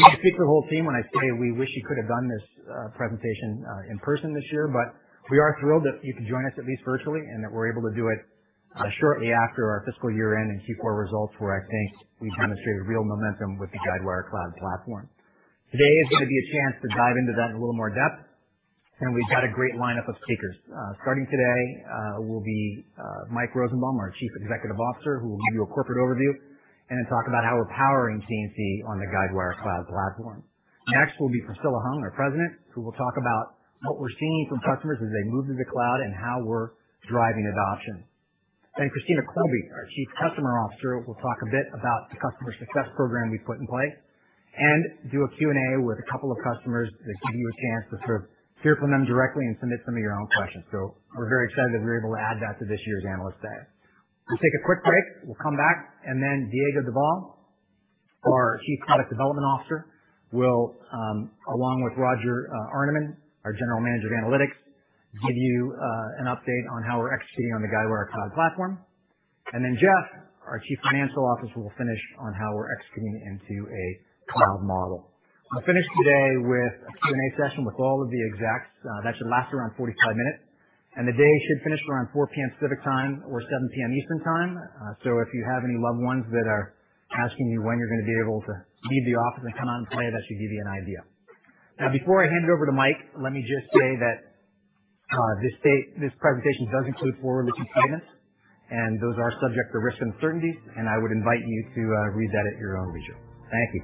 I speak for the whole team when I say we wish we could have done this presentation in person this year, but we are thrilled that you can join us at least virtually, and that we're able to do it shortly after our fiscal year-end and Q4 results, where I think we demonstrated real momentum with the Guidewire Cloud Platform. Today is going to be a chance to dive into that in a little more depth, and we've got a great lineup of speakers. Starting today will be Mike Rosenbaum, our Chief Executive Officer, who will give you a corporate overview and then talk about how we're powering P&C on the Guidewire Cloud Platform. Next will be Priscilla Hung, our President, who will talk about what we're seeing from customers as they move to the cloud and how we're driving adoption. Christina Colby, our Chief Customer Officer, will talk a bit about the customer success program we put in place and do a Q&A with a couple of customers that give you a chance to hear from them directly and submit some of your own questions. We're very excited that we were able to add that to this year's Analyst Day. We'll take a quick break. We'll come back, Diego Devalle, our Chief Product Development Officer, will, along with Roger Arnemann, our General Manager of Analytics, give you an update on how we're executing on the Guidewire Cloud Platform. Jeff, our Chief Financial Officer, will finish on how we're executing into a cloud model. We'll finish today with a Q&A session with all of the execs,. That should last around 45 minutes, and the day should finish around 4:00 PM Pacific Time or 7:00 PM Eastern Time. If you have any loved ones that are asking you when you're going to be able to leave the office and come on today, that should give you an idea. Before I hand it over to Mike, let me just say that this presentation does include forward-looking statements, and those are subject to risks and uncertainties, and I would invite you to read that at your own leisure. Thank you.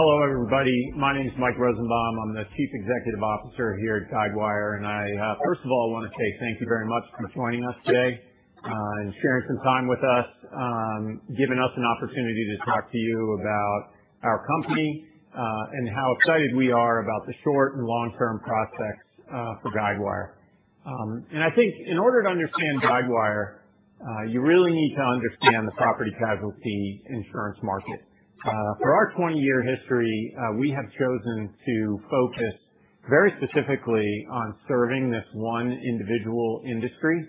Hello, everybody. My name is Mike Rosenbaum. I'm the Chief Executive Officer here at Guidewire, and I, first of all, want to say thank you very much for joining us today and sharing some time with us, giving us an opportunity to talk to you about our company and how excited we are about the short- and long-term prospects for Guidewire. I think in order to understand Guidewire, you really need to understand the property-casualty insurance market. For our 20-year history, we have chosen to focus very specifically on serving this one individual industry.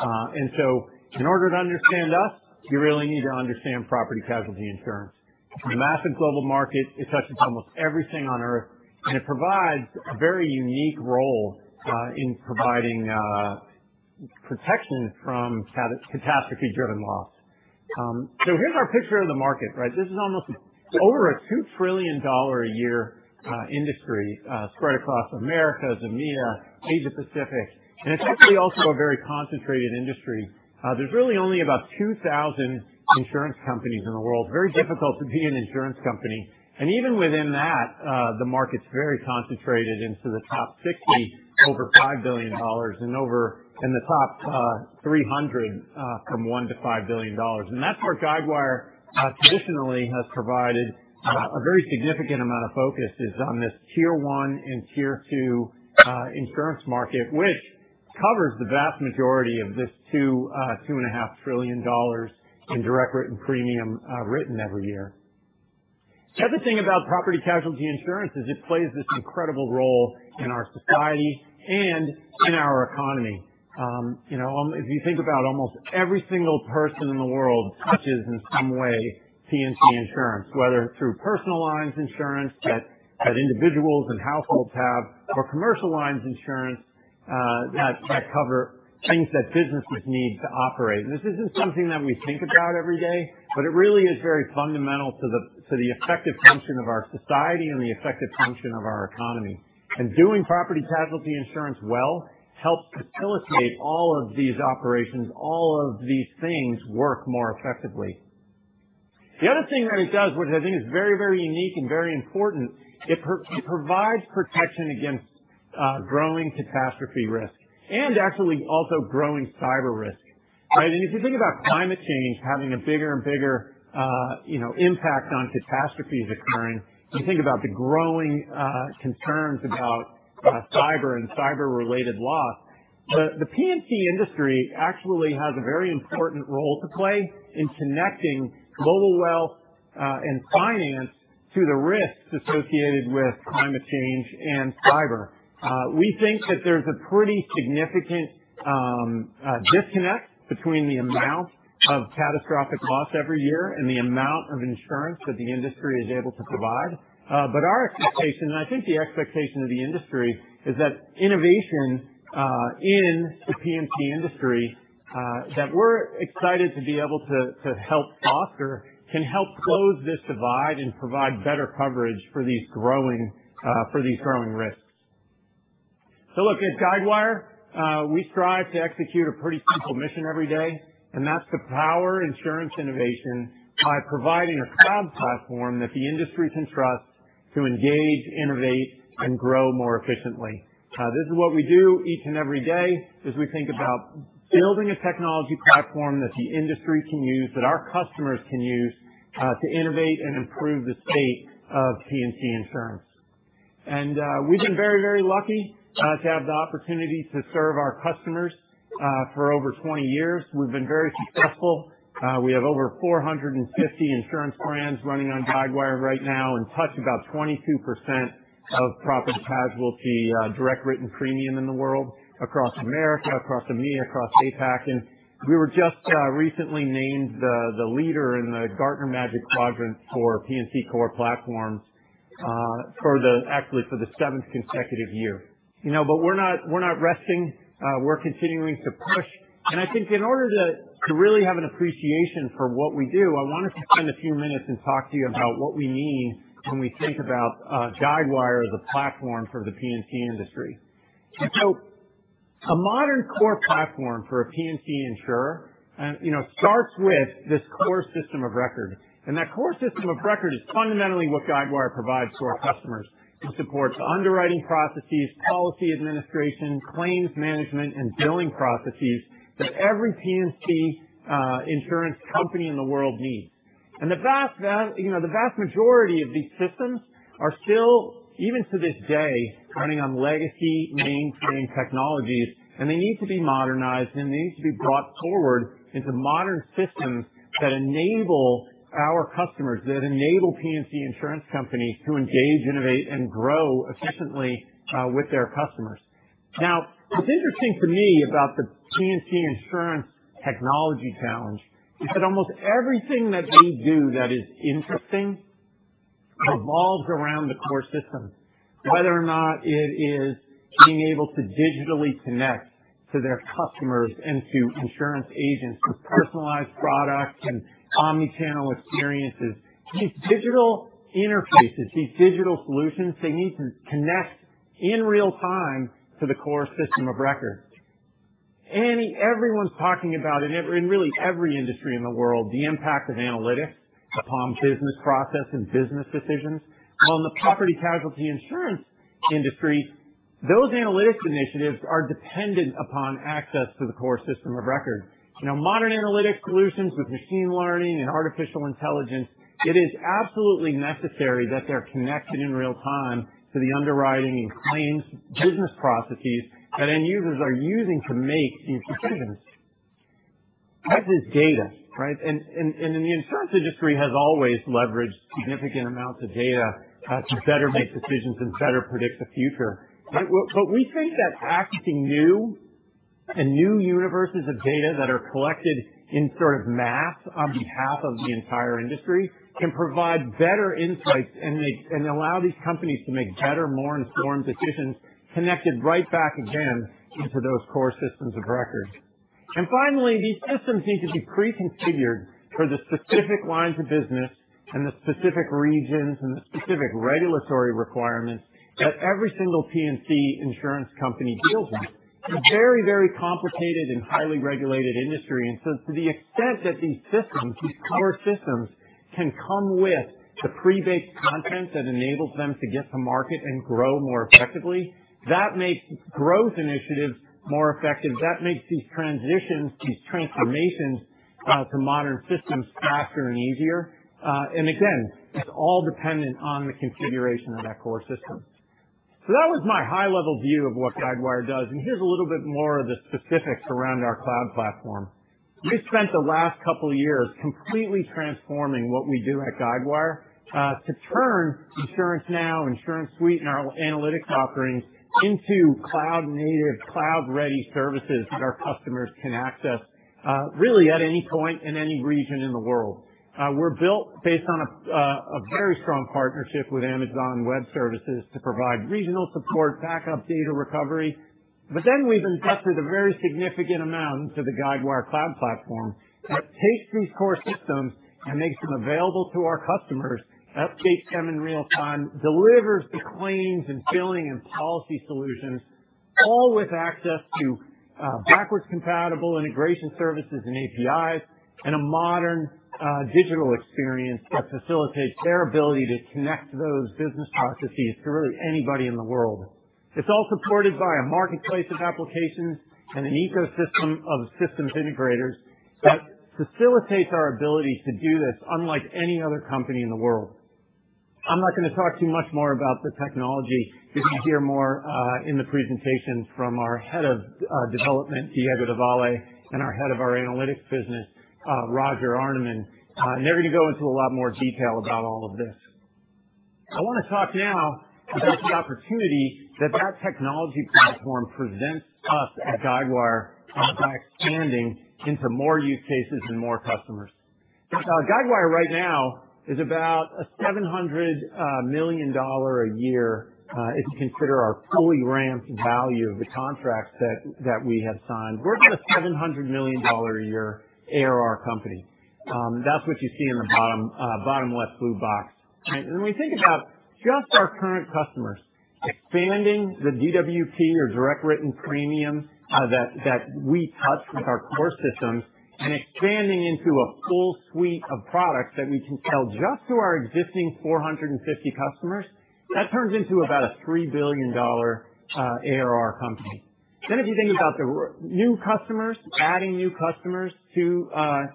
In order to understand us, you really need to understand property-casualty insurance. It's a massive global market. It touches almost everything on Earth, and it provides a very unique role in providing protection from catastrophe-driven loss. Here's our picture of the market. This is almost over a $2 trillion a year industry spread across Americas, EMEA, Asia Pacific, it's actually also a very concentrated industry. There's really only about 2,000 insurance companies in the world. Very difficult to be an insurance company. Even within that, the market's very concentrated into the top 60 over $5 billion and the top 300 from $1 billion-$5 billion. That's where Guidewire traditionally has provided a very significant amount of focus is on this tier 1 and tier 2 insurance market, which covers the vast majority of this $2.5 trillion In direct written premium written every year. The other thing about property-casualty insurance is it plays this incredible role in our society and in our economy. If you think about almost every single person in the world touches in some way P&C insurance, whether through personal lines insurance that individuals and households have, or commercial lines insurance that cover things that businesses need to operate. This isn't something that we think about every day, but it really is very fundamental to the effective function of our society and the effective function of our economy. Doing property-casualty insurance well helps facilitate all of these operations, all of these things work more effectively. The other thing that it does, which I think is very unique and very important, it provides protection against growing catastrophe risk and actually also growing cyber risk. If you think about climate change having a bigger and bigger impact on catastrophes occurring, you think about the growing concerns about cyber and cyber-related loss. The P&C industry actually has a very important role to play in connecting global wealth and finance to the risks associated with climate change and cyber. We think that there's a pretty significant disconnect between the amount of catastrophic loss every year and the amount of insurance that the industry is able to provide. Our expectation, and I think the expectation of the industry, is that innovation in the P&C industry that we're excited to be able to help foster can help close this divide and provide better coverage for these growing risks. Look, at Guidewire, we strive to execute a pretty simple mission every day, and that's to power insurance innovation by providing a cloud platform that the industry can trust to engage, innovate, and grow more efficiently. This is what we do each and every day as we think about building a technology platform that the industry can use, that our customers can use to innovate and improve the state of P&C insurance. We've been very lucky to have the opportunity to serve our customers for over 20 years. We've been very successful. We have over 450 insurance brands running on Guidewire right now and touch about 22% of property-casualty direct written premium in the world across America, across EMEA, across APAC. We were just recently named the leader in the Gartner Magic Quadrant for P&C core platforms, actually for the seventh consecutive year. We're not resting, we're continuing to push. I think in order to really have an appreciation for what we do, I wanted to spend a few minutes and talk to you about what we mean when we think about Guidewire as a platform for the P&C industry. A modern core platform for a P&C insurer starts with this core system of record. That core system of record is fundamentally what Guidewire provides to our customers. It supports underwriting processes, policy administration, claims management, and billing processes that every P&C insurance company in the world needs. The vast majority of these systems are still, even to this day, running on legacy mainframe technologies, and they need to be modernized and they need to be brought forward into modern systems that enable our customers, that enable P&C insurance companies to engage, innovate, and grow efficiently with their customers. What's interesting to me about the P&C insurance technology challenge is that almost everything that they do that is interesting revolves around the core system, whether or not it is being able to digitally connect to their customers and to insurance agents with personalized products and omni-channel experiences. These digital interfaces, these digital solutions, they need to connect in real-time to the core system of record. Everyone's talking about, in really every industry in the world, the impact of analytics upon business process and business decisions. Well, in the property-casualty insurance industry, those analytics initiatives are dependent upon access to the core system of record. Modern analytics solutions with machine learning and artificial intelligence, it is absolutely necessary that they're connected in real-time to the underwriting and claims business processes that end users are using to make these decisions. That is data, right? The insurance industry has always leveraged significant amounts of data to better make decisions and better predict the future, right? We think that accessing new universes of data that are collected in sort of mass on behalf of the entire industry can provide better insights and allow these companies to make better, more informed decisions connected right back again into those core systems of record. Finally, these systems need to be pre-configured for the specific lines of business and the specific regions and the specific regulatory requirements that every single P&C insurance company deals with. It's a very complicated and highly regulated industry. To the extent that these systems, these core systems, can come with the prebaked content that enables them to get to market and grow more effectively, that makes growth initiatives more effective. That makes these transitions, these transformations to modern systems faster and easier. Again, it's all dependent on the configuration of that core system. That was my high-level view of what Guidewire does, and here's a little bit more of the specifics around our cloud platform. We've spent the last couple of years completely transforming what we do at Guidewire to turn InsuranceNow, InsuranceSuite, and our analytics offerings into cloud-native, cloud-ready services that our customers can access really at any point in any region in the world. We're built based on a very strong partnership with Amazon Web Services to provide regional support, backup, data recovery. We've invested a very significant amount into the Guidewire Cloud Platform that takes these core systems and makes them available to our customers, updates them in real time, delivers the claims and billing and policy solutions, all with access to backwards-compatible integration services and APIs, and a modern digital experience that facilitates their ability to connect those business processes to really anybody in the world. It's all supported by a marketplace of applications and an ecosystem of systems integrators that facilitates our ability to do this unlike any other company in the world. I'm not going to talk to you much more about the technology because you'll hear more in the presentation from our head of development, Diego Devalle, and our head of our analytics business, Roger Arnemann. They're going to go into a lot more detail about all of this. I want to talk now about the opportunity that that technology platform presents us at Guidewire by expanding into more use cases and more customers. Guidewire right now is about a $700 million a year, if you consider our fully ramped value of the contracts that we have signed. We're about a $700 million a year ARR company. That's what you see in the bottom-left blue box. When we think about just our current customers expanding the DWP or direct written premium that we touch with our core systems and expanding into a full suite of products that we can sell just to our existing 450 customers, that turns into about a $3 billion ARR company. If you think about the new customers, adding new customers to our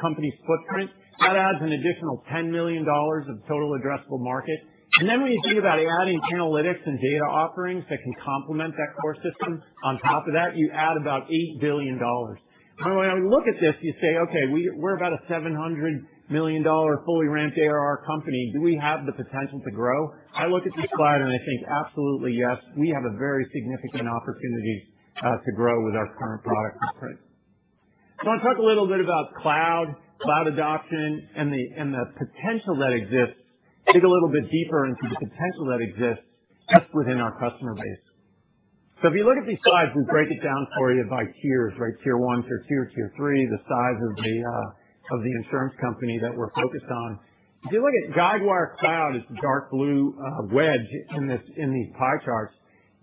company's footprint, that adds an additional $10 million of total addressable market. When you think about adding analytics and data offerings that can complement that core system on top of that, you add about $8 billion. When I look at this, you say, "Okay, we're about a $700 million fully ramped ARR company. Do we have the potential to grow?" I look at this slide and I think, absolutely, yes. We have a very significant opportunity to grow with our current product footprint. I want to talk a little bit about cloud adoption, and the potential that exists. Dig a little bit deeper into the potential that exists just within our customer base. If you look at these slides, we break it down for you by tiers, right? Tier 1, tier 2, tier 3, the size of the insurance company that we're focused on. If you look at Guidewire Cloud is the dark blue wedge in these pie charts.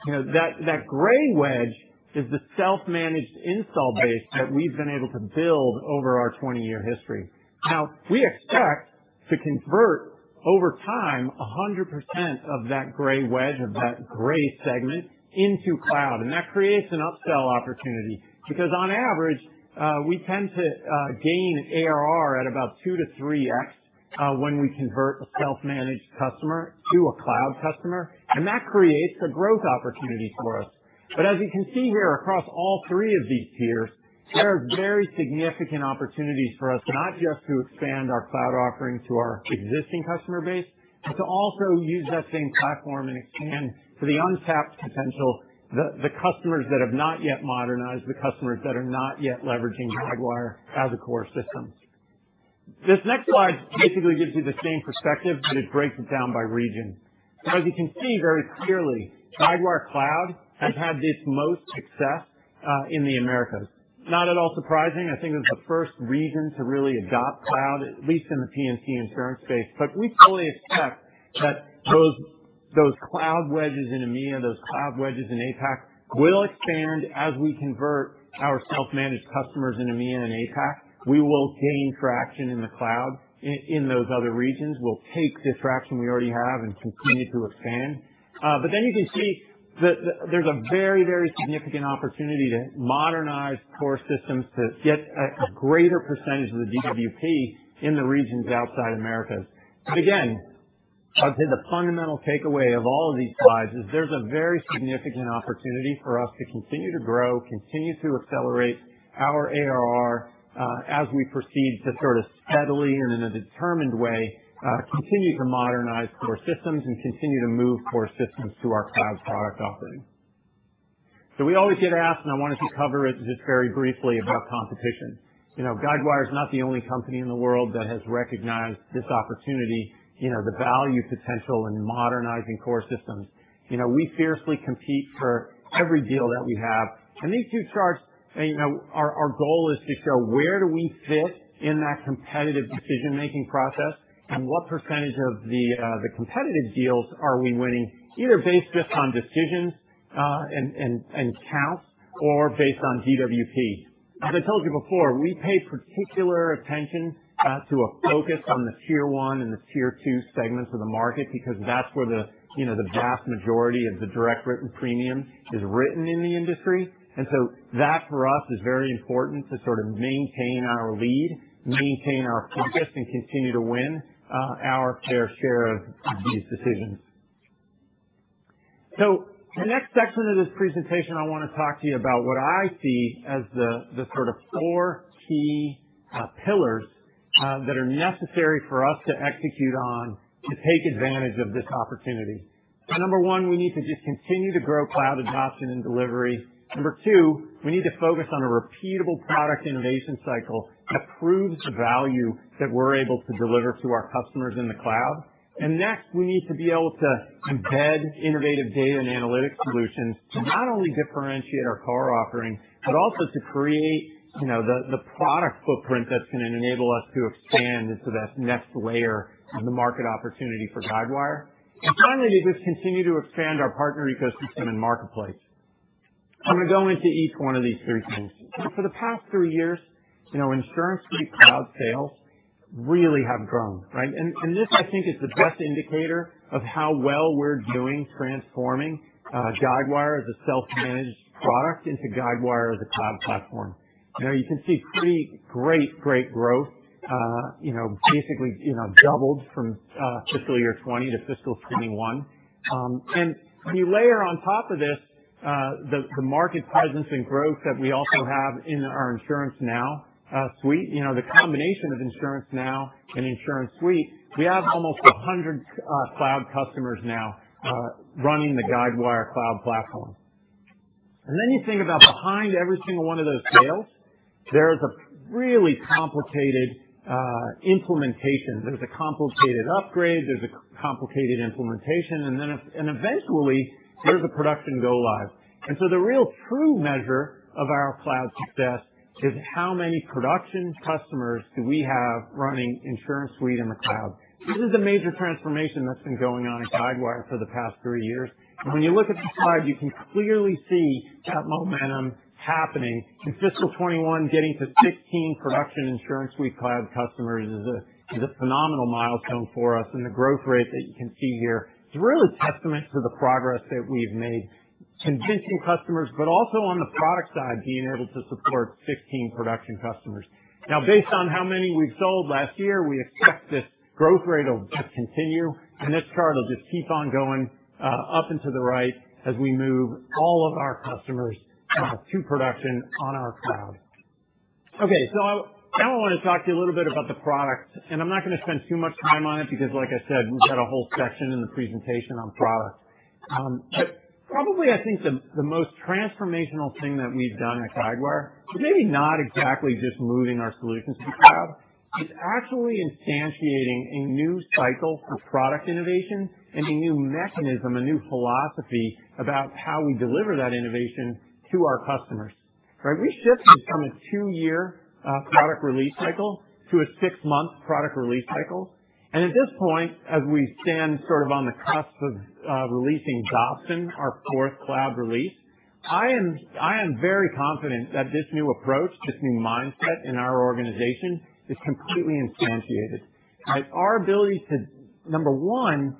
That gray wedge is the self-managed install base that we've been able to build over our 20-year history. Now, we expect to convert over time 100% of that gray wedge, of that gray segment into cloud. That creates an upsell opportunity because on average, we tend to gain ARR at about 2x-3x when we convert a self-managed customer to a cloud customer. That creates a growth opportunity for us. As you can see here across all three of these tiers, there are very significant opportunities for us, not just to expand our cloud offering to our existing customer base, but to also use that same platform and expand to the untapped potential, the customers that have not yet modernized, the customers that are not yet leveraging Guidewire as a core system. This next slide basically gives you the same perspective, but it breaks it down by region. As you can see very clearly, Guidewire Cloud has had its most success in the Americas. Not at all surprising. I think it's the first region to really adopt cloud, at least in the P&C insurance space. We fully expect that those cloud wedges in EMEA, those cloud wedges in APAC will expand as we convert our self-managed customers in EMEA and APAC. We will gain traction in the cloud in those other regions. We'll take the traction we already have and continue to expand. You can see that there's a very significant opportunity to modernize core systems to get a greater percentage of the DWP in the regions outside Americas. Again, I'd say the fundamental takeaway of all of these slides is there's a very significant opportunity for us to continue to grow, continue to accelerate our ARR as we proceed to sort of steadily and in a determined way continue to modernize core systems and continue to move core systems to our cloud product offering. We always get asked, and I wanted to cover it just very briefly about competition. Guidewire is not the only company in the world that has recognized this opportunity, the value potential in modernizing core systems. We fiercely compete for every deal that we have. These two charts, our goal is to show where do we fit in that competitive decision-making process and what % of the competitive deals are we winning, either based just on decisions and counts or based on DWP. As I told you before, we pay particular attention to a focus on the tier 1 and the tier 2 segments of the market because that's where the vast majority of the direct written premium is written in the industry. That for us is very important to sort of maintain our lead, maintain our focus, and continue to win our fair share of these decisions. The next section of this presentation, I want to talk to you about what I see as the sort of four key pillars that are necessary for us to execute on to take advantage of this opportunity. Number one,, we need to just continue to grow cloud adoption and delivery. Number two, we need to focus on a repeatable product innovation cycle that proves the value that we're able to deliver to our customers in the cloud. Next, we need to be able to embed innovative data and analytics solutions to not only differentiate our core offering, but also to create the product footprint that's going to enable us to expand into that next layer of the market opportunity for Guidewire. Finally, to just continue to expand our partner ecosystem and marketplace. I'm going to go into each one of these three things. For the past three years, InsuranceSuite cloud sales really have grown, right? This I think is the best indicator of how well we're doing transforming Guidewire as a self-managed product into Guidewire as a Cloud Platform. You can see pretty great growth, basically doubled from fiscal year 2020 to fiscal 2021. If you layer on top of this the market presence and growth that we also have in our InsuranceNow suite, the combination of InsuranceNow and InsuranceSuite, we have almost 100 cloud customers now running the Guidewire Cloud Platform. You think about behind every single one of those sales, there is a really complicated implementation. There's a complicated upgrade, there's a complicated implementation, and eventually, there's a production go live. The real true measure of our cloud success is how many production customers do we have running InsuranceSuite in the cloud. This is a major transformation that's been going on at Guidewire for the past three years. When you look at the slide, you can clearly see that momentum happening in fiscal 2021, getting to 16 production InsuranceSuite cloud customers is a phenomenal milestone for us. The growth rate that you can see here is really testament to the progress that we've made convincing customers, but also on the product side, being able to support 15 production customers. Based on how many we've sold last year, we expect this growth rate will just continue, and this chart will just keep on going up and to the right as we move all of our customers to production on our Cloud. Okay. Now I want to talk to you a little bit about the product, and I'm not going to spend too much time on it because, like I said, we've got a whole section in the presentation on product. Probably I think the most transformational thing that we've done at Guidewire is maybe not exactly just moving our solutions to cloud. It's actually instantiating a new cycle for product innovation and a new mechanism, a new philosophy about how we deliver that innovation to our customers, right? We shifted from a two-year product release cycle to a six-month product release cycle. At this point, as we stand sort of on the cusp of releasing Dobson, our 4th cloud release, I am very confident that this new approach, this new mindset in our organization, is completely instantiated. Our ability is to, number one,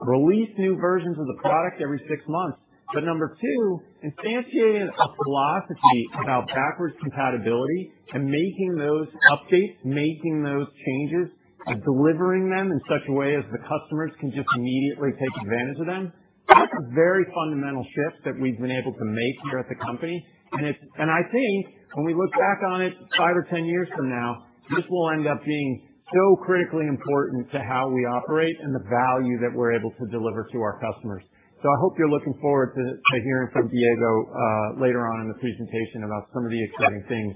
release new versions of the product every six months, but number two, instantiating a philosophy about backwards compatibility and making those updates, making those changes, and delivering them in such a way as the customers can just immediately take advantage of them. That's a very fundamental shift that we've been able to make here at the company. I think when we look back on it five or 10 years from now, this will end up being so critically important to how we operate and the value that we're able to deliver to our customers. I hope you're looking forward to hearing from Diego later on in the presentation about some of the exciting things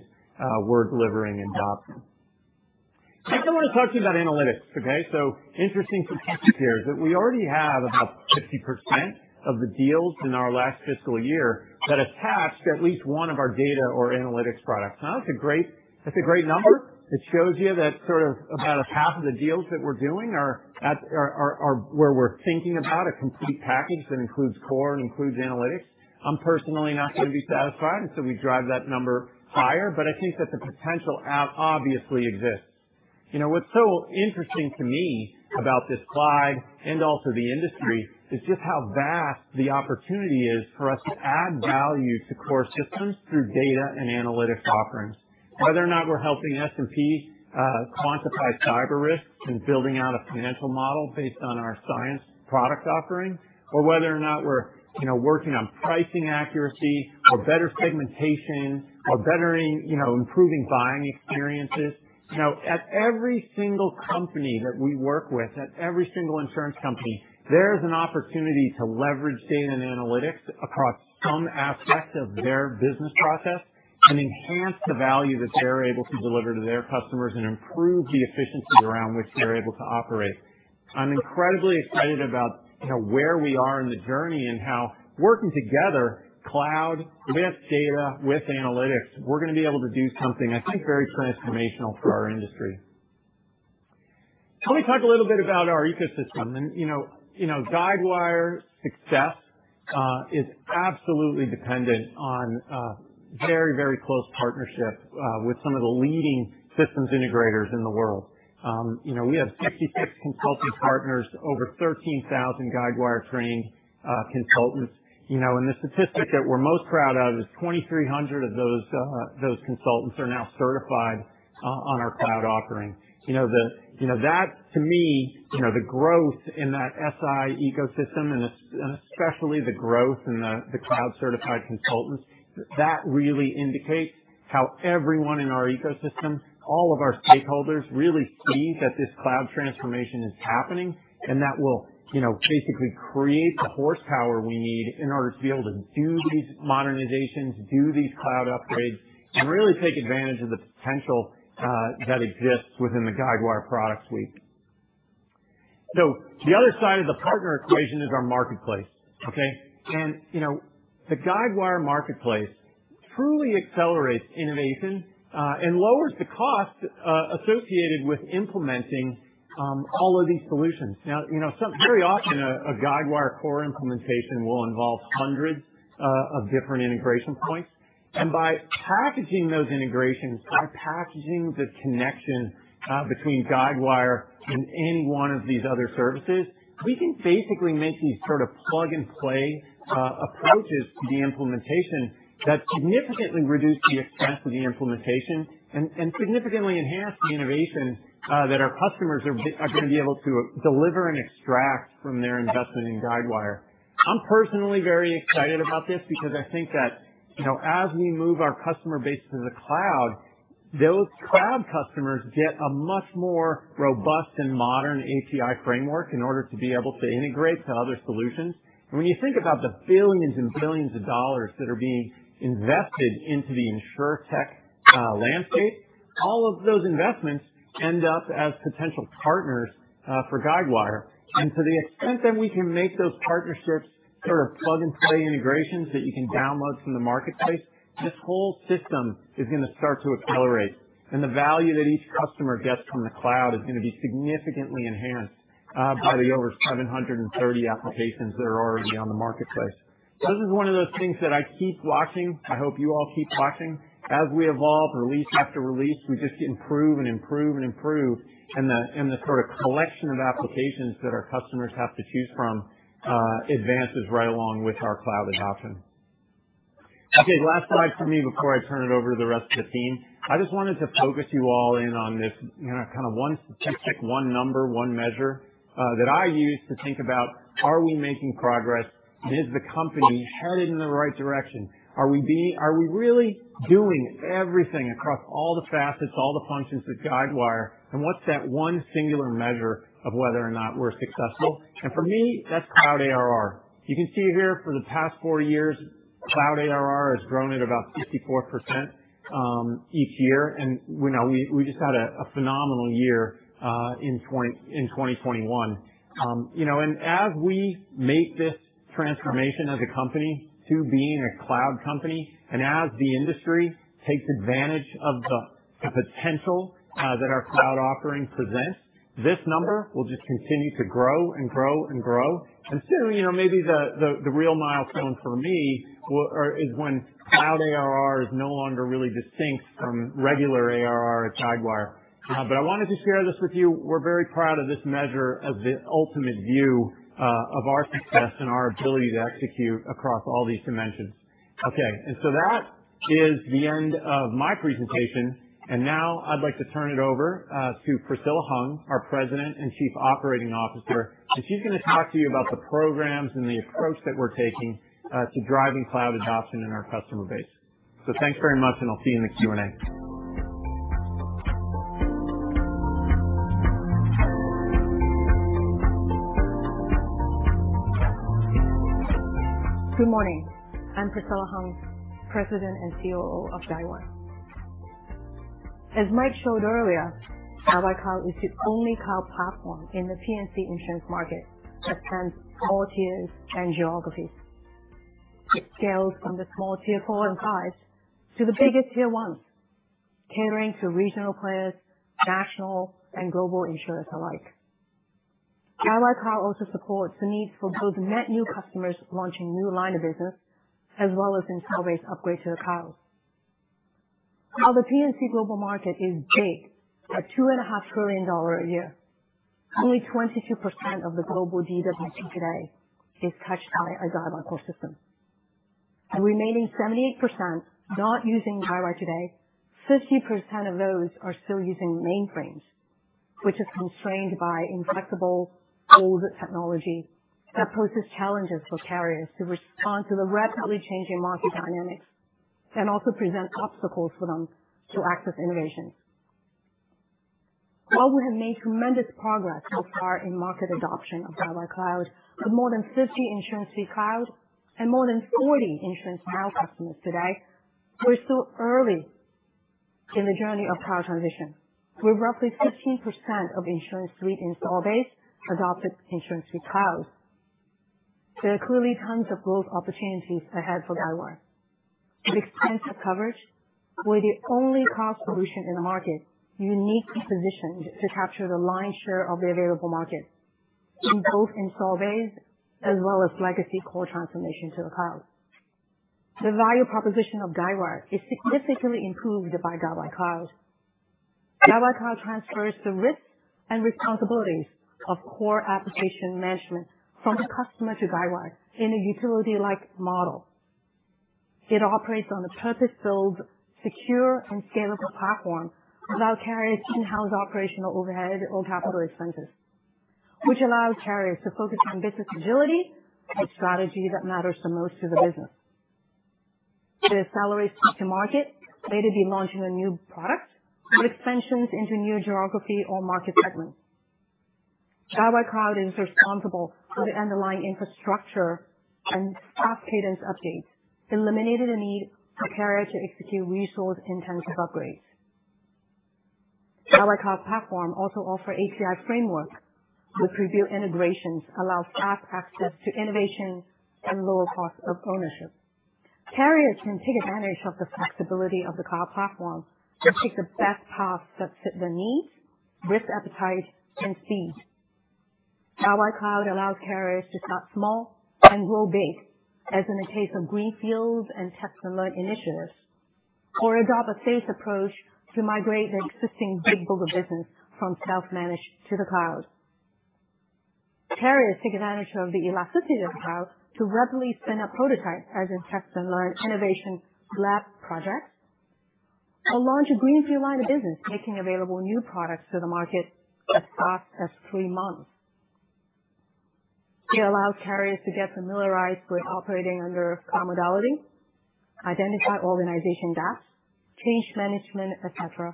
we're delivering in Dobson. Next, I want to talk to you about analytics, okay? Interesting statistic here is that we already have about 50% of the deals in our last fiscal year that attached at least 1 of our data or analytics products. That's a great number. It shows you that sort of about a half of the deals that we're doing are where we're thinking about a complete package that includes core and includes analytics. I'm personally not going to be satisfied until we drive that number higher, but I think that the potential obviously exists. What's so interesting to me about this slide and also the industry is just how vast the opportunity is for us to add value to core systems through data and analytics offerings. Whether or not we're helping S&P quantify cyber risks and building out a financial model based on our Cyence product offering, or whether or not we're working on pricing accuracy or better segmentation or improving buying experiences. At every single company that we work with, at every single insurance company, there is an opportunity to leverage data and analytics across some aspect of their business process and enhance the value that they're able to deliver to their customers and improve the efficiency around which they're able to operate. I'm incredibly excited about where we are in the journey and how working together, cloud with data, with analytics, we're going to be able to do something, I think, very transformational for our industry. Let me talk a little bit about our ecosystem. Guidewire's success is absolutely dependent on very close partnership with some of the leading systems integrators in the world. We have 66 consulting partners, over 13,000 Guidewire-trained consultants. The statistic that we're most proud of is 2,300 of those consultants are now certified on our cloud offering. That to me, the growth in that SI ecosystem and especially the growth in the cloud-certified consultants, that really indicates how everyone in our ecosystem, all of our stakeholders, really see that this cloud transformation is happening and that will basically create the horsepower we need in order to be able to do these modernizations, do these cloud upgrades, and really take advantage of the potential that exists within the Guidewire product suite. The other side of the partner equation is our Marketplace, okay? The Guidewire Marketplace truly accelerates innovation and lowers the cost associated with implementing all of these solutions. Now, very often a Guidewire core implementation will involve hundreds of different integration points. By packaging those integrations, by packaging the connection between Guidewire and any one of these other services, we can basically make these sort of plug-and-play approaches to the implementation that significantly reduce the expense of the implementation and significantly enhance the innovation that our customers are going to be able to deliver and extract from their investment in Guidewire. I'm personally very excited about this because I think that as we move our customer base to the cloud, those cloud customers get a much more robust and modern API framework in order to be able to integrate to other solutions. When you think about the $billions and billions of dollars that are being invested into the insurtech landscape, all of those investments end up as potential partners for Guidewire. To the extent that we can make those partnerships sort of plug-and-play integrations that you can download from the marketplace, this whole system is going to start to accelerate, and the value that each customer gets from the cloud is going to be significantly enhanced by the over 730 applications that are already on the marketplace. This is one of those things that I keep watching. I hope you all keep watching. As we evolve release after release, we just improve and improve. The sort of collection of applications that our customers have to choose from advances right along with our cloud adoption. Okay, last slide for me before I turn it over to the rest of the team. I just wanted to focus you all in on this kind of one statistic, one number, one measure that I use to think about are we making progress? Is the company headed in the right direction? Are we really doing everything across all the facets, all the functions of Guidewire? What's that one singular measure of whether or not we're successful? For me, that's Cloud ARR. You can see here for the past four years, Cloud ARR has grown at about 64% each year, and we just had a phenomenal year in 2021. As we make this transformation as a company to being a cloud company, as the industry takes advantage of the potential that our cloud offering presents, this number will just continue to grow and grow and grow. Soon, maybe the real milestone for me is when Cloud ARR is no longer really distinct from regular ARR at Guidewire. I wanted to share this with you. We're very proud of this measure as the ultimate view of our success and our ability to execute across all these dimensions. Okay. That is the end of my presentation. Now I'd like to turn it over to Priscilla Hung, our President and Chief Operating Officer, and she's going to talk to you about the programs and the approach that we're taking to driving cloud adoption in our customer base. Thanks very much, and I'll see you in the Q&A. Good morning. I'm Priscilla Hung, President and COO of Guidewire. As Mike showed earlier, Guidewire Cloud is the only cloud platform in the P&C insurance market that spans all tiers and geographies. It scales from the small tier 4 and 5s to the biggest tier 1s, catering to regional players, national and global insurers alike. Guidewire Cloud also supports the need for both net new customers launching new line of business as well as install base upgrade to the cloud. The P&C global market is big, at $2.5 trillion a year. Only 22% of the global DWP today is touched by a Guidewire core system. The remaining 78% not using Guidewire today, 50% of those are still using mainframes, which is constrained by inflexible, older technology that poses challenges for carriers to respond to the rapidly changing market dynamics and also present obstacles for them to access innovations. We have made tremendous progress thus far in market adoption of Guidewire Cloud, with more than 50 InsuranceSuite Cloud and more than 40 InsuranceNow customers today, we're still early in the journey of cloud transition, with roughly 15% of InsuranceSuite install base adopted InsuranceSuite Cloud. There are clearly tons of growth opportunities ahead for Guidewire. With extensive coverage, we're the only cloud solution in the market uniquely positioned to capture the lion's share of the available market in both install base as well as legacy core transformation to the cloud. The value proposition of Guidewire is significantly improved by Guidewire Cloud. Guidewire Cloud transfers the risks and responsibilities of core application management from the customer to Guidewire in a utility-like model. It operates on a purpose-built, secure, and scalable platform without carrying in-house operational overhead or capital expenses, which allows carriers to focus on business agility and strategy that matters the most to the business. It accelerates time to market, whether you're launching a new product with extensions into new geography or market segments. Guidewire Cloud is responsible for the underlying infrastructure and fast cadence updates, eliminating the need for carrier to execute resource-intensive upgrades. Guidewire Cloud Platform also offer API framework with prebuilt integrations allows fast access to innovation and lower cost of ownership. Carriers can take advantage of the flexibility of the cloud platform to pick the best paths that fit their needs, risk appetite, and speed. Guidewire Cloud allows carriers to start small and grow big, as in the case of greenfields and test-and-learn initiatives, or adopt a phased approach to migrate their existing big book of business from self-managed to the cloud. Carriers take advantage of the elasticity of the cloud to rapidly spin up prototypes, as in test-and-learn innovation lab projects or launch a greenfield line of business, making available new products to the market as fast as three months. It allows carriers to get familiarized with operating under cloud modality, identify organization gaps, change management, et cetera,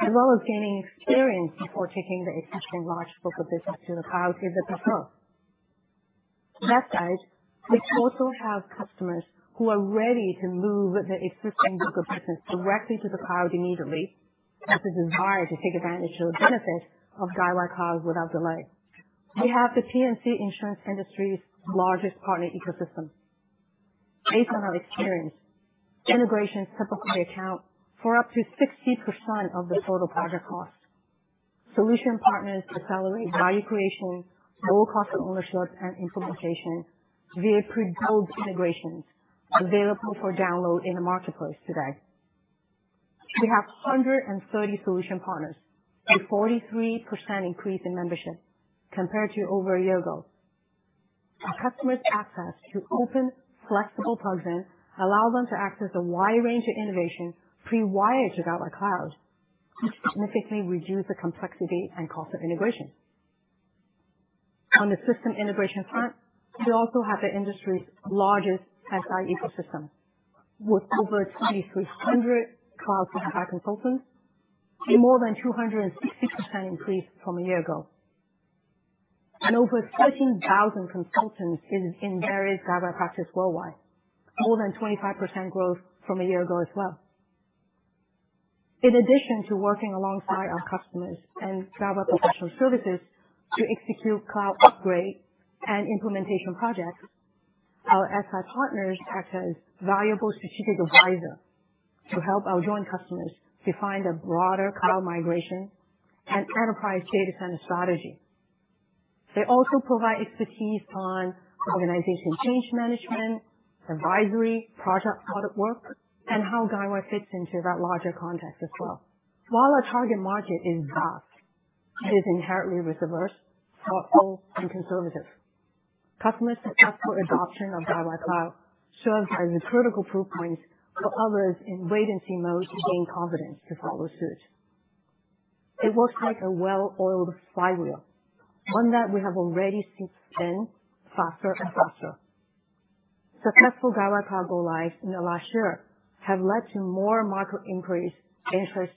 as well as gaining experience before taking their existing large book of business to the cloud through the platform. That said, we also have customers who are ready to move their existing book of business directly to the cloud immediately with the desire to take advantage of the benefits of Guidewire Cloud without delay. We have the P&C insurance industry's largest partner ecosystem. Based on our experience, integrations typically account for up to 60% of the total project cost. Solution partners accelerate value creation, lower cost of ownership, and implementation via prebuilt integrations available for download in the Guidewire Marketplace today. We have 130 solution partners, a 43% increase in membership compared to over a year ago. Our customers' access to open flexible plugins allows them to access a wide range of innovations pre-wired to Guidewire Cloud, which significantly reduce the complexity and cost of integration. On the system integration front, we also have the industry's largest SI ecosystem, with over 2,300 Cloud for Guidewire consultants, a more than 260% increase from a year ago, and over 13,000 consultants in various Guidewire practice worldwide, more than 25% growth from a year ago as well. In addition to working alongside our customers and Guidewire Professional Services to execute cloud upgrade and implementation projects, our SI partners act as valuable strategic advisors to help our joint customers define their broader cloud migration and enterprise data center strategy. They also provide expertise on organization change management, advisory, project audit work, and how Guidewire fits into that larger context as well. While our target market is vast, it is inherently risk-averse, thoughtful, and conservative. Customers' successful adoption of Guidewire Cloud serves as a critical proof point for others in wait-and-see mode to gain confidence to follow suit. It works like a well-oiled flywheel, one that we have already seen spin faster and faster. Successful Guidewire Cloud go-lives in the last year have led to more market increase interest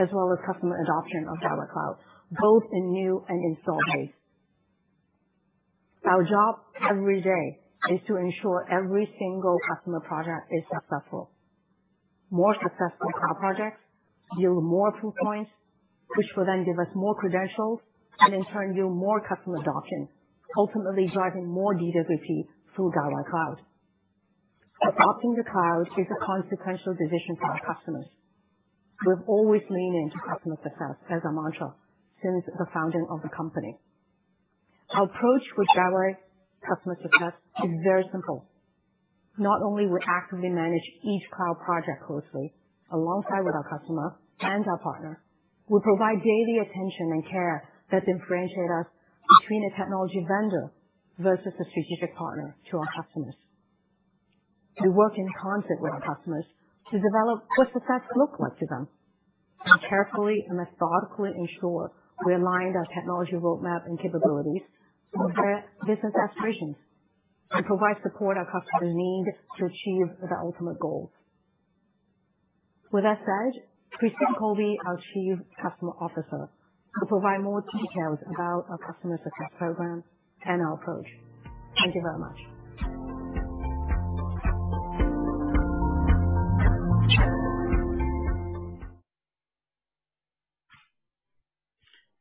as well as customer adoption of Guidewire Cloud, both in new and installed base. Our job every day is to ensure every single customer project is successful. More successful cloud projects yield more proof points, which will then give us more credentials and in turn yield more customer adoption, ultimately driving more DWP through Guidewire Cloud. Adopting the cloud is a consequential decision for our customers. We've always leaned into customer success as our mantra since the founding of the company. Our approach with Guidewire customer success is very simple. Not only we actively manage each cloud project closely alongside with our customer and our partner, we provide daily attention and care that differentiate us between a technology vendor versus a strategic partner to our customers. We work in concert with our customers to develop what success looks like to them and carefully and methodically ensure we align our technology roadmap and capabilities to their business aspirations and provide support our customers need to achieve their ultimate goals. With that said, Christina Colby, our Chief Customer Officer, will provide more details about our customer success program and our approach. Thank you very much.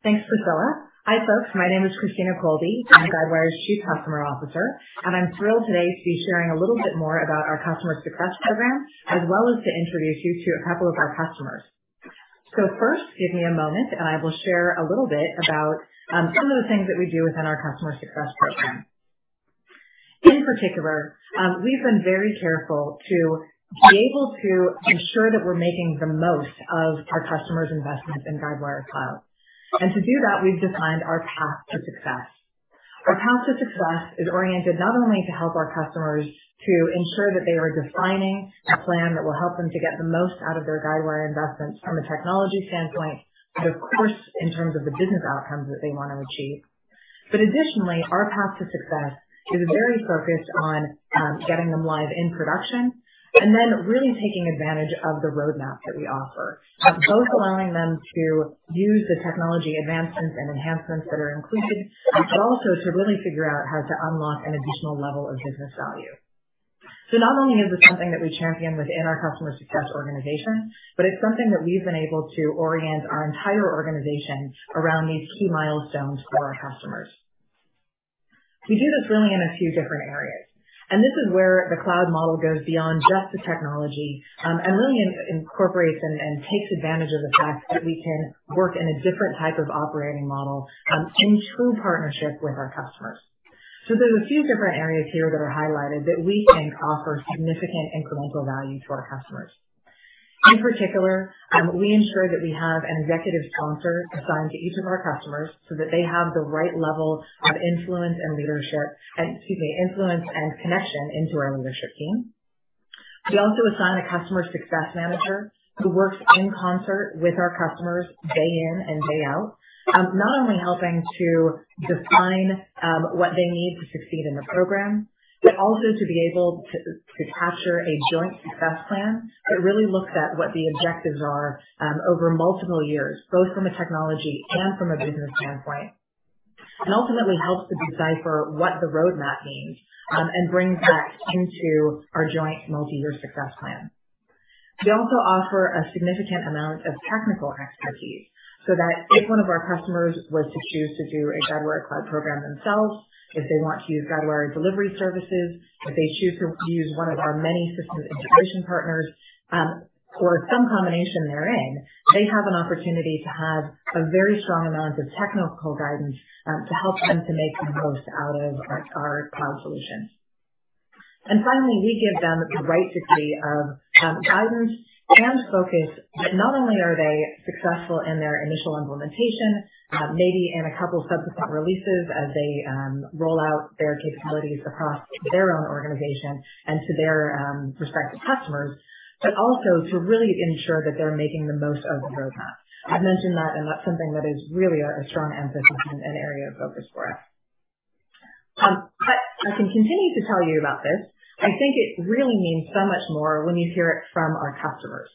Thanks, Priscilla. Hi, folks. My name is Christina Colby. I'm Guidewire's Chief Customer Officer, and I'm thrilled today to be sharing a little bit more about our customer success program, as well as to introduce you to a couple of our customers. First, give me a moment and I will share a little bit about some of the things that we do within our customer success program. In particular, we've been very careful to be able to ensure that we're making the most of our customers' investments in Guidewire Cloud. To do that, we've defined our path to success. Our path to success is oriented not only to help our customers to ensure that they are defining a plan that will help them to get the most out of their Guidewire investments from a technology standpoint, but of course, in terms of the business outcomes that they want to achieve. Additionally, our path to success is very focused on getting them live in production and then really taking advantage of the roadmap that we offer, both allowing them to use the technology advancements and enhancements that are included, but also to really figure out how to unlock an additional level of business value. Not only is this something that we champion within our customer success organization, but it's something that we've been able to orient our entire organization around these key milestones for our customers. We do this really in a few different areas, this is where the cloud model goes beyond just the technology, and really incorporates and takes advantage of the fact that we can work in a different type of operating model in true partnership with our customers. There's a few different areas here that are highlighted that we think offer significant incremental value to our customers. In particular, we ensure that we have an executive sponsor assigned to each of our customers so that they have the right level of influence and leadership, Excuse me, influence and connection into our leadership team. We also assign a customer success manager who works in concert with our customers day in and day out, not only helping to define what they need to succeed in the program, but also to be able to capture a joint success plan that really looks at what the objectives are over multiple years, both from a technology and from a business standpoint, and ultimately helps to decipher what the roadmap means and brings that into our joint multi-year success plan. We also offer a significant amount of technical expertise so that if one of our customers was to choose to do a Guidewire Cloud program themselves, if they want to use Guidewire delivery services, if they choose to use one of our many system integration partners, or some combination therein, they have an opportunity to have a very strong amount of technical guidance to help them to make the most out of our cloud solutions. Finally, we give them the right degree of guidance and focus that not only are they successful in their initial implementation, maybe in a couple of subsequent releases as they roll out their capabilities across their own organization and to their respective customers, but also to really ensure that they're making the most of the roadmap. I've mentioned that, and that's something that is really a strong emphasis and area of focus for us. I can continue to tell you about this. I think it really means so much more when you hear it from our customers.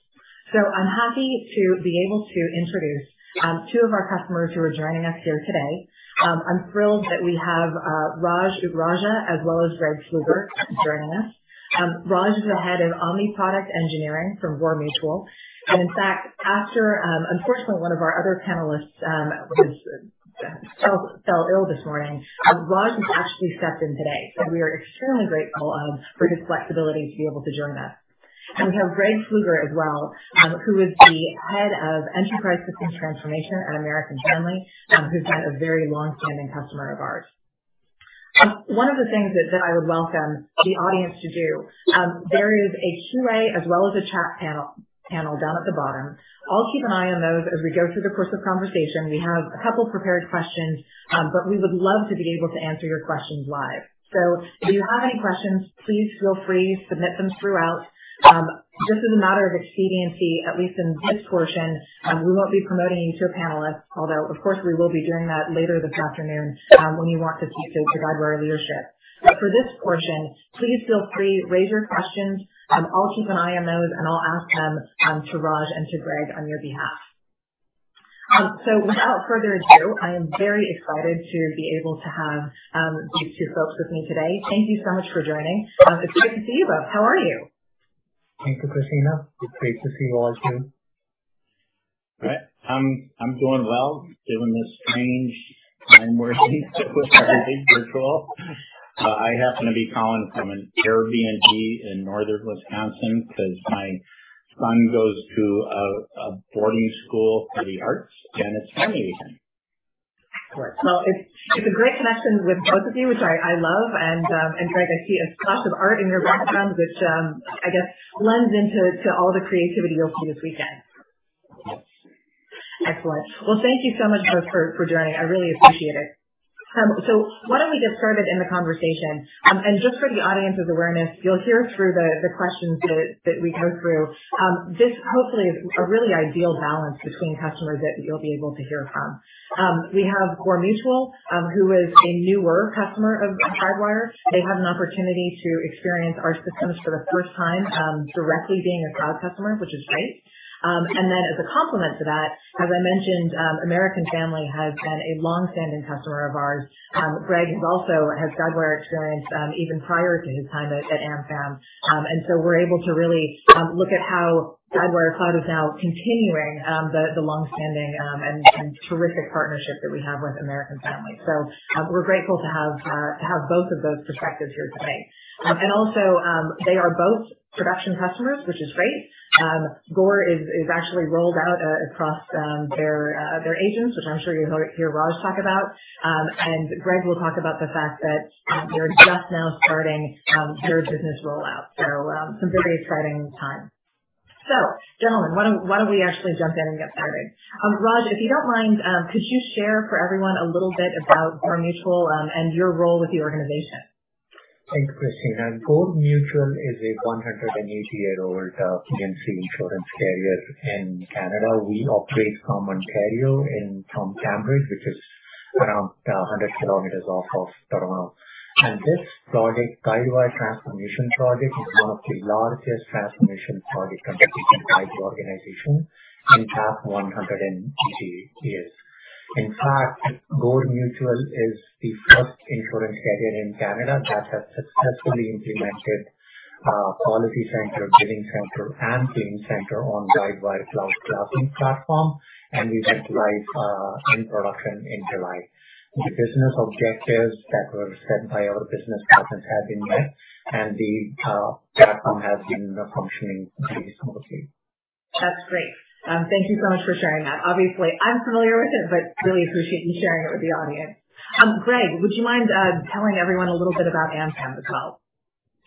I'm happy to be able to introduce two of our customers who are joining us here today. I'm thrilled that we have Rajan Ugra as well as Greg Skluger joining us. Rajan is the head of omni-product engineering from Gore Mutual. In fact, unfortunately, one of our other panelists fell ill this morning. Rajan has actually stepped in today. We are extremely grateful for his flexibility to be able to join us. We have Greg Skluger as well, who is the head of enterprise system transformation at American Family, who's been a very long-standing customer of ours. One of the things that I would welcome the audience to do, there is a Q&A as well as a chat panel down at the bottom. I'll keep an eye on those as we go through the course of conversation. We have a couple prepared questions, but we would love to be able to answer your questions live. If you have any questions, please feel free, submit them throughout. Just as a matter of expediency, at least in this portion, we won't be promoting you to a panelist, although, of course, we will be doing that later this afternoon when we want to switch over to Guidewire leadership. For this portion, please feel free, raise your questions. I'll keep an eye on those, and I'll ask them to Raj and to Greg on your behalf. Without further ado, I am very excited to be able to have these two folks with me today. Thank you so much for joining. It's good to see you both. How are you? Thank you, Christina. It's great to see you all, too. Right. I'm doing well, doing this strange time working with everything virtual. I happen to be calling from an Airbnb in northern Wisconsin because my son goes to a boarding school for the arts, and it's family weekend. Well, it's a great connection with both of you, which I love. Greg, I see a splash of art in your background, which I guess blends into all the creativity you'll see this weekend. Excellent. Well, thank you so much both for joining. I really appreciate it. Why don't we get started in the conversation? Just for the audience's awareness, you'll hear through the questions that we go through. This hopefully is a really ideal balance between customers that you'll be able to hear from. We have Gore Mutual, who is a newer customer of Guidewire. They had an opportunity to experience our systems for the first time directly being a cloud customer, which is great. As a complement to that, as I mentioned, American Family has been a long-standing customer of ours. Greg also has Guidewire experience even prior to his time at AmFam. We're able to really look at how Guidewire Cloud is now continuing the long-standing and terrific partnership that we have with American Family. We're grateful to have both of those perspectives here today. Also, they are both production customers, which is great. Gore is actually rolled out across their agents, which I'm sure you'll hear Raj talk about. Greg will talk about the fact that they're just now starting their business rollout. Some very exciting times. Gentlemen, why don't we actually jump in and get started? Raj, if you don't mind, could you share for everyone a little bit about Gore Mutual and your role with the organization? Thanks, Christina. Gore Mutual is a 180-year-old P&C insurance carrier in Canada. We operate from Ontario and from Cambridge, which is around 100 km off of Toronto. This project, Guidewire transformation project, is one of the largest transformation projects undertaken by the organization in the past 180 years. In fact, Gore Mutual is the first insurance carrier in Canada that has successfully implemented a PolicyCenter, BillingCenter, and ClaimCenter on Guidewire Cloud Platform, and we went live in production in July. The business objectives that were set by our business partners have been met, and the platform has been functioning very smoothly. That's great. Thank you so much for sharing that. Obviously, I'm familiar with it, but really appreciate you sharing it with the audience. Greg, would you mind telling everyone a little bit about AmFam as well?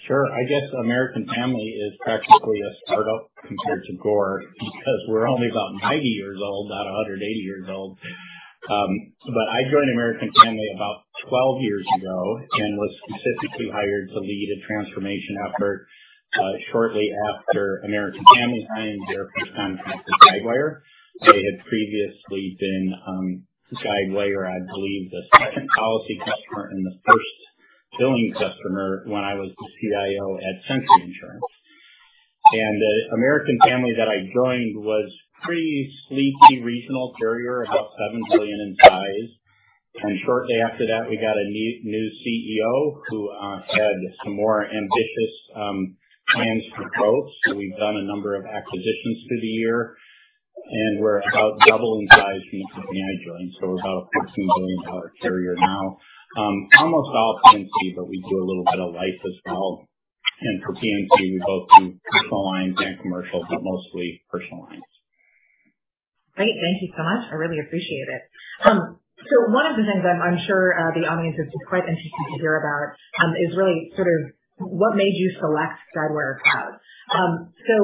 Sure. I guess American Family is practically a startup compared to Gore because we're only about 90 years old, not 180 years old. I joined American Family about 12 years ago and was specifically hired to lead a transformation effort shortly after American Family signed their first contract with Guidewire. They had previously been Guidewire, I believe, the second policy customer and the first billing customer when I was the CIO at Sentry Insurance. American Family that I joined was pretty sleepy regional carrier, about $7 billion in size. Shortly after that, we got a new CEO who had some more ambitious plans for growth. We've done a number of acquisitions through the year, and we're about double in size since I joined. We're about a $14 billion carrier now. Almost all P&C, but we do a little bit of life as well. For P&C, we both do personal lines and commercial, but mostly personal lines. Great. Thank you so much. I really appreciate it. One of the things I'm sure the audience is quite interested to hear about is really sort of what made you select Guidewire Cloud.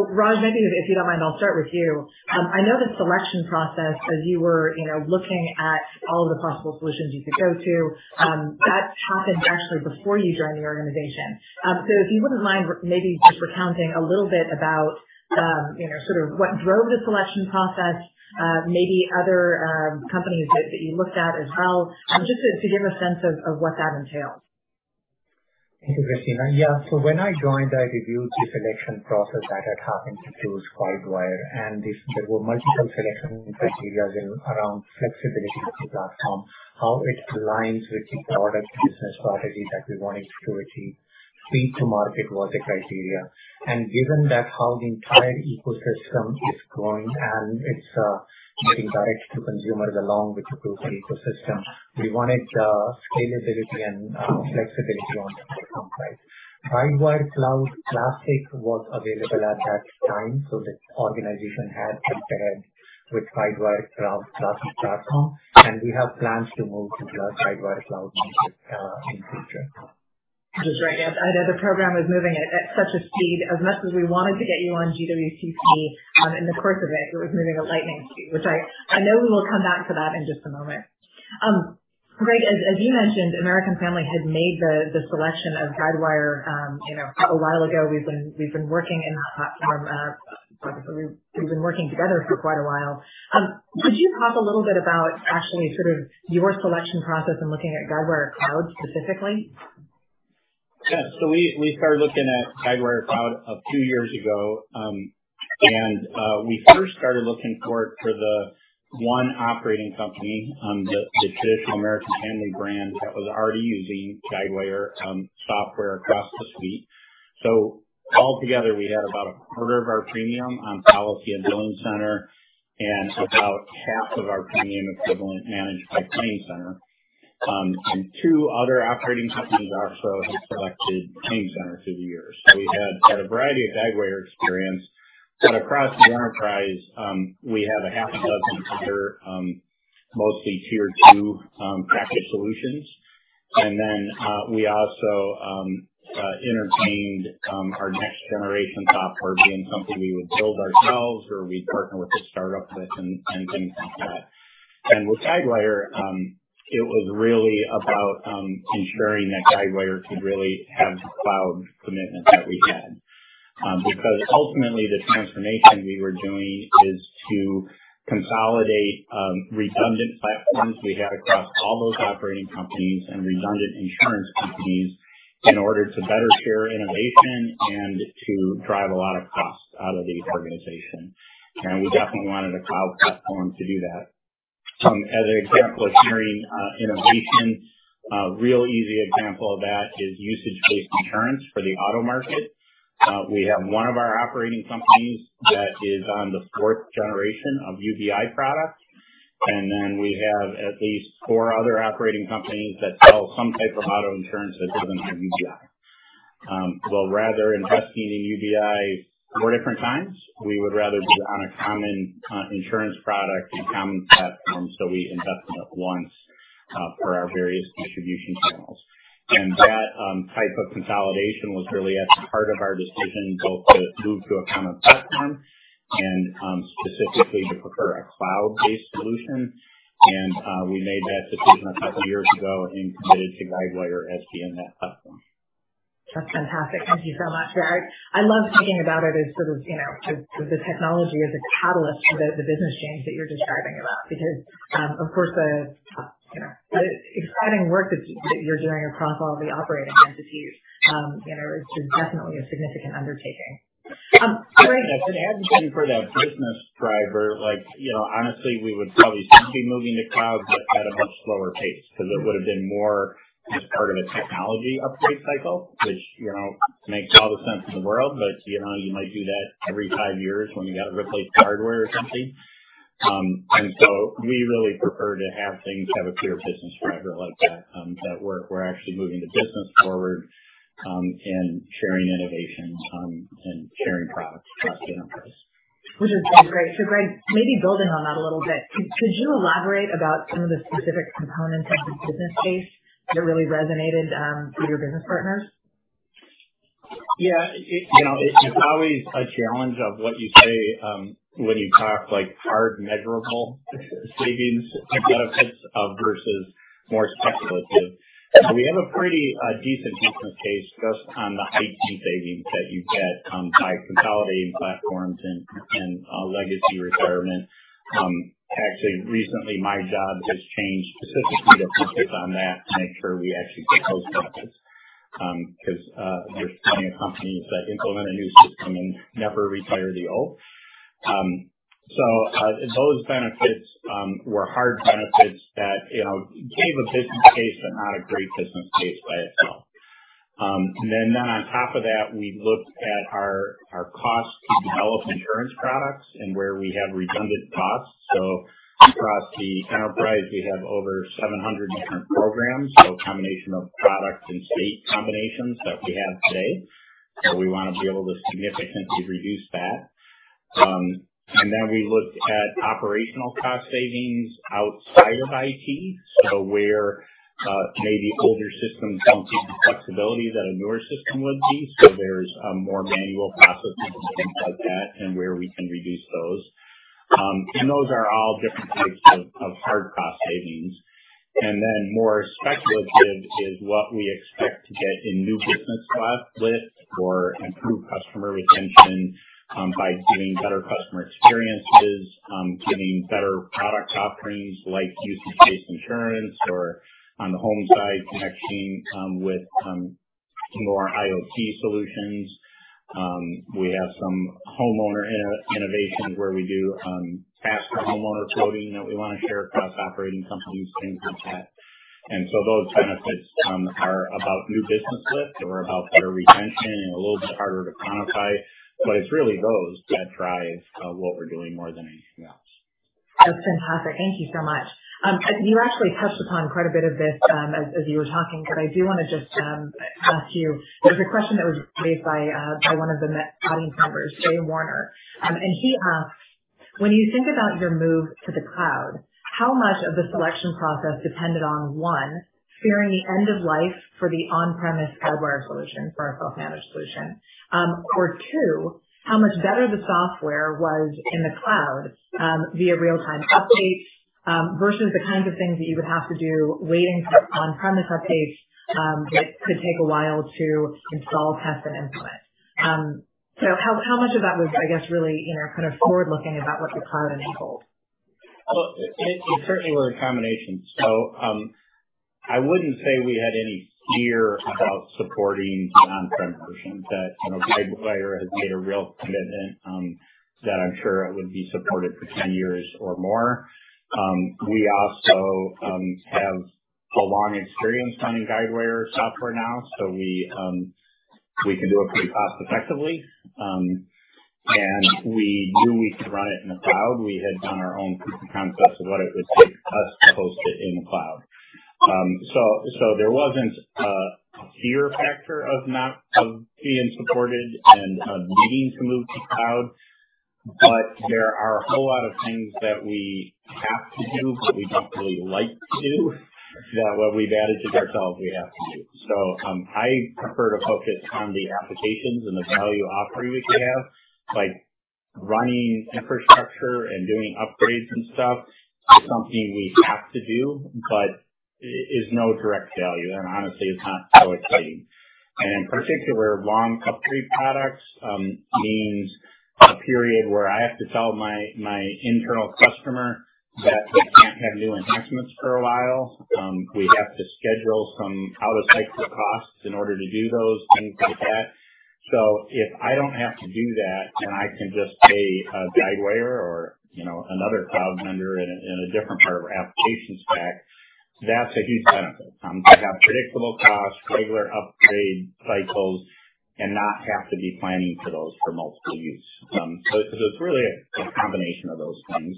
Raj, maybe if you don't mind, I'll start with you. I know the selection process as you were looking at all the possible solutions you could go to, that happened actually before you joined the organization. If you wouldn't mind maybe just recounting a little bit about sort of what drove the selection process, maybe other companies that you looked at as well, just to give a sense of what that entailed. Thank you, Christina. Yeah. When I joined, I reviewed the selection process that had happened to choose Guidewire, and there were multiple selection criterias around flexibility of the platform, how it aligns with the product business strategy that we wanted to achieve. Speed to market was a criteria. Given that how the entire ecosystem is growing and it's getting direct to consumers along with the proof ecosystem, we wanted scalability and flexibility on the platform side. Guidewire Cloud Classic was available at that time, so the organization had compared with Guidewire Cloud Classic platform, and we have plans to move to Guidewire Cloud in future. That's great. I know the program is moving at such a speed. As much as we wanted to get you on GWCC, in the course of it was moving at lightning speed, which I know we will come back to that in just a moment. Greg, as you mentioned, American Family had made the selection of Guidewire a while ago. We've been working together for quite a while. Could you talk a little bit about actually sort of your selection process and looking at Guidewire Cloud specifically? Yeah. We started looking at Guidewire Cloud a few years ago. We first started looking for it for the one operating company on the traditional American Family brand that was already using Guidewire Software across the suite. Altogether, we had about a quarter of our premium on PolicyCenter and BillingCenter and about half of our premium equivalent managed by ClaimCenter. Two other operating companies also had selected ClaimCenter through the years. We had a variety of Guidewire experience. Across the enterprise, we had a half a dozen other mostly tier 2 package solutions. We also entertained our next-generation software being something we would build ourselves or we'd partner with a startup with and things like that. With Guidewire, it was really about ensuring that Guidewire could really have the cloud commitment that we had. Ultimately, the transformation we were doing is to consolidate redundant platforms we had across all those operating companies and redundant insurance companies in order to better share innovation and to drive a lot of cost out of the organization. We definitely wanted a cloud platform to do that. As an example of carrying innovation, a real easy example of that is usage-based insurance for the auto market. We have one of our operating companies that is on the fourth generation of UBI product, and then we have at least four other operating companies that sell some type of auto insurance that doesn't have UBI. Well, rather investing in UBI four different times, we would rather be on a common insurance product and common platform, we invest it once for our various distribution channels. That type of consolidation was really at the heart of our decision both to move to a common platform and specifically to prefer a cloud-based solution. We made that decision a couple of years ago and committed to Guidewire as being that platform. That's fantastic. Thank you so much, Greg. I love thinking about it as sort of the technology as a catalyst for the business change that you're describing a lot because, of course, the exciting work that you're doing across all the operating entities is definitely a significant undertaking. Greg. If it hadn't been for that business driver, honestly, we would probably still be moving to Cloud, but at a much slower pace because it would have been more just part of a technology upgrade cycle, which makes all the sense in the world. You might do that every five years when you got to replace hardware or something. We really prefer to have things have a clear business driver like that we're actually moving the business forward, and sharing innovation, and sharing products across the enterprise. Which is great. Greg, maybe building on that a little bit, could you elaborate about some of the specific components of the business case that really resonated with your business partners? Yeah. It's always a challenge of what you say when you talk hard measurable savings versus more speculative. We have a pretty decent business case just on the IT savings that you get by consolidating platforms and legacy retirement. Actually, recently, my job has changed specifically to focus on that to make sure we actually get those benefits, because there's plenty of companies that implement a new system and never retire the old. Those benefits were hard benefits that gave a business case, but not a great business case by itself. On top of that, we looked at our cost to develop insurance products and where we have redundant costs. Across the enterprise, we have over 700 different programs, so a combination of products and state combinations that we have today. We want to be able to significantly reduce that. We looked at operational cost savings outside of IT. Where maybe older systems don't give the flexibility that a newer system would be. There's more manual processes and things like that, and where we can reduce those. Those are all different types of hard cost savings. More speculative is what we expect to get in new business lift or improved customer retention by giving better customer experiences, giving better product offerings like usage-based insurance, or on the home side, connecting with more IoT solutions. We have some homeowner innovations where we do ask for homeowner quoting that we want to share across operating companies, things like that. Those benefits are about new business lift or about better retention and a little bit harder to quantify. It's really those that drive what we're doing more than anything else. That's fantastic. Thank you so much. You actually touched upon quite a bit of this as you were talking, but I do want to just ask you, there's a question that was raised by one of the audience members, Jay Warner. He asks, "When you think about your move to the cloud, how much of the selection process depended on, one, fearing the end of life for the on-premise Guidewire solution for our self-managed solution, or two, how much better the software was in the cloud via real-time updates versus the kinds of things that you would have to do waiting for on-premise updates that could take a while to install, test, and implement?" How much of that was really forward-looking about what the cloud enabled? Well, it certainly was a combination. I wouldn't say we had any fear about supporting the on-prem version that Guidewire has made a real commitment that I'm sure it would be supported for 10 years or more. We also have a long experience running Guidewire software now, we can do it pretty cost-effectively. We knew we could run it in the cloud. We had done our own proof of concepts of what it would take us to host it in the cloud. There wasn't a fear factor of not being supported and of needing to move to cloud. There are a whole lot of things that we have to do, but we don't really like to do, that what we've added to ourselves, we have to do. I prefer to focus on the applications and the value offering that we have, like running infrastructure and doing upgrades and stuff is something we have to do but is no direct value, and honestly, it's not that exciting. In particular, long upgrade products means a period where I have to tell my internal customer that they can't have new enhancements for a while. We have to schedule some out-of-cycle costs in order to do those things like that. If I don't have to do that, and I can just pay Guidewire or another cloud vendor in a different part of our applications stack, that's a huge benefit. I have predictable costs, regular upgrade cycles, and not have to be planning for those for multiple years. It's really a combination of those things.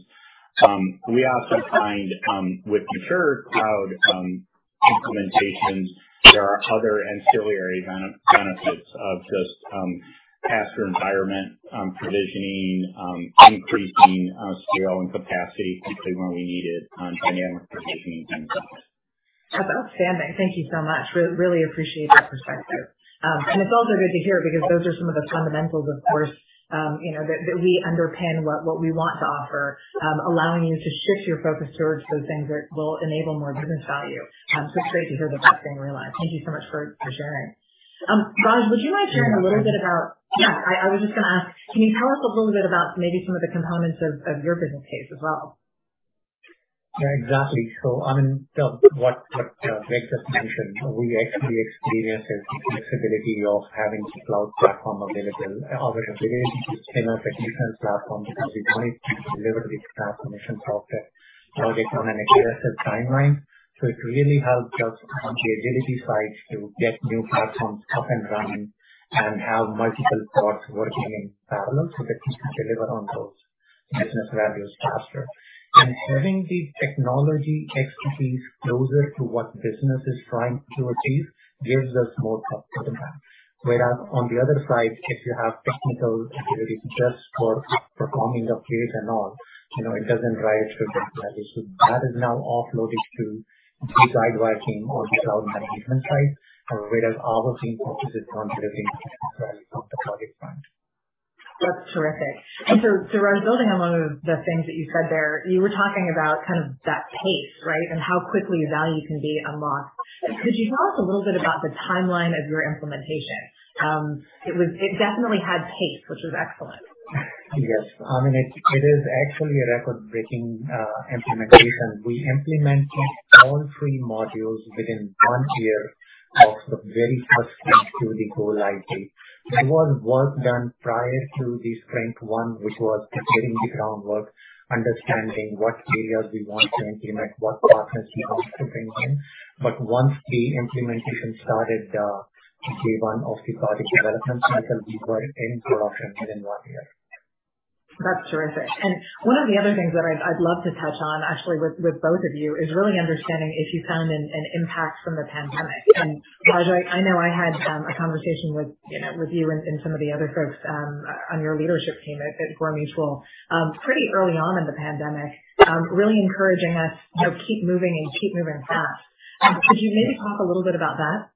We also find with mature cloud implementations, there are other ancillary benefits of just faster environment provisioning, increasing scale and capacity quickly when we need it, dynamic provisioning, things like that. That's outstanding. Thank you so much. Really appreciate that perspective. It's also good to hear because those are some of the fundamentals, of course, that we underpin what we want to offer, allowing you to shift your focus towards those things that will enable more business value. It's great to hear that that's being realized. Thank you so much for sharing. Raj, would you mind sharing a little bit, I was just going to ask, can you tell us a little bit about maybe some of the components of your business case as well? Yeah, exactly. What Greg just mentioned, we actually experienced the flexibility of having the cloud platform available. Our ability to spin up a different platform because we wanted to deliver the transformation faster on an aggressive timeline. It really helped us on the agility side to get new platforms up and running and have multiple pods working in parallel so that we can deliver on those business values faster. Having the technology expertise closer to what business is trying to achieve gives us more competitive advantage. Whereas on the other side, if you have technical agility just for performing upgrades and all, it doesn't drive business value. That is now offloaded to the Guidewire team or the cloud management side, whereas our team focuses on delivering business value from the project point. That's terrific. Raj, building on one of the things that you said there, you were talking about that pace, right? How quickly value can be unlocked. Could you tell us a little bit about the timeline of your implementation? It definitely had pace, which was excellent. Yes. It is actually a record-breaking implementation. We implemented all three modules within one year of the very first sprint to the [go-live IT]. There was work done prior to the sprint one, which was preparing the groundwork, understanding what areas we want to implement, what partners we want to bring in. Once the implementation started, day one of the project development cycle, we were in production within one year. That's terrific. One of the other things that I'd love to touch on, actually, with both of you is really understanding if you found an impact from the pandemic. Rajan, I know I had a conversation with you and some of the other folks on your leadership team at Gore Mutual pretty early on in the pandemic, really encouraging us, keep moving and keep moving fast. Could you maybe talk a little bit about that?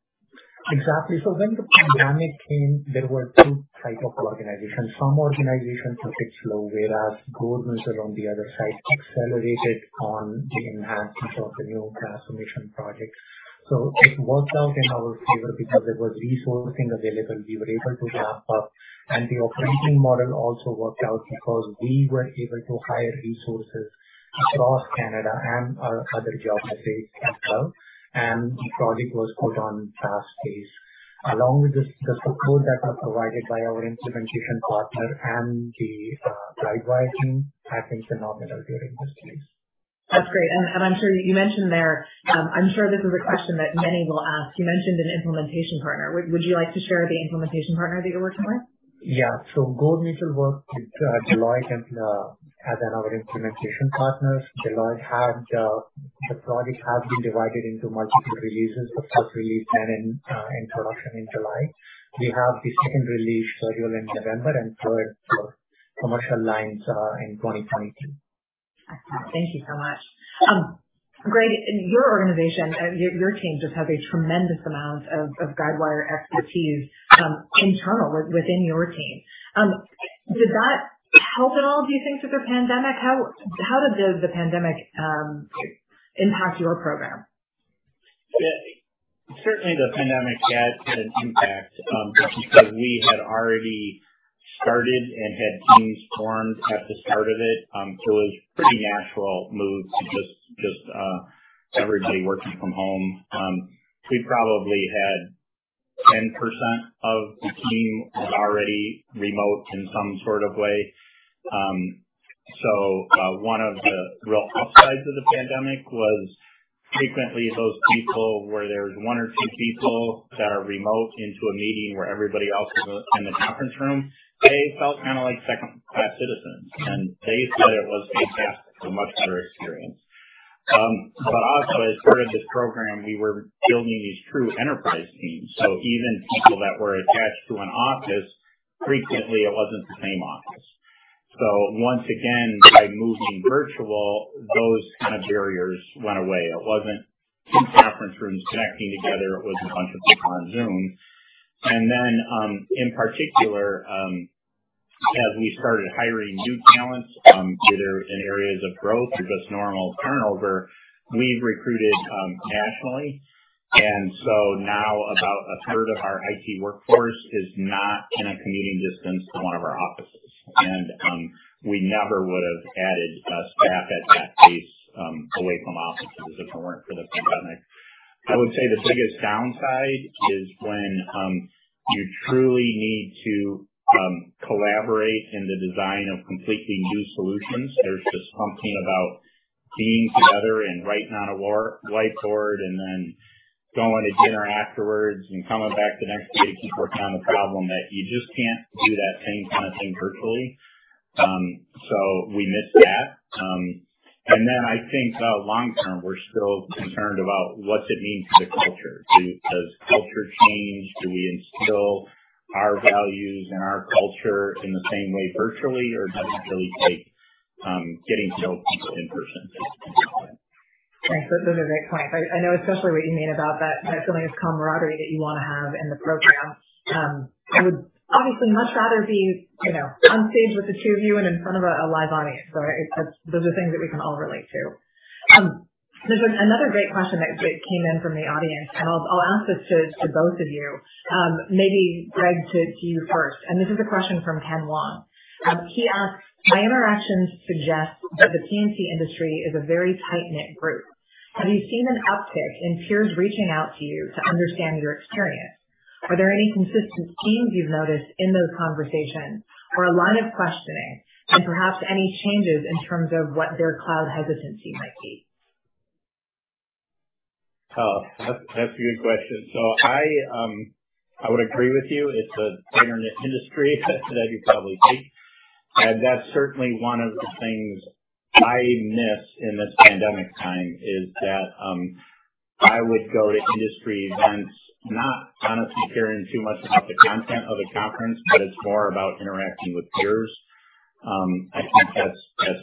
Exactly. When the pandemic came, there were two types of organizations. Some organizations were slow, whereas Gore Mutual, on the other side, accelerated on the enhancements of the new transformation projects. It worked out in our favor because there was resourcing available. We were able to ramp up, and the operating model also worked out because we were able to hire resources across Canada and our other geographies as well. The project was put on fast pace. Along with the support that was provided by our implementation partner and the Guidewire team have been phenomenal during this phase. That's great. You mentioned there, I'm sure this is a question that many will ask. You mentioned an implementation partner. Would you like to share the implementation partner that you're working with? Yeah. Gore Mutual worked with Deloitte as our implementation partners. The project has been divided into multiple releases. The first release went in production in July. We have the second release scheduled in November, and third for commercial lines in 2023. Thank you so much. Greg, your organization, your team just has a tremendous amount of Guidewire expertise internal within your team. Did that help at all? How did the pandemic impact your program? Certainly, the pandemic had an impact. We had already started and had teams formed at the start of it was a pretty natural move to just everybody working from home. We probably had 10% of the team was already remote in some sort of way. One of the real upsides of the pandemic was frequently those people where there's one or two people that are remote into a meeting where everybody else is in the conference room, they felt kind of like second-class citizens, and they said it was fantastic, a much better experience. Also, as part of this program, we were building these true enterprise teams. Even people that were attached to an office, frequently it wasn't the same office. Once again, by moving virtual, those kind of barriers went away. It wasn't two conference rooms connecting together, it was a bunch of people on Zoom. In particular, as we started hiring new talent, either in areas of growth or just normal turnover, we've recruited nationally. Now about a third of our IT workforce is not in a commuting distance to one of our offices. We never would have added staff at that pace away from offices if it weren't for the pandemic. I would say the biggest downside is when you truly need to collaborate in the design of completely new solutions. There's just something about being together and writing on a whiteboard and then going to dinner afterwards and coming back the next day to keep working on the problem that you just can't do that same kind of thing virtually. We miss that. I think long-term, we're still concerned about what's it mean to the culture. Does culture change? Do we instill our values and our culture in the same way virtually, or does it really take getting to know people in person to do that? Thanks. Those are great points. I know especially what you mean about that feeling of camaraderie that you want to have in the program. I would obviously much rather be on stage with the two of you and in front of a live audience. Those are things that we can all relate to. There's another great question that came in from the audience, I'll ask this to both of you. Maybe Greg, to you first. This is a question from Ken Wong. He asks, my interactions suggest that the P&C industry is a very tight-knit group. Have you seen an uptick in peers reaching out to you to understand your experience? Are there any consistent themes you've noticed in those conversations or a line of questioning and perhaps any changes in terms of what their cloud hesitancy might be? Oh, that's a good question. I would agree with you. It's a tight-knit industry as you probably think, and that's certainly one of the things I miss in this pandemic time is that I would go to industry events, not honestly caring too much about the content of a conference, but it's more about interacting with peers. I think that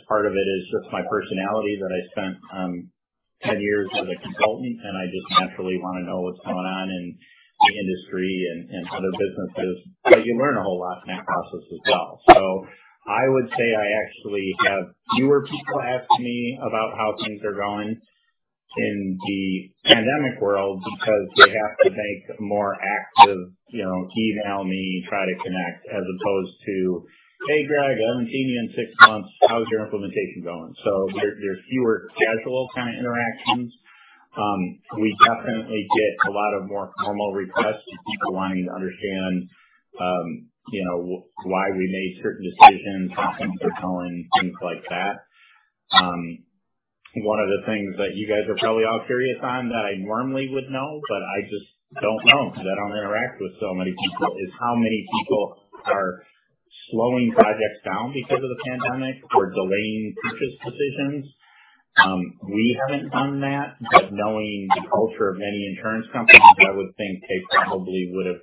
part of it is just my personality, that I spent 10 years as a consultant, and I just naturally want to know what's going on in the industry and other businesses. You learn a whole lot in that process as well. I would say I actually have fewer people asking me about how things are going in the pandemic world because they have to make more active, "Email me, try to connect," as opposed to, "Hey, Greg, I haven't seen you in six months, how's your implementation going?" There's fewer casual kind of interactions. We definitely get a lot of more formal requests from people wanting to understand why we made certain decisions, how things are going, things like that. One of the things that you guys are probably all curious on that I normally would know, but I just don't know because I don't interact with so many people, is how many people are slowing projects down because of the pandemic or delaying purchase decisions. We haven't done that, knowing the culture of many insurance companies, I would think they probably would've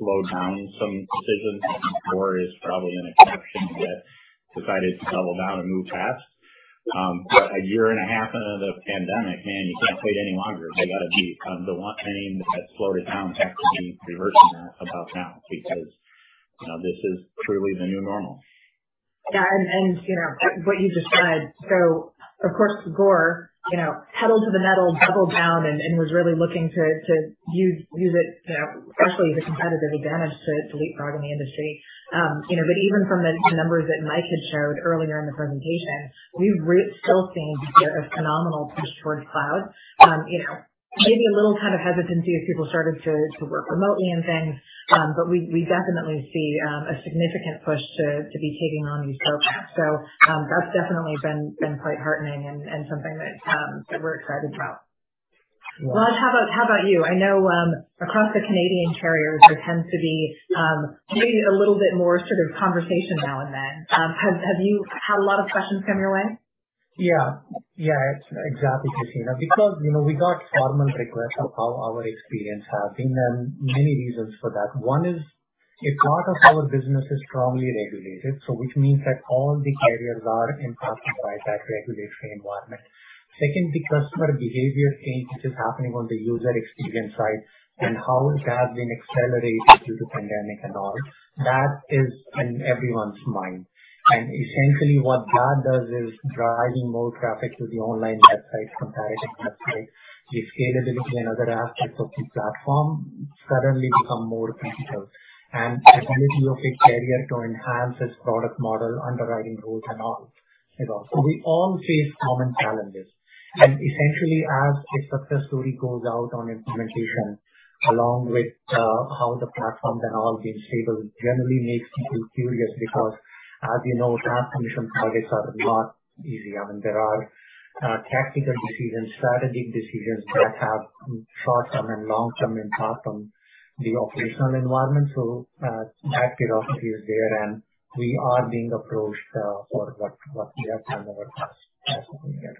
slowed down some decisions. Gore is probably an exception that decided to double down and move fast. A year and a half into the pandemic, man, you can't wait any longer. They got to be. The one thing that slowed it down has to be reversing that about now because this is truly the new normal. Yeah. What you just said, so of course, Gore, pedal to the metal, doubled down and was really looking to use it especially as a competitive advantage to leapfrog in the industry. Even from the numbers that Mike had showed earlier in the presentation, we still seem to get a phenomenal push towards cloud. Maybe a little kind of hesitancy as people started to work remotely and things. We definitely see a significant push to be taking on these programs. That's definitely been quite heartening and something that we're excited about. Raj, how about you? I know, across the Canadian carriers, there tends to be maybe a little bit more sort of conversation now and then. Have you had a lot of questions come your way? Yeah. Exactly, Christina, because we got formal requests of how our experience has been. Many reasons for that. One is a lot of our business is strongly regulated, so which means that all the carriers are impacted by that regulatory environment. Second, the customer behavior change which is happening on the user experience side and how that's been accelerated due to pandemic and all. That is in everyone's mind. Essentially what that does is driving more traffic to the online websites, comparative websites. The scalability and other aspects of the platform suddenly become more critical and ability of a carrier to enhance its product model, underwriting rules and all. We all face common challenges. Essentially as a success story goes out on implementation along with how the platform and all being stable generally makes people curious because as you know, transformation targets are not easy. There are tactical decisions, strategic decisions that have short-term and long-term impact on the operational environment. That philosophy is there and we are being approached for what we have done in the past as a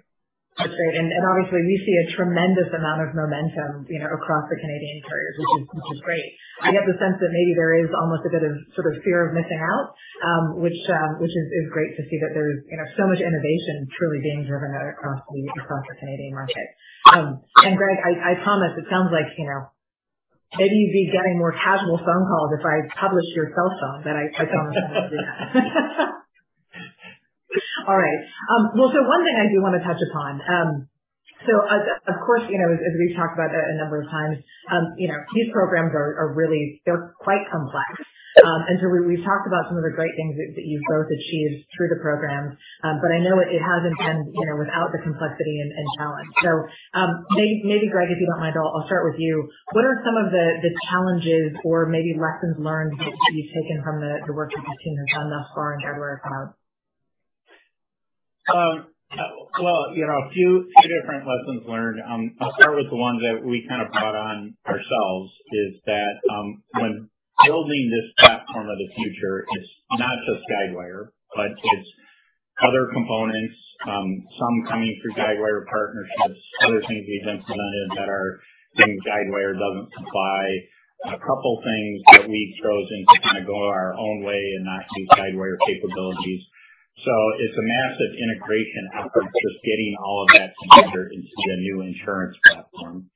community. That's great. Obviously we see a tremendous amount of momentum across the Canadian carriers, which is great. I get the sense that maybe there is almost a bit of sort of fear of missing out, which is great to see that there's so much innovation truly being driven across the Canadian market. Greg, I promise it sounds like maybe you'd be getting more casual phone calls if I published your cell phone, but I promise I won't do that. All right. One thing I do want to touch upon, of course, as we've talked about a number of times, these programs are quite complex. We've talked about some of the great things that you've both achieved through the programs. I know it hasn't been without the complexity and challenge. Maybe Greg, if you don't mind, I'll start with you. What are some of the challenges or maybe lessons learned that you've taken from the work that your team has done thus far in Guidewire Cloud? Well, a few different lessons learned. I'll start with the one that we kind of brought on ourselves is that, when building this platform of the future, it's not just Guidewire, but it's other components, some coming through Guidewire partnerships, other things we've implemented that are things Guidewire doesn't supply, a couple things that we've chosen to kind of go our own way and not do Guidewire capabilities. It's a massive integration effort, just getting all of that together into a new insurance platform.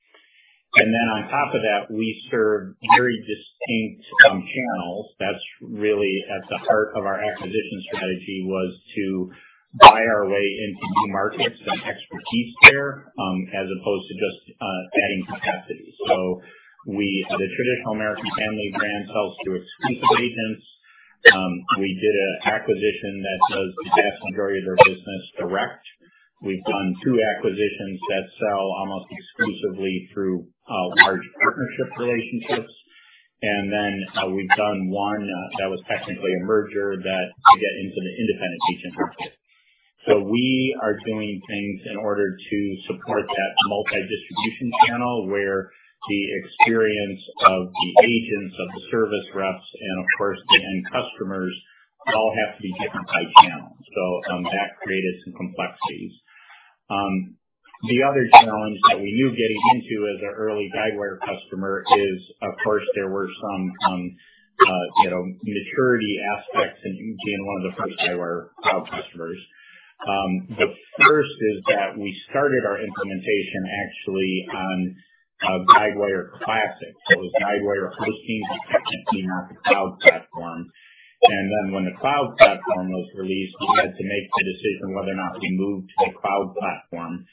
On top of that, we serve very distinct channels. That's really at the heart of our acquisition strategy was to buy our way into new markets and expertise there, as opposed to just adding capacity. We had a traditional American Family brand sells through exclusive agents. We did an acquisition that does the vast majority of their business direct. We've done two acquisitions that sell almost exclusively through large partnership relationships. Then we've done one that was technically a merger that to get into the independent agent group. We are doing things in order to support that multi-distribution channel where the experience of the agents, of the service reps, and of course the end customers all have to be different by channel. That created some complexities. The other challenge that we knew getting into as an early Guidewire customer is, of course, there were some maturity aspects in being one of the first Guidewire Cloud customers. The first is that we started our implementation actually on Guidewire Classic. It was Guidewire hosting, but technically not the cloud platform. When the Cloud Platform was released, we had to make the decision whether or not we move to the Cloud Platform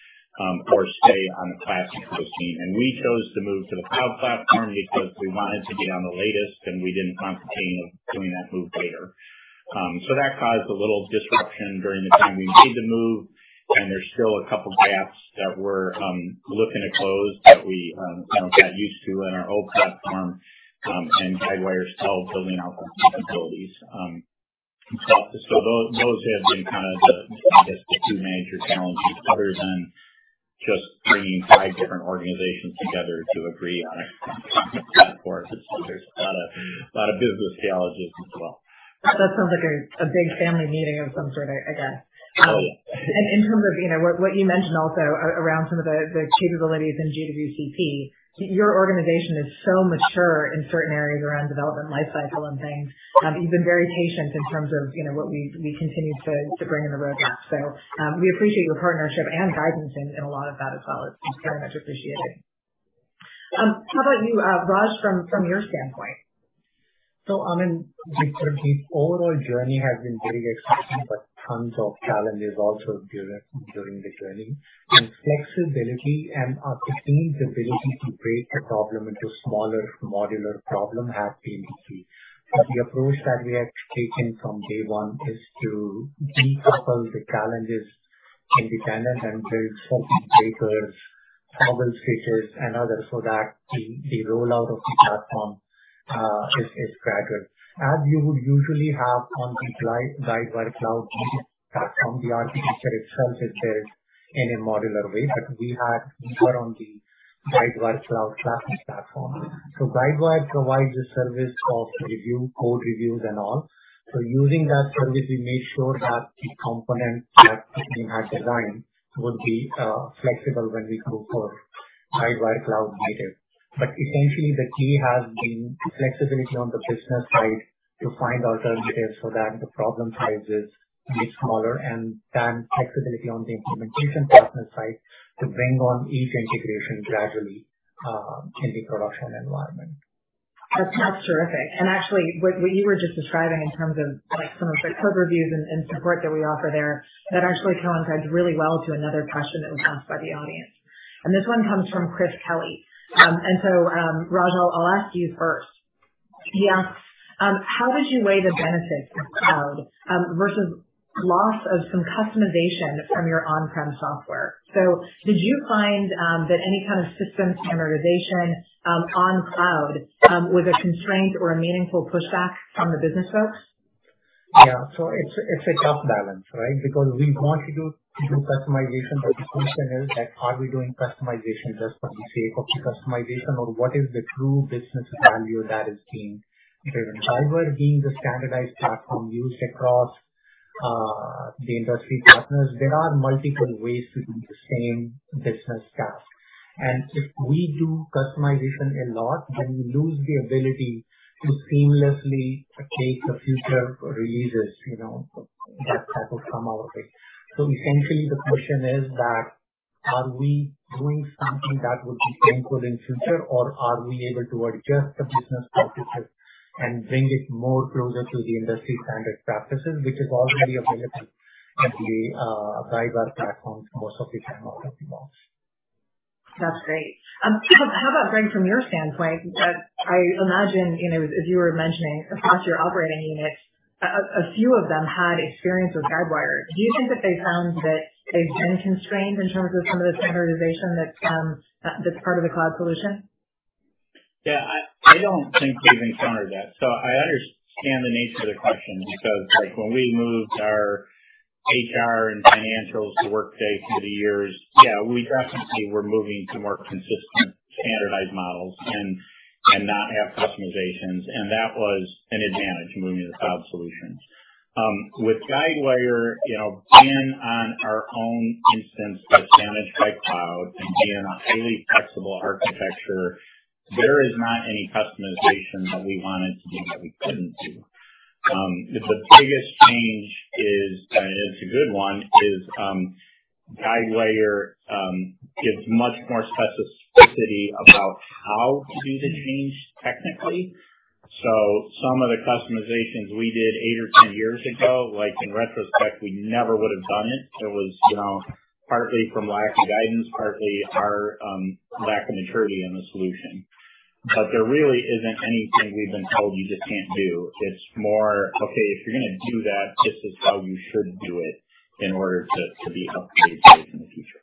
or stay on the classic hosting. We chose to move to the Cloud Platform because we wanted to be on the latest and we didn't contemplate doing that move later. That caused a little disruption during the time we made the move, and there's still a couple gaps that we're looking to close that we got used to in our old platform, and Guidewire's still building out those capabilities. Those have been kind of the two major challenges other than just bringing five different organizations together to agree on a platform. There's a lot of business challenges as well. That sounds like a big family meeting of some sort, I guess. In terms of what you mentioned also around some of the capabilities in GWCP, your organization is so mature in certain areas around development lifecycle and things. You've been very patient in terms of what we continue to bring in the roadmap. We appreciate your partnership and guidance in a lot of that as well. It's very much appreciated. How about you, Raj, from your standpoint? I mean, the overall journey has been very exciting, but tons of challenges also during the journey. Flexibility and our team's ability to break the problem into smaller modular problem has been the key. The approach that we have taken from day one is to decouple the challenges independently and build circuit breakers, toggle switches and other so that the rollout of the platform is gradual. As you would usually have on the Guidewire Cloud Platform, the architecture itself is there in a modular way, but we had deeper on the Guidewire Cloud Platform. Guidewire provides a service of code reviews and all. Using that service, we made sure that the component that the team had designed would be flexible when we go for Guidewire Cloud native. Essentially, the key has been flexibility on the business side to find alternatives so that the problem sizes get smaller, and then flexibility on the implementation partner side to bring on each integration gradually in the production environment. That's terrific. Actually, what you were just describing in terms of some of the code reviews and support that we offer there, that actually coincides really well to another question that was asked by the audience, this one comes from Chris Kelly. Raj, I'll ask you first. He asks, "How did you weigh the benefits of cloud versus loss of some customization from your on-prem software?" Did you find that any kind of system standardization on cloud was a constraint or a meaningful pushback from the business folks? Yeah. It's a tough balance, right? Because we want to do customization, but the question is, are we doing customization just for the sake of the customization, or what is the true business value that is being driven? Guidewire being the standardized platform used across the industry partners, there are multiple ways to do the same business task. If we do customization a lot, then we lose the ability to seamlessly take the future releases that type of come our way. Essentially, the question is that, are we doing something that would be painful in future, or are we able to adjust the business practices and bring it more closer to the industry standard practices which is already available at the Guidewire platform most of the time out-of-the-box. That's great. How about, Frank, from your standpoint? I imagine, as you were mentioning across your operating units, a few of them had experience with Guidewire. Do you think that they found that they've been constrained in terms of some of the standardization that's part of the cloud solution? Yeah, I don't think we've encountered that. I understand the nature of the question because when we moved our HR and financials to Workday through the years, yeah, we definitely were moving to more consistent standardized models and not have customizations, and that was an advantage moving to the cloud solutions. With Guidewire, being on our own instance, but managed by cloud and being a highly flexible architecture, there is not any customization that we wanted to do that we couldn't do. The biggest change is, and it's a good one, is Guidewire gives much more specificity about how to do the change technically. Some of the customizations we did eight or 10 years ago, like in retrospect, we never would have done it. It was partly from lack of guidance, partly our lack of maturity in the solution. There really isn't anything we've been told you just can't do. It's more, "Okay, if you're going to do that, this is how you should do it in order to be upgrade safe in the future.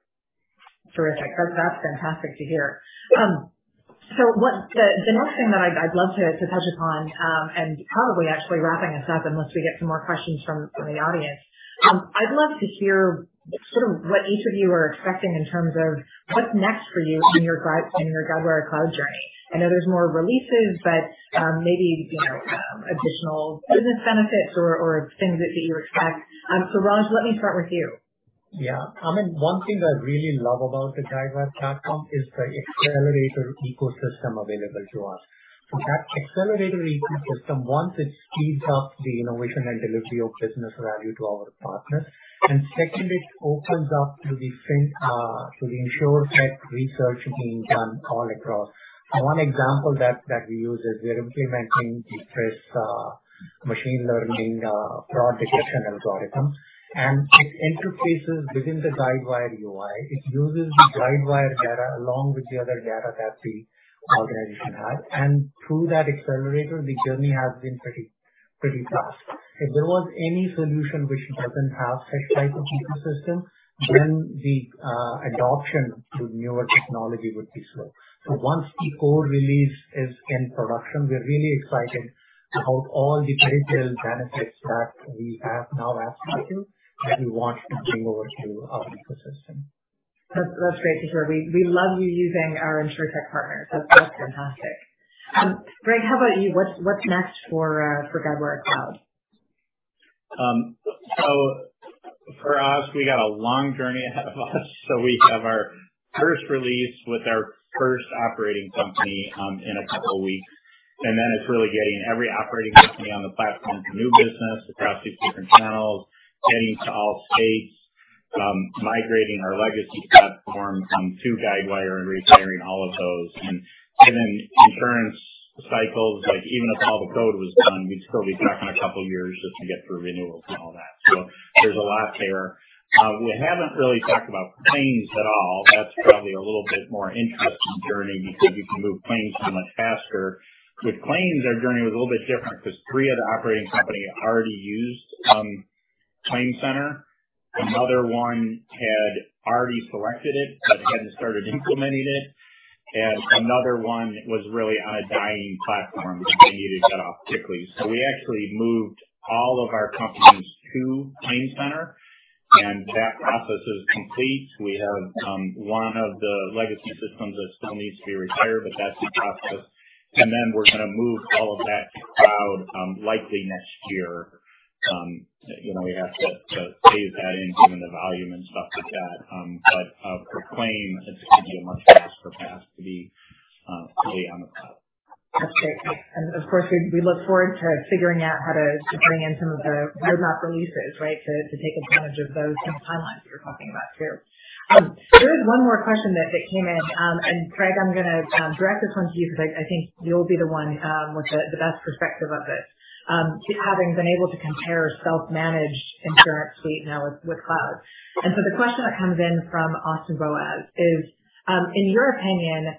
Terrific. That's fantastic to hear. The next thing that I'd love to touch upon, and probably actually wrapping us up unless we get some more questions from the audience. I'd love to hear sort of what each of you are expecting in terms of what's next for you in your Guidewire Cloud journey. I know there's more releases, but maybe additional business benefits or things that you expect. Raj, let me start with you. I mean, one thing I really love about the Guidewire platform is the accelerator ecosystem available to us. That accelerator ecosystem, one, it speeds up the innovation and delivery of business value to our partners. Second, it opens up to insurtech research being done all across. One example that we use is we are implementing this machine learning, fraud detection algorithm, and it interfaces within the Guidewire UI. It uses Guidewire data along with the other data that the organization has. Through that accelerator, the journey has been pretty fast. If there was any solution which doesn't have such type of ecosystem, then the adoption to newer technology would be slow. Once the code release is in production, we're really excited about all the digital benefits that we have now as part of, that we want to bring over to our ecosystem. That's great to hear. We love you using our Insurtech partners. That's fantastic. Greg, how about you? What's next for Guidewire Cloud? For us, we got a long journey ahead of us. We have our first release with our first operating company in a couple of weeks, and then it's really getting every operating company on the platform for new business across these different channels, getting to all states, migrating our legacy platform to Guidewire and retiring all of those. Given insurance cycles, even if all the code was done, we'd still be tracking a couple of years just to get through renewals and all that. There's a lot there. We haven't really talked about claims at all. That's probably a little bit more interesting journey because you can move claims so much faster. With claims, our journey was a little bit different because three of the operating companies already used ClaimCenter. Another one had already selected it but hadn't started implementing it, and another one was really on a dying platform that they needed to get off quickly. We actually moved all of our companies to ClaimCenter, and that process is complete. We have one of the legacy systems that still needs to be retired, but that's in process. We're going to move all of that to Guidewire Cloud, likely next year. We have to phase that in given the volume and stuff like that. For claims, it should be a much faster path to be fully on the Guidewire Cloud. That's great. Of course, we look forward to figuring out how to bring in some of the roadmap releases, right, to take advantage of those kind of timelines that you're talking about too. There is one more question that came in, Greg, I'm going to direct this one to you because I think you'll be the one with the best perspective of this, having been able to compare self-managed InsuranceSuite now with cloud. The question that comes in from Austin Boaz is, in your opinion,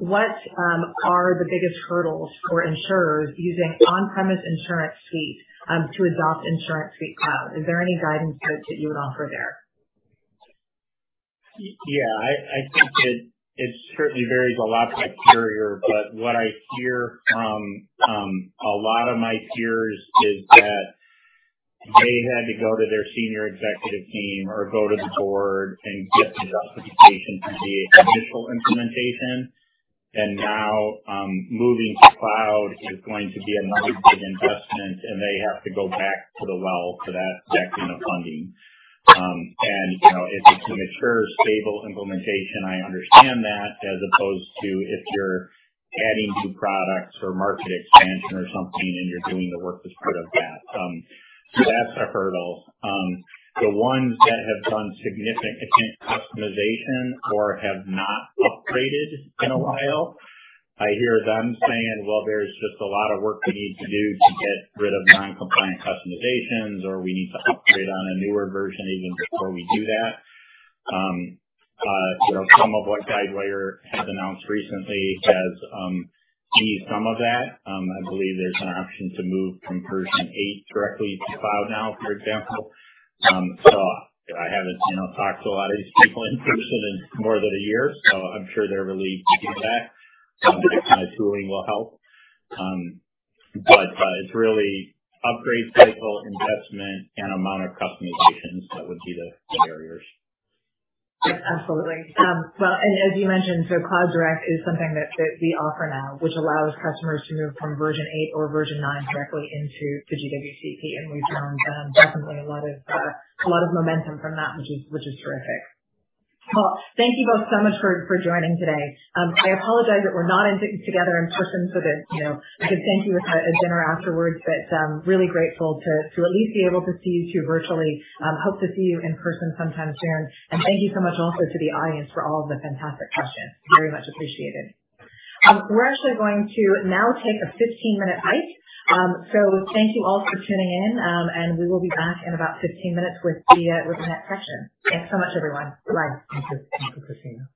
what are the biggest hurdles for insurers using on-premise InsuranceSuite, to adopt InsuranceSuite cloud? Is there any guidance that you would offer there? Yeah. I think it certainly varies a lot by carrier, but what I hear from a lot of my peers is that they had to go to their senior executive team or go to the board and get the justification for the initial implementation. Now, moving to Cloud is going to be another big investment, and they have to go back to the well for that second of funding. If it's a mature, stable implementation, I understand that, as opposed to if you're adding new products for market expansion or something and you're doing the work as part of that. That's a hurdle. The ones that have done significant customization or have not upgraded in a while, I hear them saying, "Well, there's just a lot of work we need to do to get rid of non-compliant customizations," or, "We need to upgrade on a newer version even before we do that." Some of what Guidewire has announced recently has eased some of that. I believe there's an option to move from version 8 directly to Cloud now, for example. I haven't talked to a lot of these people in person in more than a year, so I'm sure they're relieved to hear that. That kind of tooling will help. It's really upgrade cycle, investment, and amount of customizations that would be the barriers. Absolutely. Well, as you mentioned, Cloud Direct is something that we offer now, which allows customers to move from version 8 or version 9 directly into GWCP. We've drawn definitely a lot of momentum from that, which is terrific. Well, thank you both so much for joining today. I apologize that we're not together in person for this. I could take you to a dinner afterwards, really grateful to at least be able to see you two virtually. Hope to see you in person sometime soon. Thank you so much also to the audience for all of the fantastic questions. Very much appreciated. We're actually going to now take a 15-minute break. Thank you all for tuning in, and we will be back in about 15 minutes with the next session. Thanks so much, everyone. Bye. Thank you, Christina.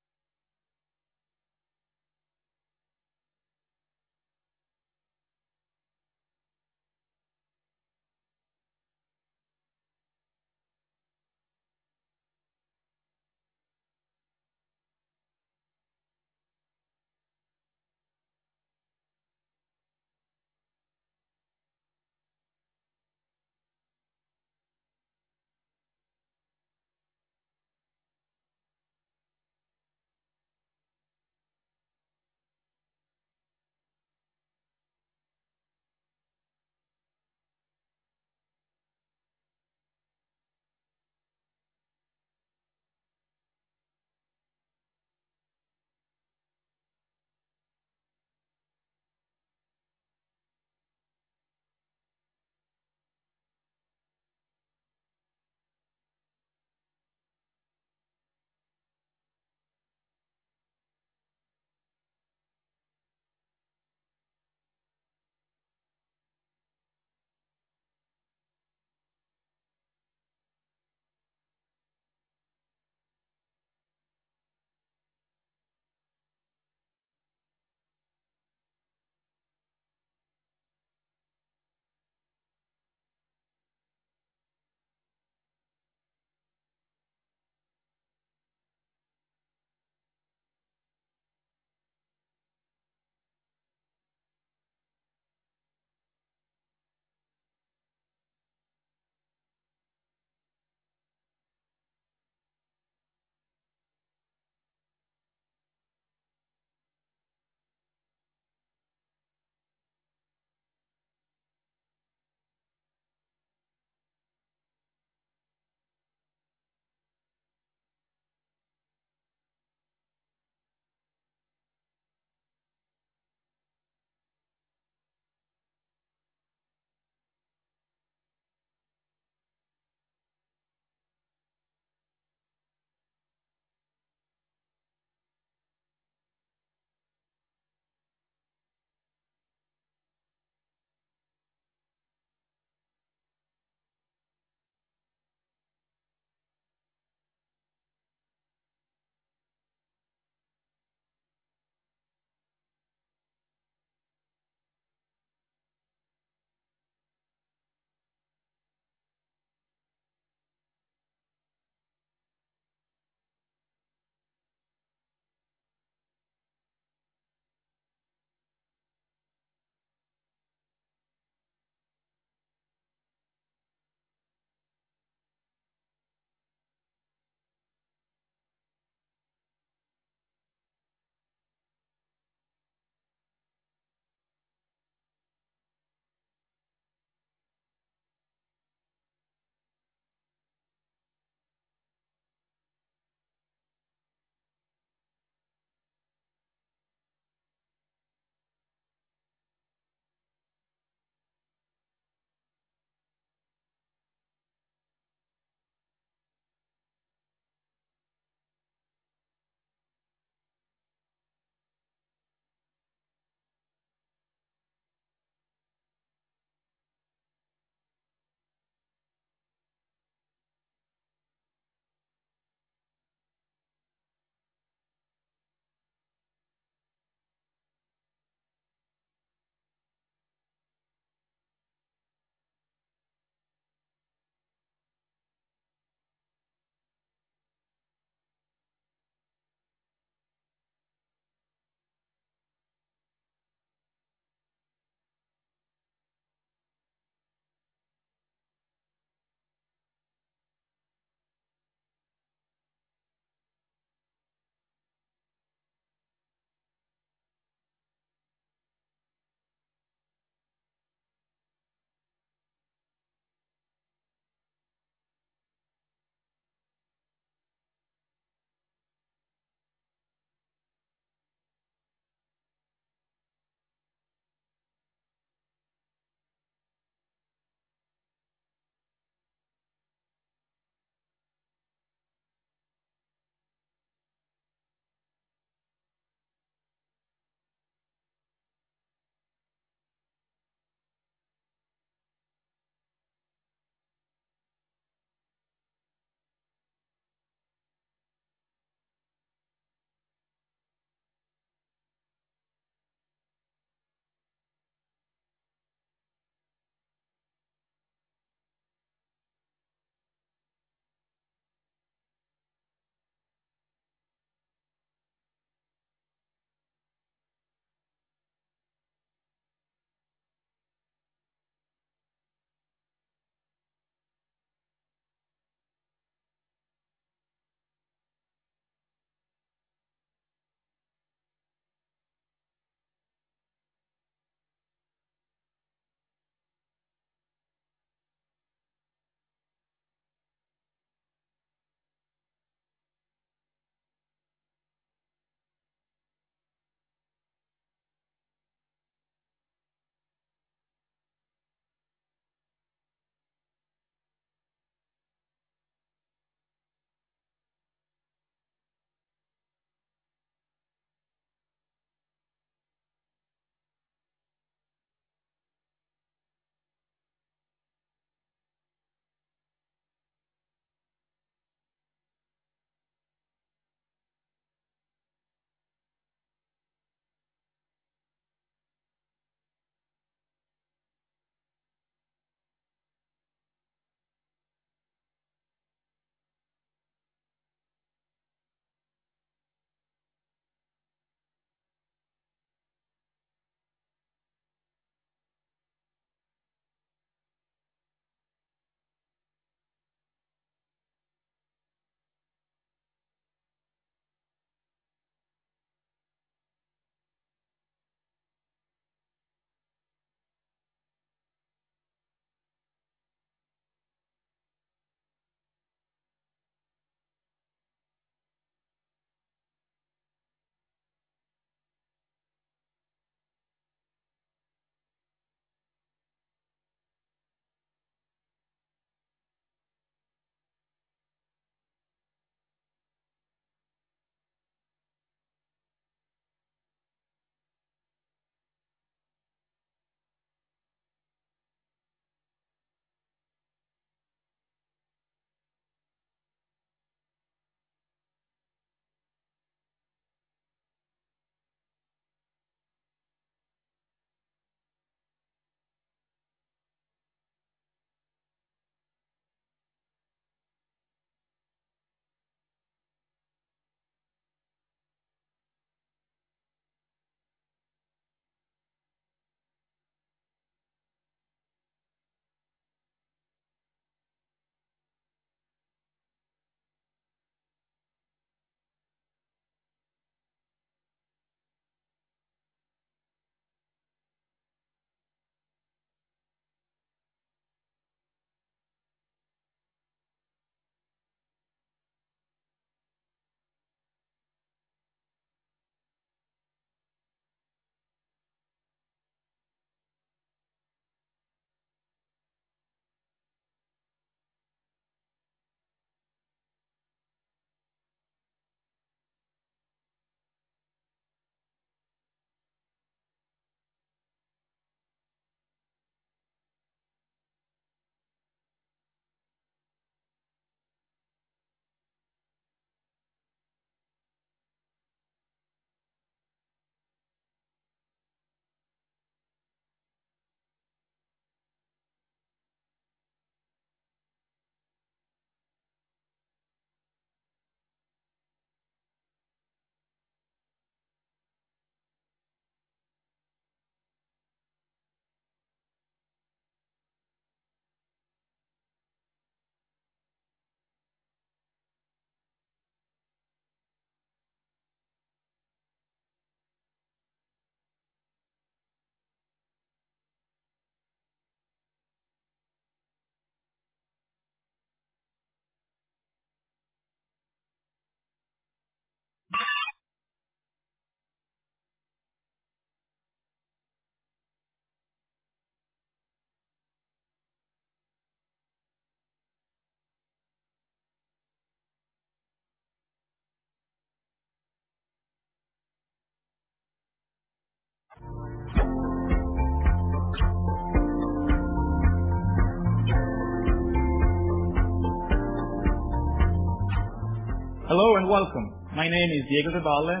Hello and welcome. My name is Diego Devalle.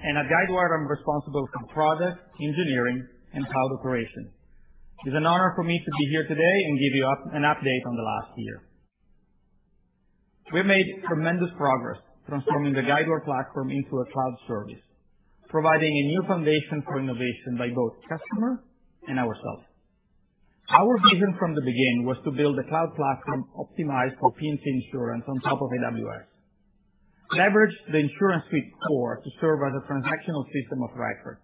At Guidewire, I'm responsible for product engineering and cloud operation. It's an honor for me to be here today and give you an update on the last year. We've made tremendous progress transforming the Guidewire platform into a cloud service, providing a new foundation for innovation by both customer and ourselves. Our vision from the beginning was to build a cloud platform optimized for P&C insurance on top of AWS, leverage the InsuranceSuite core to serve as a transactional system of record,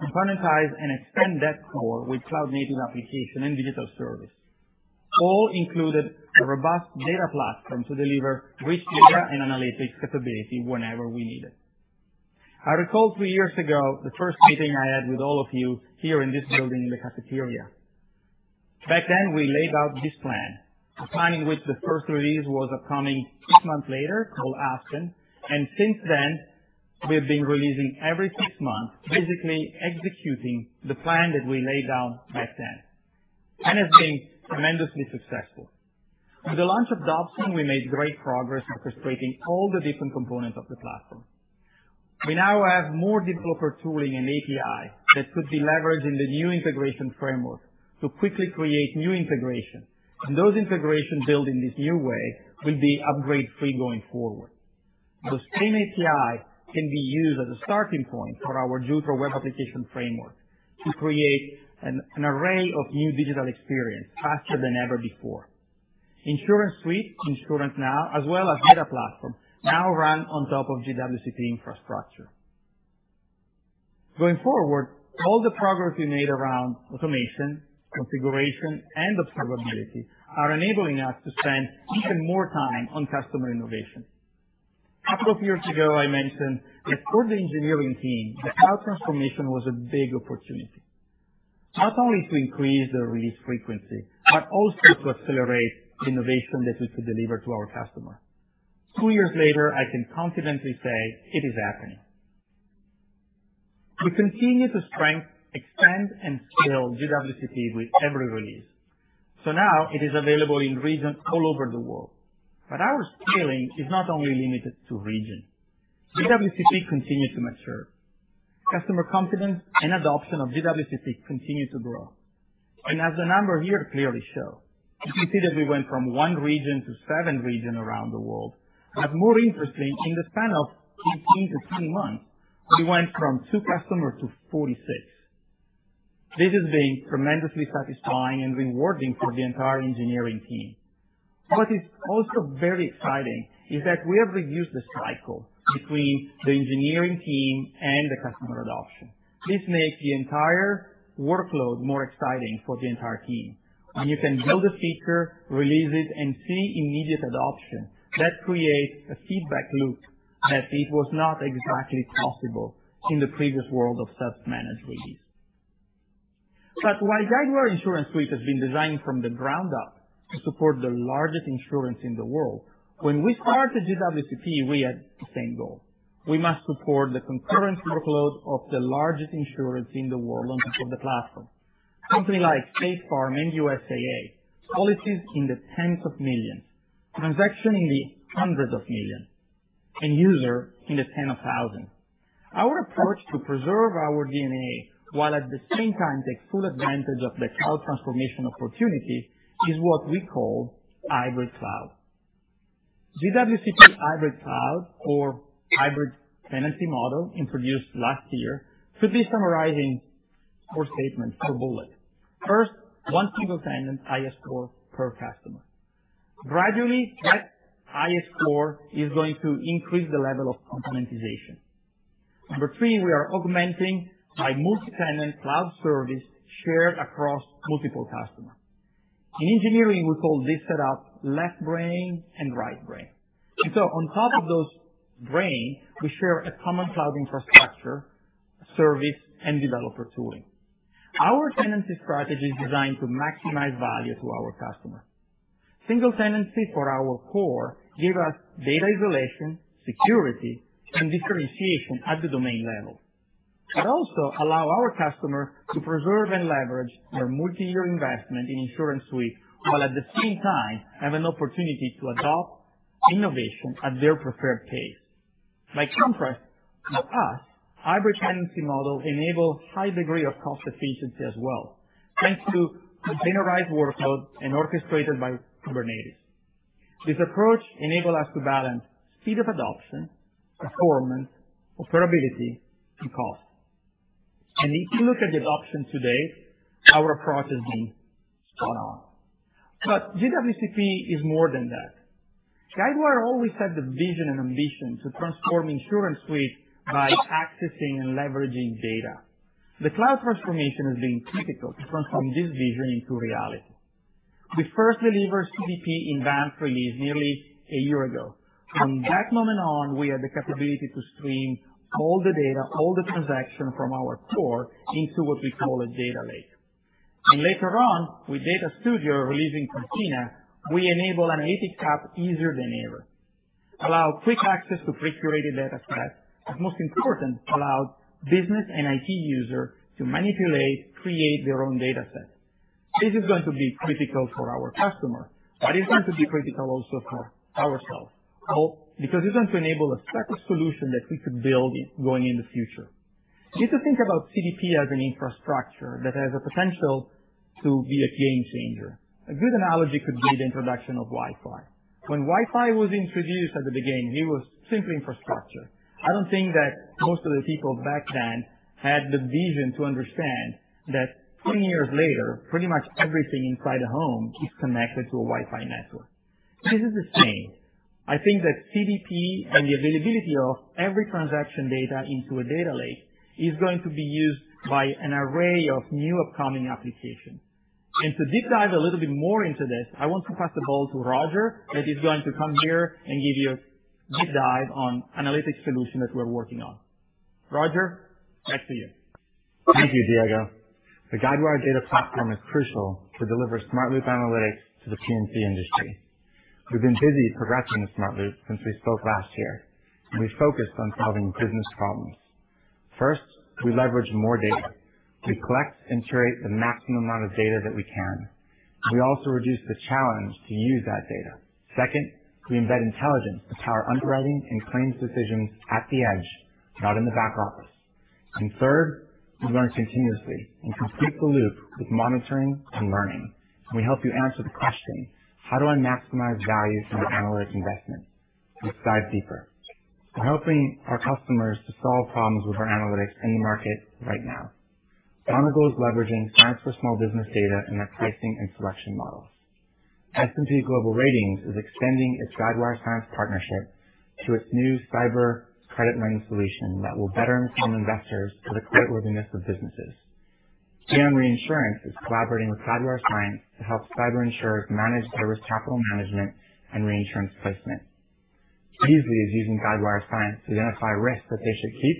componentize and extend that core with cloud-native application and digital service. All included a robust data platform to deliver rich data and analytics capability whenever we need it. I recall three years ago, the first meeting I had with all of you here in this building in the cafeteria. Back then, we laid out this plan, a plan in which the first release was upcoming six months later, called Aspen. Since then, we've been releasing every six months, basically executing the plan that we laid down back then, and it's been tremendously successful. With the launch of Dobson, we made great progress orchestrating all the different components of the platform. We now have more developer tooling and API that could be leveraged in the new integration framework to quickly create new integration. Those integration built in this new way will be upgrade-free going forward. The same API can be used as a starting point for our Jutro web application framework to create an array of new digital experience faster than ever before. InsuranceSuite, InsuranceNow, as well as Data Platform now run on top of GWCP infrastructure. Going forward, all the progress we made around automation, configuration, and observability are enabling us to spend even more time on customer innovation. A couple of years ago, I mentioned that for the engineering team, the cloud transformation was a big opportunity, not only to increase the release frequency, but also to accelerate innovation that we could deliver to our customer. Two years later, I can confidently say it is happening. We continue to strengthen, expand, and scale GWCP with every release. Now it is available in regions all over the world. Our scaling is not only limited to region. GWCP continued to mature. Customer confidence and adoption of GWCP continued to grow. As the number here clearly show, you can see that we went from 1 region to 7 region around the world. More interesting, in the span of 15-18 months, we went from two customers to 46. This has been tremendously satisfying and rewarding for the entire engineering team. What is also very exciting is that we have reduced the cycle between the engineering team and the customer adoption. This makes the entire workload more exciting for the entire team. When you can build a feature, release it, and see immediate adoption, that creates a feedback loop that it was not exactly possible in the previous world of self-managed release. While Guidewire InsuranceSuite has been designed from the ground up to support the largest insurance in the world, when we started GWCP, we had the same goal. We must support the concurrent workload of the largest insurance in the world on top of the platform. Company like State Farm and USAA, policies in the tens of millions, transaction in the hundreds of millions, and user in the tens of thousands. Our approach to preserve our DNA, while at the same time take full advantage of the cloud transformation opportunity, is what we call hybrid cloud. GWCP hybrid cloud or hybrid tenancy model introduced last year could be summarized in four statements, four bullets. First, 1 single-tenant IS core per customer. Gradually, that IS core is going to increase the level of componentization. Number three, we are augmenting by multi-tenant cloud service shared across multiple customers. In engineering, we call this setup left brain and right brain. On top of those brains, we share a common cloud infrastructure, service, and developer tooling. Our tenancy strategy is designed to maximize value to our customer. Single tenancy for our core gives us data isolation, security, and differentiation at the domain level. It also allows our customer to preserve and leverage their multi-year investment in InsuranceSuite, while at the same time have an opportunity to adopt innovation at their preferred pace. For us, hybrid tenancy model enables high degree of cost efficiency as well, thanks to containerized workload and orchestrated by Kubernetes. This approach enables us to balance speed of adoption, performance, observability, and cost. If you look at the adoption today, our approach has been spot on. GWCP is more than that. Guidewire always had the vision and ambition to transform InsuranceSuite by accessing and leveraging data. The cloud transformation has been critical to transform this vision into reality. We first delivered CDP in Banff release nearly one year ago. From that moment on, we had the capability to stream all the data, all the transaction from our core into what we call a data lake. Later on, with Data Studio releasing from platform, we enable analytics app easier than ever, allow quick access to pre-curated datasets, most important, allows business and IT user to manipulate, create their own dataset. This is going to be critical for our customer, it's going to be critical also for ourselves because it's going to enable a stack of solution that we could build going in the future. You could think about CDP as an infrastructure that has a potential to be a game changer. A good analogy could be the introduction of Wi-Fi. When Wi-Fi was introduced at the beginning, it was simply infrastructure. I don't think that most of the people back then had the vision to understand that 20 years later, pretty much everything inside the home is connected to a Wi-Fi network. This is the same. I think that CDP and the availability of every transaction data into a data lake is going to be used by an array of new upcoming applications. To deep dive a little bit more into this, I want to pass the ball to Roger, that is going to come here and give you a deep dive on analytics solution that we're working on. Roger Arnemann, back to you. Thank you, Diego. The Guidewire Data Platform is crucial to deliver Smart Loop analytics to the P&C industry. We've been busy progressing the Smart Loop since we spoke last year. We focused on solving business problems. First, we leverage more data. We collect and curate the maximum amount of data that we can. We also reduce the challenge to use that data. Second, we embed intelligence to power underwriting and claims decisions at the edge, not in the back office. Third, we learn continuously and complete the loop with monitoring and learning. We help you answer the question, how do I maximize value from my analytics investment? Let's dive deeper. We're helping our customers to solve problems with our analytics in the market right now. Sonnet is leveraging Cyence for Small Business data in their pricing and selection models. S&P Global Ratings is extending its Guidewire Cyence partnership to its new cyber credit rating solution that will better inform investors of the creditworthiness of businesses. General Motors Insurance is collaborating with Guidewire Cyence to help cyber insurers manage their risk capital management and reinsurance placement. Beazley is using Guidewire Cyence to identify risks that they should keep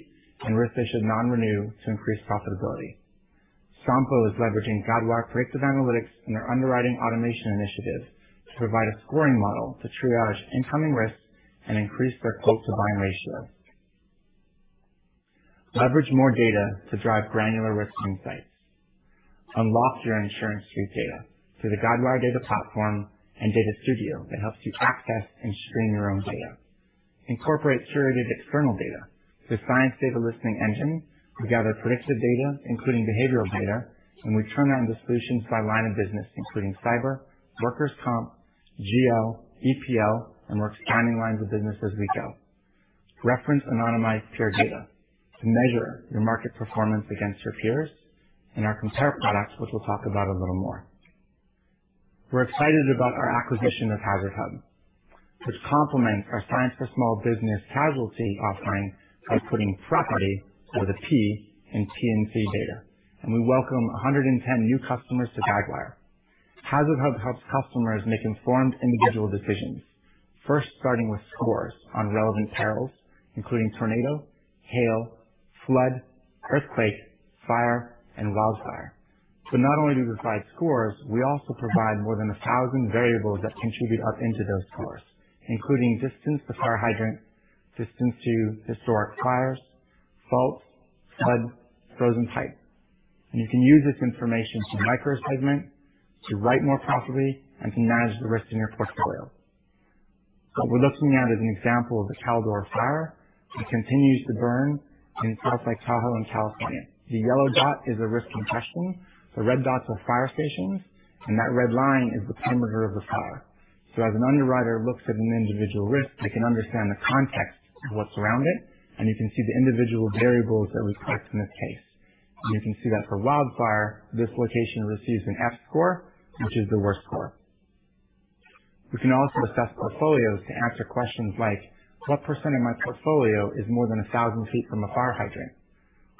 and risks they should non-renew to increase profitability. Sompo is leveraging Guidewire predictive analytics in their underwriting automation initiative to provide a scoring model to triage incoming risks and increase their quote-to-bind ratio. Leverage more data to drive granular risk insights. Unlock your InsuranceSuite data through the Guidewire Data Platform and Data Studio that helps you access and stream your own data. Incorporate curated external data through Cyence data listening engine. We gather predictive data, including behavioral data, and we turn that into solutions by line of business, including cyber, workers' comp, GL, EPL, and we're expanding lines of business as we go. Reference anonymized peer data to measure your market performance against your peers in our Compare products, which we'll talk about a little more. We're excited about our acquisition of HazardHub, which complements our Cyence for Small Business casualty offering by putting property with a P in P&C data. We welcome 110 new customers to Guidewire. HazardHub helps customers make informed individual decisions, first starting with scores on relevant perils, including tornado, hail, flood, earthquake, fire, and wildfire. Not only do we provide scores, we also provide more than 1,000 variables that contribute up into those scores, including distance to fire hydrant, distance to historic fires, faults, floods, frozen pipes. You can use this information to micro-segment, to write more profitably, and to manage the risk in your portfolio. What we're looking at is an example of the Caldor Fire, which continues to burn in South Lake Tahoe in California. The yellow dot is a risk impression, the red dots are fire stations, and that red line is the perimeter of the fire. As an underwriter looks at an individual risk, they can understand the context of what's around it, and you can see the individual variables that we collect in this case. You can see that for wildfire, this location receives an F score, which is the worst score. We can also assess portfolios to answer questions like, what percent of my portfolio is more than 1,000 feet from a fire hydrant?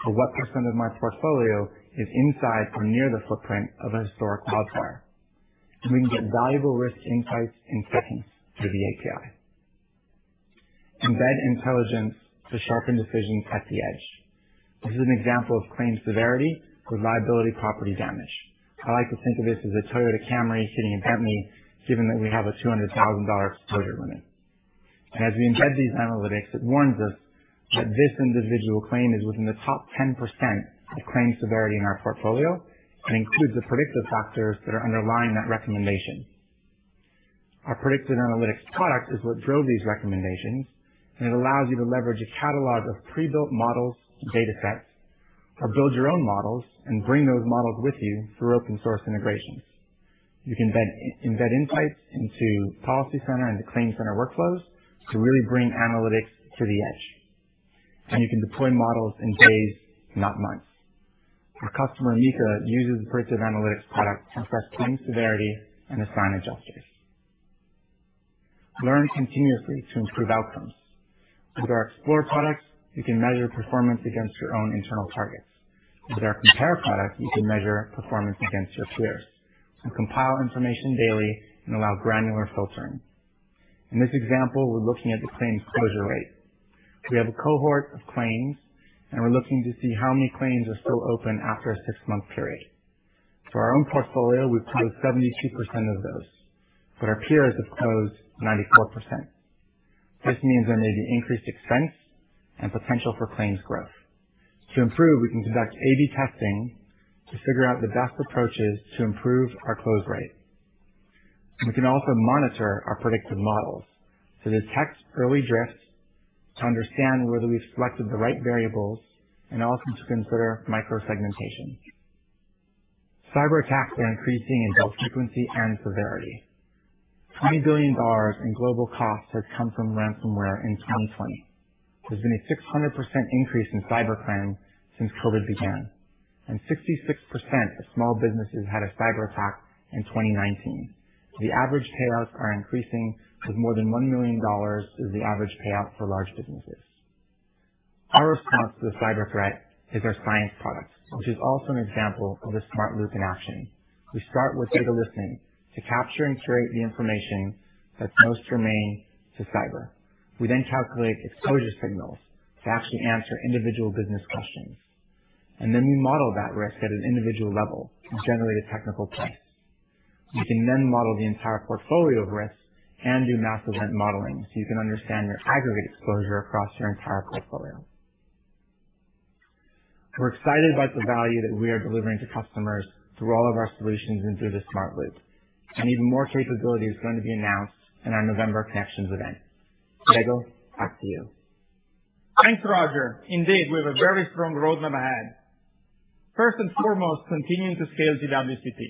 What percentage of my portfolio is inside or near the footprint of a historic wildfire? We can get valuable risk insights in seconds through the API. Embed intelligence to sharpen decisions at the edge. This is an example of claim severity for liability property damage. I like to think of this as a Toyota Camry hitting a Bentley, given that we have a $200,000 exposure limit. As we embed these analytics, it warns us that this individual claim is within the top 10% of claim severity in our portfolio and includes the predictive factors that are underlying that recommendation. Our predictive analytics product is what drove these recommendations, and it allows you to leverage a catalog of pre-built models and data sets, or build your own models and bring those models with you through open-source integrations. You can embed insights into PolicyCenter and the ClaimCenter workflows to really bring analytics to the edge. You can deploy models in days, not months. Our customer, MICA Insurance, uses the predictive analytics product to assess claim severity and assign adjusters. Learn continuously to improve outcomes. With our Explore, you can measure performance against your own internal targets. With our Compare, you can measure performance against your peers and compile information daily and allow granular filtering. In this example, we're looking at the claims closure rate. We have a cohort of claims. We're looking to see how many claims are still open after a six-month period. For our own portfolio, we've closed 72% of those. Our peers have closed 94%. This means there may be increased expense and potential for claims growth. To improve, we can conduct A/B testing to figure out the best approaches to improve our close rate. We can also monitor our predictive models to detect early drifts, to understand whether we've selected the right variables, and also to consider micro-segmentation. Cyber attacks are increasing in both frequency and severity. $20 billion in global costs has come from ransomware in 2020. There's been a 600% increase in cyber claims since COVID began, and 66% of small businesses had a cyber attack in 2019. The average payouts are increasing, with more than $1 million as the average payout for large businesses. Our response to the cyber threat is our Cyence product, which is also an example of a Smart Loop in action. We start with data listening to capture and curate the information that's most germane to cyber. We then calculate exposure signals to actually answer individual business questions. We model that risk at an individual level and generate a technical price. We can then model the entire portfolio of risks and do mass event modeling so you can understand your aggregate exposure across your entire portfolio. We're excited about the value that we are delivering to customers through all of our solutions and through the Smart Loop. Even more capability is going to be announced in our November Connections event. Diego, back to you. Thanks, Roger. Indeed, we have a very strong roadmap ahead. First and foremost, continuing to scale GWCP.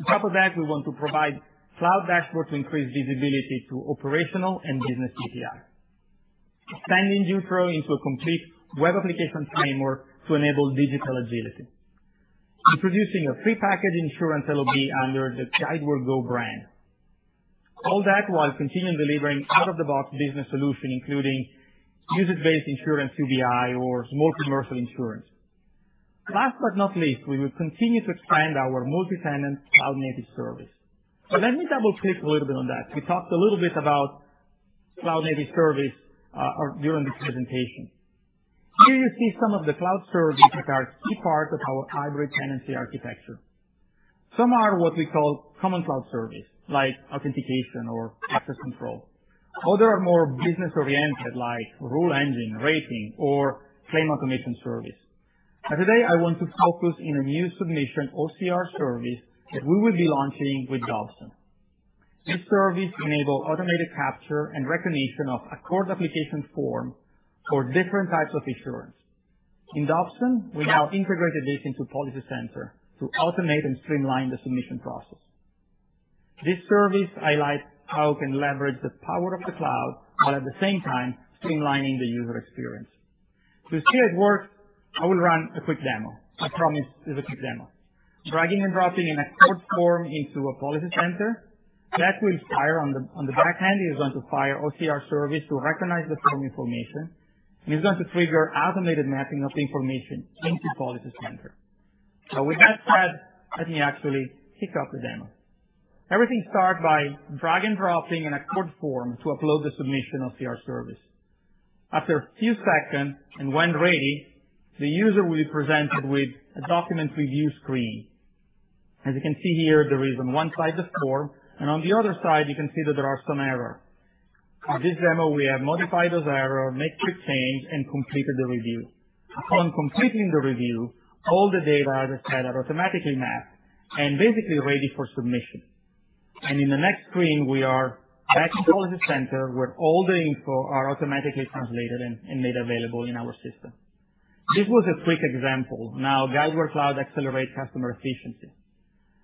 On top of that, we want to provide cloud dashboards to increase visibility to operational and business KPIs. Expanding Jutro into a complete web application framework to enable digital agility. Introducing a prepackaged insurance LOB under the Guidewire Go brand. All that while continuing delivering out-of-the-box business solution, including usage-based insurance, UBI, or small commercial insurance. Last but not least, we will continue to expand our multi-tenant cloud-native service. Let me double-click a little bit on that. We talked a little bit about cloud-native service during this presentation. Here you see some of the cloud services that are key parts of our hybrid tenancy architecture. Some are what we call common cloud service, like authentication or access control. Other are more business-oriented, like rule engine, rating, or claim automation service. Today, I want to focus in a new submission OCR service that we will be launching with Dobson. This service enable automated capture and recognition of ACORD application form for different types of insurance. In Dobson, we have integrated this into PolicyCenter to automate and streamline the submission process. This service highlights how we can leverage the power of the cloud, while at the same time streamlining the user experience. To see it work, I will run a quick demo. I promise it is a quick demo. Dragging and dropping an ACORD form into a PolicyCenter, that will fire on the back end, it is going to fire OCR service to recognize the form information. It's going to trigger automated mapping of the information into PolicyCenter. With that said, let me actually kick off the demo. Everything start by drag and dropping an ACORD form to upload the submission OCR service. After a few seconds, and when ready, the user will be presented with a document review screen. As you can see here, there is on one side the form, and on the other side, you can see that there are some error. On this demo, we have modified those error, make quick change, and completed the review. Upon completing the review, all the data are automatically mapped and basically ready for submission. In the next screen, we are back to PolicyCenter, where all the info are automatically translated and made available in our system. This was a quick example of how Guidewire Cloud accelerate customer efficiency,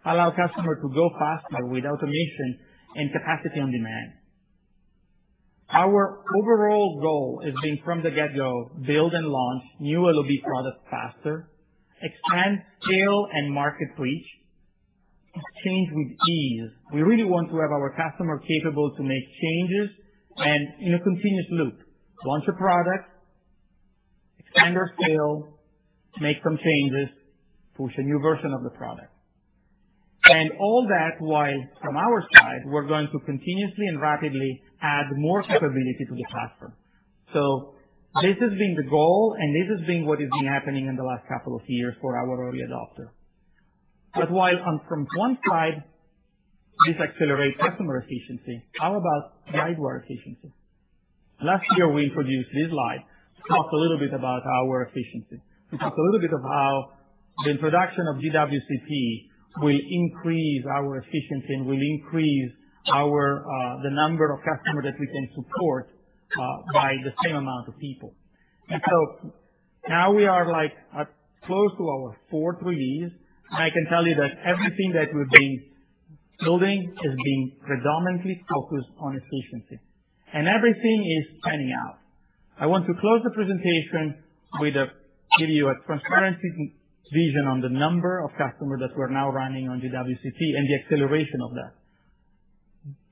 allow customer to go faster with automation and capacity on demand. Our overall goal has been from the get-go, build and launch new LOB products faster, expand scale and market reach, exchange with ease. We really want to have our customer capable to make changes and in a continuous loop. Launch a product, expand our scale, make some changes, push a new version of the product. All that while from our side, we're going to continuously and rapidly add more capability to the platform. This has been the goal and this has been what has been happening in the last couple of years for our early adopter. While from one side, this accelerates customer efficiency, how about Guidewire efficiency? Last year we introduced this slide to talk a little bit about our efficiency. We talked a little bit of how the introduction of GWCP will increase our efficiency and will increase the number of customers that we can support by the same amount of people. Now we are close to our 4th release, and I can tell you that everything that we've been building has been predominantly focused on efficiency. Everything is panning out. I want to close the presentation with giving you a transparency vision on the number of customers that we're now running on GWCP and the acceleration of that.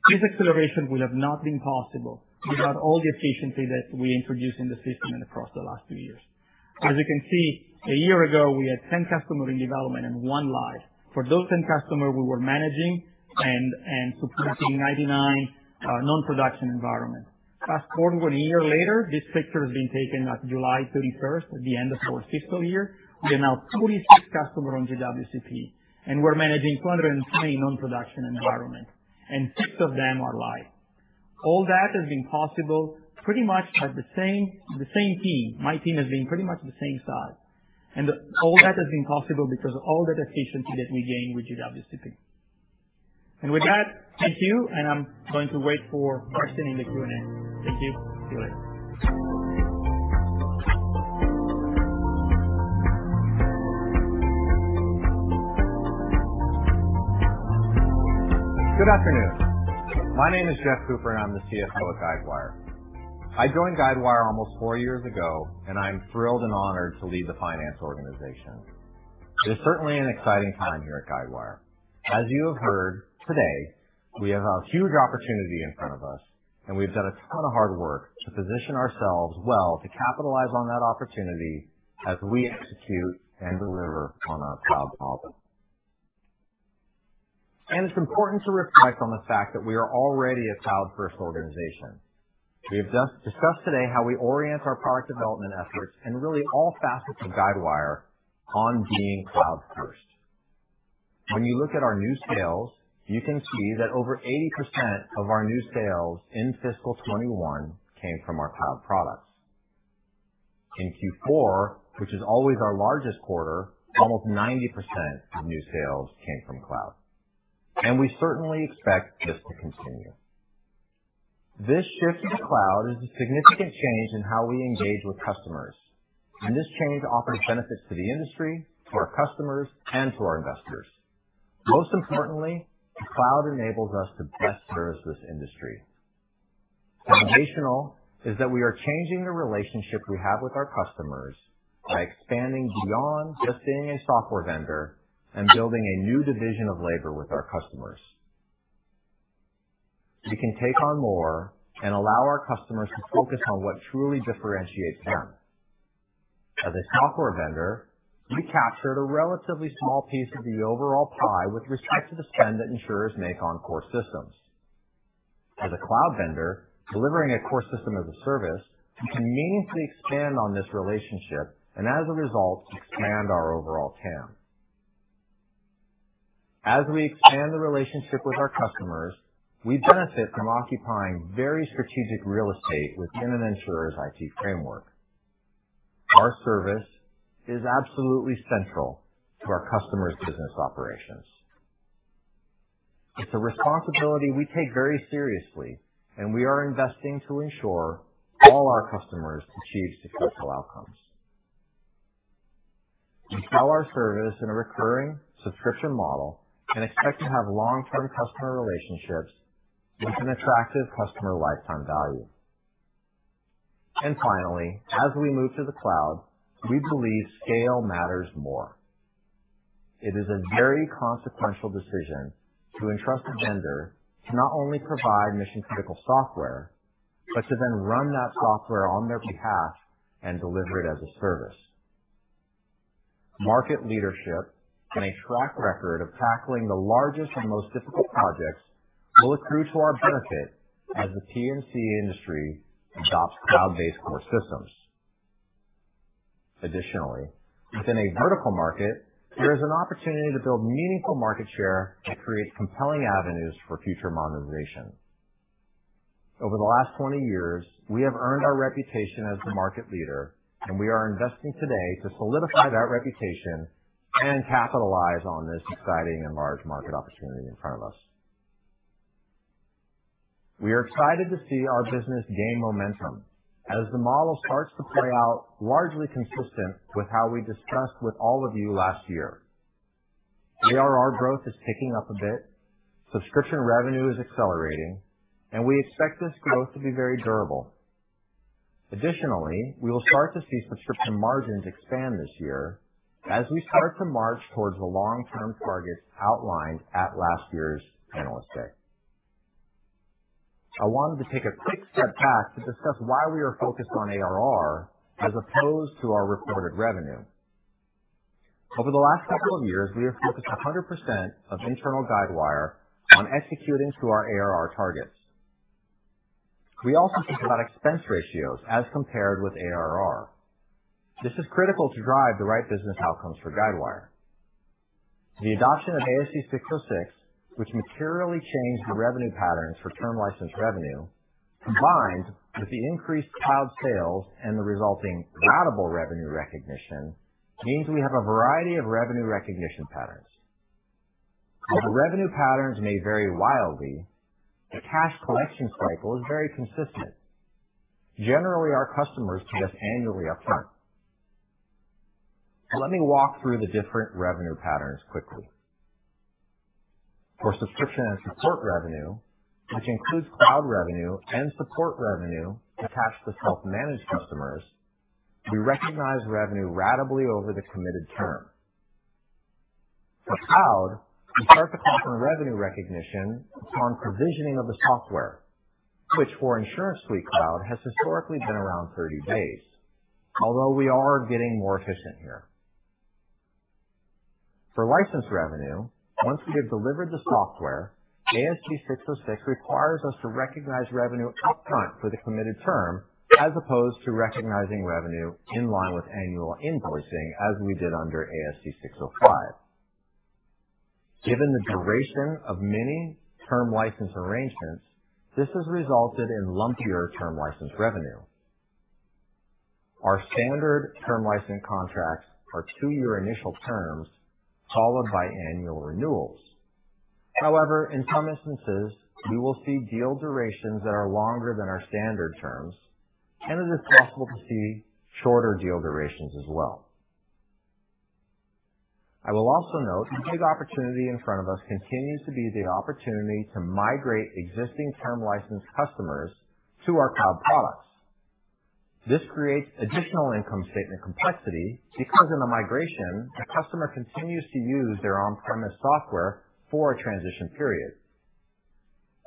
This acceleration will have not been possible without all the efficiency that we introduced in the system and across the last few years. As you can see, a year ago, we had 10 customers in development and one live. For those 10 customers we were managing and supporting 99 non-production environment. Fast-forward one year later, this picture has been taken at July 31st at the end of our fiscal year. We are now 26 customers on GWCP. We're managing 220 non-production environment. Six of them are live. All that has been possible pretty much with the same team. My team has been pretty much the same size. All that has been possible because of all that efficiency that we gained with GWCP. With that, thank you. I'm going to wait for questions in the Q&A. Thank you. See you later. Good afternoon. My name is Jeff Cooper, and I'm the CFO at Guidewire. I joined Guidewire almost four years ago, and I'm thrilled and honored to lead the finance organization. It is certainly an exciting time here at Guidewire. As you have heard today, we have a huge opportunity in front of us, and we've done a ton of hard work to position ourselves well to capitalize on that opportunity as we execute and deliver on our cloud model. It's important to reflect on the fact that we are already a cloud-first organization. We have discussed today how we orient our product development efforts and really all facets of Guidewire on being cloud first. When you look at our new sales, you can see that over 80% of our new sales in fiscal 2021 came from our cloud products. In Q4, which is always our largest quarter, almost 90% of new sales came from cloud. We certainly expect this to continue. This shift to the cloud is a significant change in how we engage with customers, and this change offers benefits to the industry, to our customers, and to our investors. Most importantly, the cloud enables us to best service this industry. Foundational is that we are changing the relationship we have with our customers by expanding beyond just being a software vendor and building a new division of labor with our customers. We can take on more and allow our customers to focus on what truly differentiates them. As a software vendor, we captured a relatively small piece of the overall pie with respect to the spend that insurers make on core systems. As a cloud vendor delivering a core system as a service, we can meaningfully expand on this relationship and as a result, expand our overall TAM. As we expand the relationship with our customers, we benefit from occupying very strategic real estate within an insurer's IT framework. Our service is absolutely central to our customers' business operations. It's a responsibility we take very seriously, and we are investing to ensure all our customers achieve successful outcomes. We sell our service in a recurring subscription model and expect to have long-term customer relationships with an attractive customer lifetime value. Finally, as we move to the cloud, we believe scale matters more. It is a very consequential decision to entrust a vendor to not only provide mission-critical software, but to then run that software on their behalf and deliver it as a service. Market leadership and a track record of tackling the largest and most difficult projects will accrue to our benefit as the P&C industry adopts cloud-based core systems. Additionally, within a vertical market, there is an opportunity to build meaningful market share and create compelling avenues for future monetization. Over the last 20 years, we have earned our reputation as the market leader, and we are investing today to solidify that reputation and capitalize on this exciting and large market opportunity in front of us. We are excited to see our business gain momentum as the model starts to play out largely consistent with how we discussed with all of you last year. ARR growth is picking up a bit, subscription revenue is accelerating, and we expect this growth to be very durable. Additionally, we will start to see subscription margins expand this year as we start to march towards the long-term targets outlined at last year's Analyst Day. I wanted to take a quick step back to discuss why we are focused on ARR as opposed to our reported revenue. Over the last couple of years, we have focused 100% of internal Guidewire on executing to our ARR targets. We also think about expense ratios as compared with ARR. This is critical to drive the right business outcomes for Guidewire. The adoption of ASC 606, which materially changed the revenue patterns for term license revenue, combined with the increased cloud sales and the resulting ratable revenue recognition, means we have a variety of revenue recognition patterns. Although revenue patterns may vary wildly, the cash collection cycle is very consistent. Generally, our customers pay us annually upfront. Let me walk through the different revenue patterns quickly. For subscription and support revenue, which includes cloud revenue and support revenue attached to self-managed customers, we recognize revenue ratably over the committed term. For cloud, we start to count the revenue recognition upon provisioning of the software, which for InsuranceSuite Cloud has historically been around 30 days. Although we are getting more efficient here. For license revenue, once we have delivered the software, ASC 606 requires us to recognize revenue upfront for the committed term, as opposed to recognizing revenue in line with annual invoicing, as we did under ASC 605. Given the duration of many term license arrangements, this has resulted in lumpier term license revenue. Our standard term license contracts are two-year initial terms, followed by annual renewals. However, in some instances, we will see deal durations that are longer than our standard terms, and it is possible to see shorter deal durations as well. I will also note the big opportunity in front of us continues to be the opportunity to migrate existing term license customers to our cloud products. This creates additional income statement complexity because in the migration, the customer continues to use their on-premise software for a transition period.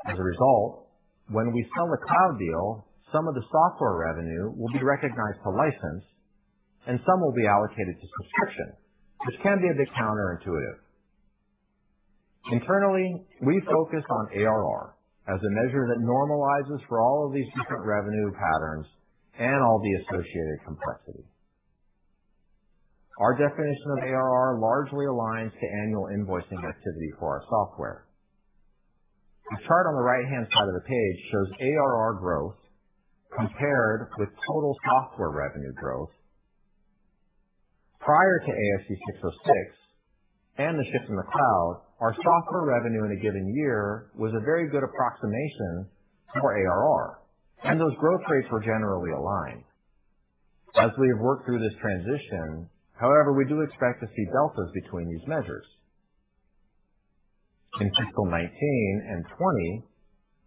As a result, when we sell the cloud deal, some of the software revenue will be recognized for license, and some will be allocated to subscription, which can be a bit counter-intuitive. Internally, we focus on ARR as a measure that normalizes for all of these different revenue patterns and all the associated complexity. Our definition of ARR largely aligns to annual invoicing activity for our software. The chart on the right-hand side of the page shows ARR growth compared with total software revenue growth. Prior to ASC 606 and the shift in the cloud, our software revenue in a given year was a very good approximation for ARR, and those growth rates were generally aligned. As we have worked through this transition, however, we do expect to see deltas between these measures. In fiscal 2019 and 2020,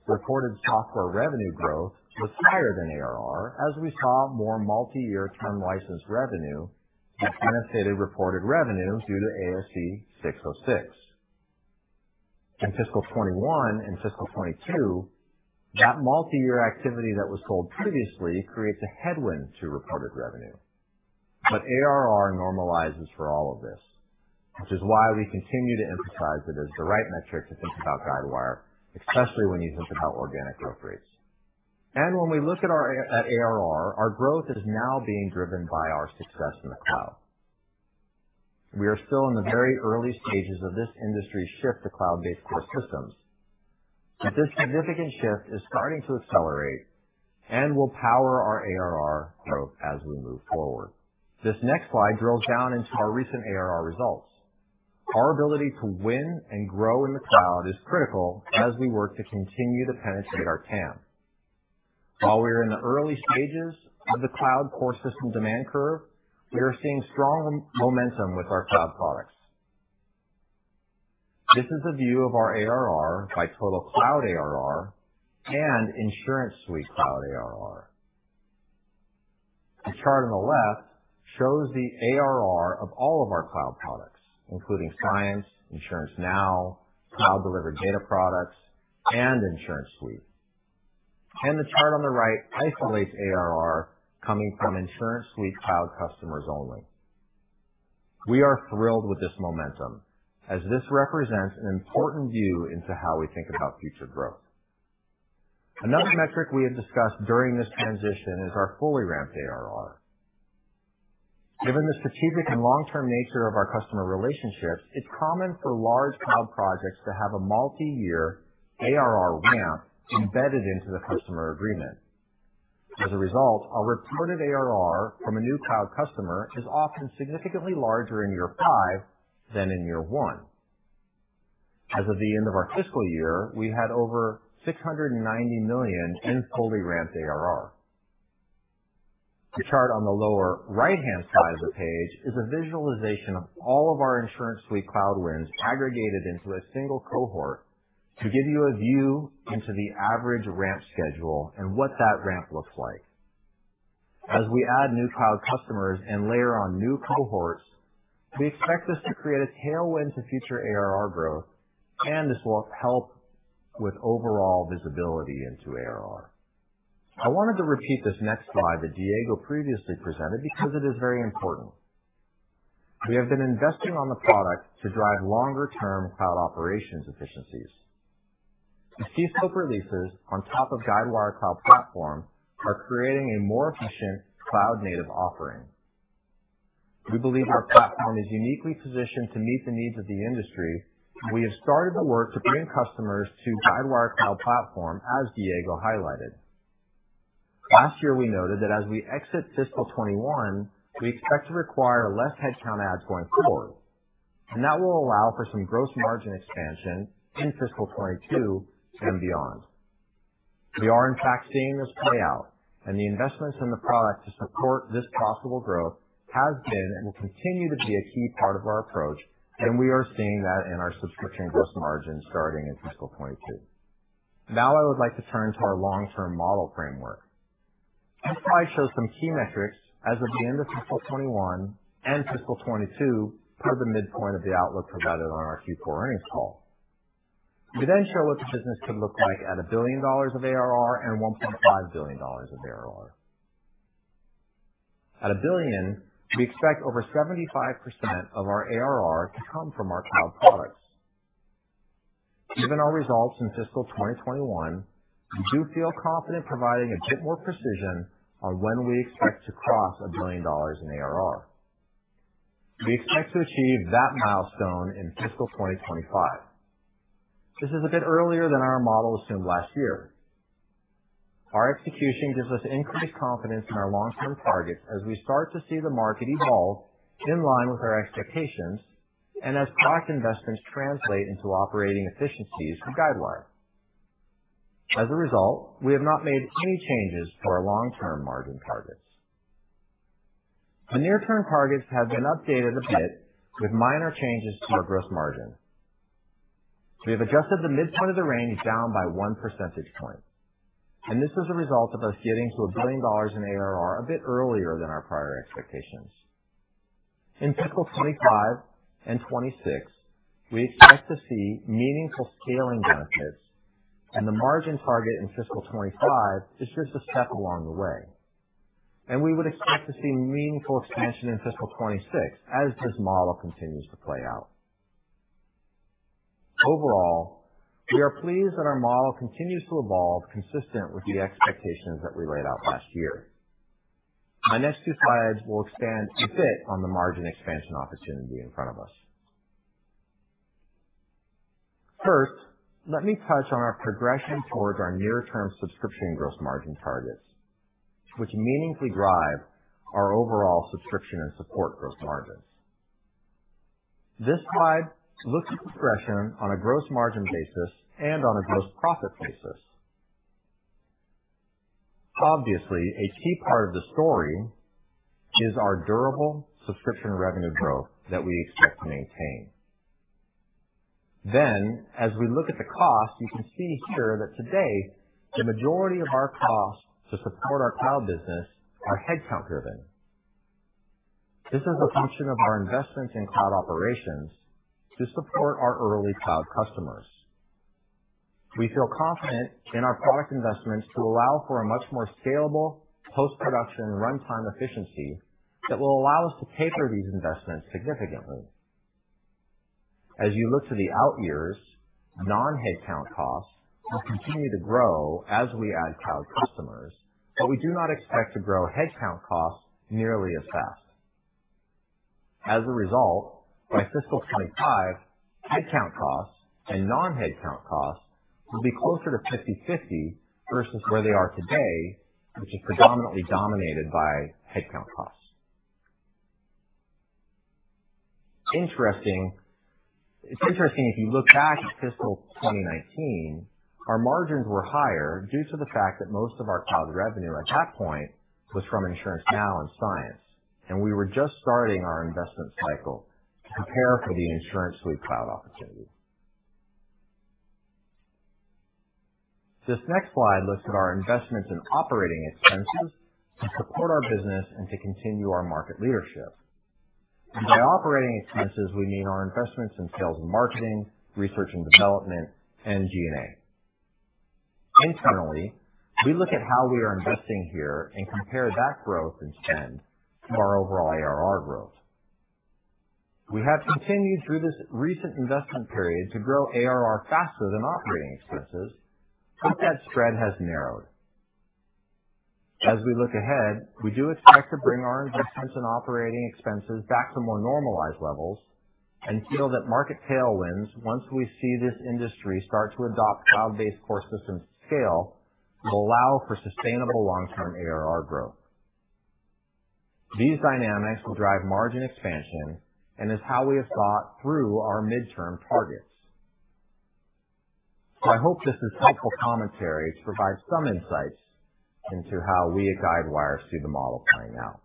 reported software revenue growth was higher than ARR as we saw more multi-year term license revenue that benefited reported revenue due to ASC 606. In fiscal 2021 and fiscal 2022, that multi-year activity that was sold previously creates a headwind to reported revenue. ARR normalizes for all of this, which is why we continue to emphasize it as the right metric to think about Guidewire, especially when you think about organic growth rates. When we look at ARR, our growth is now being driven by our success in the cloud. We are still in the very early stages of this industry shift to cloud-based core systems. This significant shift is starting to accelerate and will power our ARR growth as we move forward. This next slide drills down into our recent ARR results. Our ability to win and grow in the cloud is critical as we work to continue to penetrate our TAM. While we are in the early stages of the cloud core system demand curve, we are seeing strong momentum with our cloud products. This is a view of our ARR by total Cloud ARR and InsuranceSuite Cloud ARR. The chart on the left shows the ARR of all of our cloud products, including Cyence, InsuranceNow, cloud-delivered data products, and InsuranceSuite. The chart on the right isolates ARR coming from InsuranceSuite Cloud customers only. We are thrilled with this momentum, as this represents an important view into how we think about future growth. Another metric we have discussed during this transition is our fully ramped ARR. Given the strategic and long-term nature of our customer relationships, it is common for large cloud projects to have a multi-year ARR ramp embedded into the customer agreement. As a result, our reported ARR from a new cloud customer is often significantly larger in year five than in year one. As of the end of our fiscal year, we had over $690 million in fully ramped ARR. The chart on the lower right-hand side of the page is a visualization of all of our InsuranceSuite cloud wins aggregated into a single cohort to give you a view into the average ramp schedule and what that ramp looks like. As we add new cloud customers and layer on new cohorts, we expect this to create a tailwind to future ARR growth, and this will help with overall visibility into ARR. I wanted to repeat this next slide that Diego previously presented because it is very important. We have been investing on the product to drive longer-term cloud operations efficiencies. The C-scope releases on top of Guidewire Cloud Platform are creating a more efficient cloud-native offering. We believe our platform is uniquely positioned to meet the needs of the industry, and we have started the work to bring customers to Guidewire Cloud Platform, as Diego highlighted. Last year, we noted that as we exit fiscal 2021, we expect to require less headcount adds going forward, and that will allow for some gross margin expansion in fiscal 2022 and beyond. We are, in fact, seeing this play out, and the investments in the product to support this possible growth has been and will continue to be a key part of our approach, and we are seeing that in our subscription gross margin starting in fiscal 2022. Now, I would like to turn to our long-term model framework. This slide shows some key metrics as of the end of fiscal 2021 and fiscal 2022 per the midpoint of the outlook provided on our Q4 earnings call. We show what the business could look like at $1 billion of ARR and $1.5 billion of ARR. At $1 billion, we expect over 75% of our ARR to come from our cloud products. Given our results in fiscal 2021, we do feel confident providing a bit more precision on when we expect to cross $1 billion in ARR. We expect to achieve that milestone in fiscal 2025. This is a bit earlier than our model assumed last year. Our execution gives us increased confidence in our long-term targets as we start to see the market evolve in line with our expectations and as product investments translate into operating efficiencies for Guidewire. We have not made any changes to our long-term margin targets. The near-term targets have been updated a bit with minor changes to our gross margin. We have adjusted the midpoint of the range down by 1 percentage point. This is a result of us getting to $1 billion in ARR a bit earlier than our prior expectations. In FY 2025 and FY 2026, we expect to see meaningful scaling benefits. The margin target in FY 2025 is just a step along the way. We would expect to see meaningful expansion in FY 2026 as this model continues to play out. Overall, we are pleased that our model continues to evolve consistent with the expectations that we laid out last year. My next two slides will expand a bit on the margin expansion opportunity in front of us. First, let me touch on our progression towards our near-term subscription gross margin targets, which meaningfully drive our overall subscription and support gross margins. This slide looks at progression on a gross margin basis and on a gross profit basis. Obviously, a key part of the story is our durable subscription revenue growth that we expect to maintain. As we look at the cost, you can see here that today the majority of our costs to support our cloud business are headcount-driven. This is a function of our investments in cloud operations to support our early cloud customers. We feel confident in our product investments to allow for a much more scalable post-production runtime efficiency that will allow us to taper these investments significantly. As you look to the out years, non-headcount costs will continue to grow as we add cloud customers, but we do not expect to grow headcount costs nearly as fast. As a result, by fiscal 2025, headcount costs and non-headcount costs will be closer to 50/50 versus where they are today, which is predominantly dominated by headcount costs. It's interesting if you look back at fiscal 2019, our margins were higher due to the fact that most of our cloud revenue at that point was from InsuranceNow and Cyence, and we were just starting our investment cycle to prepare for the InsuranceSuite Cloud opportunity. This next slide looks at our investments in operating expenses to support our business and to continue our market leadership. By operating expenses, we mean our investments in sales and marketing, research and development, and G&A. Internally, we look at how we are investing here and compare that growth in spend to our overall ARR growth. We have continued through this recent investment period to grow ARR faster than operating expenses, but that spread has narrowed. As we look ahead, we do expect to bring our investments in operating expenses back to more normalized levels and feel that market tailwinds, once we see this industry start to adopt cloud-based core systems scale, will allow for sustainable long-term ARR growth. These dynamics will drive margin expansion and is how we have thought through our midterm targets. I hope this insightful commentary provides some insights into how we at Guidewire see the model playing out.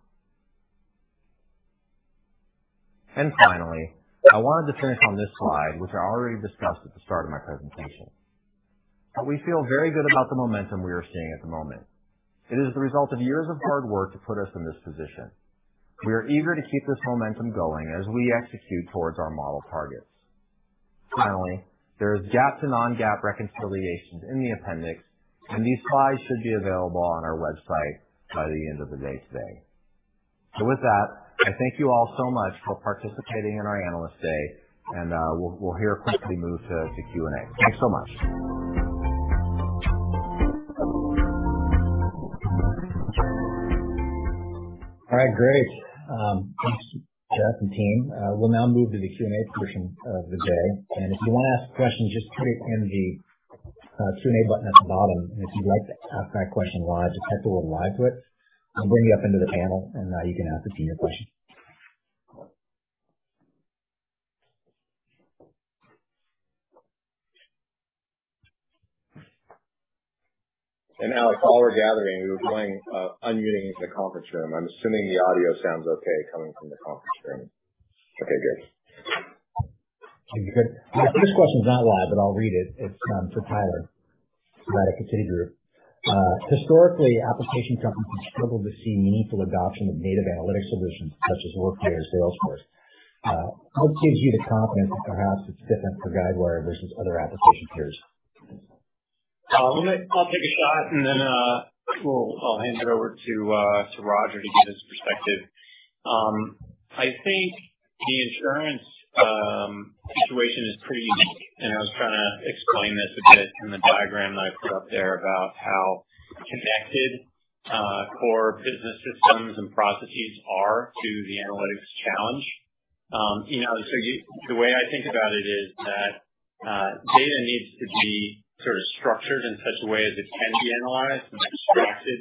Finally, I wanted to finish on this slide, which I already discussed at the start of my presentation. We feel very good about the momentum we are seeing at the moment. It is the result of years of hard work to put us in this position. We are eager to keep this momentum going as we execute towards our model targets. Finally, there is GAAP to non-GAAP reconciliations in the appendix, and these slides should be available on our website by the end of the day today. With that, I thank you all so much for participating in our Analyst Day, and we'll here quickly move to Q&A. Thanks so much. All right, great. Thanks, Jeff and team. We'll now move to the Q&A portion of the day. If you want to ask a question, just put it in the Q&A button at the bottom. If you'd like to ask that question live, just hit the little live button. I'll bring you up into the panel, and you can ask your question. Alex, while we're gathering, we were playing unmuting in the conference room. I'm assuming the audio sounds okay, coming from the conference room. Okay, good. Okay, good. This question's not live, but I'll read it. It's from Tyler at Citigroup. Historically, application companies have struggled to see meaningful adoption of native analytics solutions such as Workday or Salesforce. What gives you the confidence that perhaps it's different for Guidewire versus other application peers? I'll take a shot and then I'll hand it over to Roger to give his perspective. I think the insurance situation is pretty unique, and I was trying to explain this a bit in the diagram that I put up there about how connected core business systems and processes are to the analytics challenge. The way I think about it is that data needs to be structured in such a way as it can be analyzed and extracted.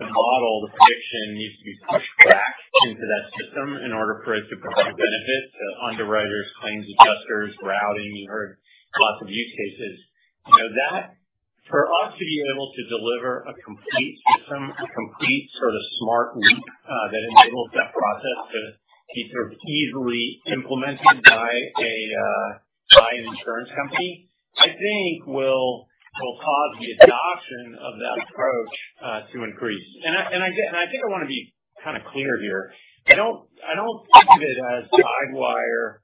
The model, the prediction needs to be pushed back into that system in order for it to provide benefit to underwriters, claims adjusters, routing. You heard lots of use cases. For us to be able to deliver a complete system, a complete sort of Smart Loop that enables that process to be easily implemented by an insurance company, I think will cause the adoption of that approach to increase. I think I want to be clear here. I don't think of it as Guidewire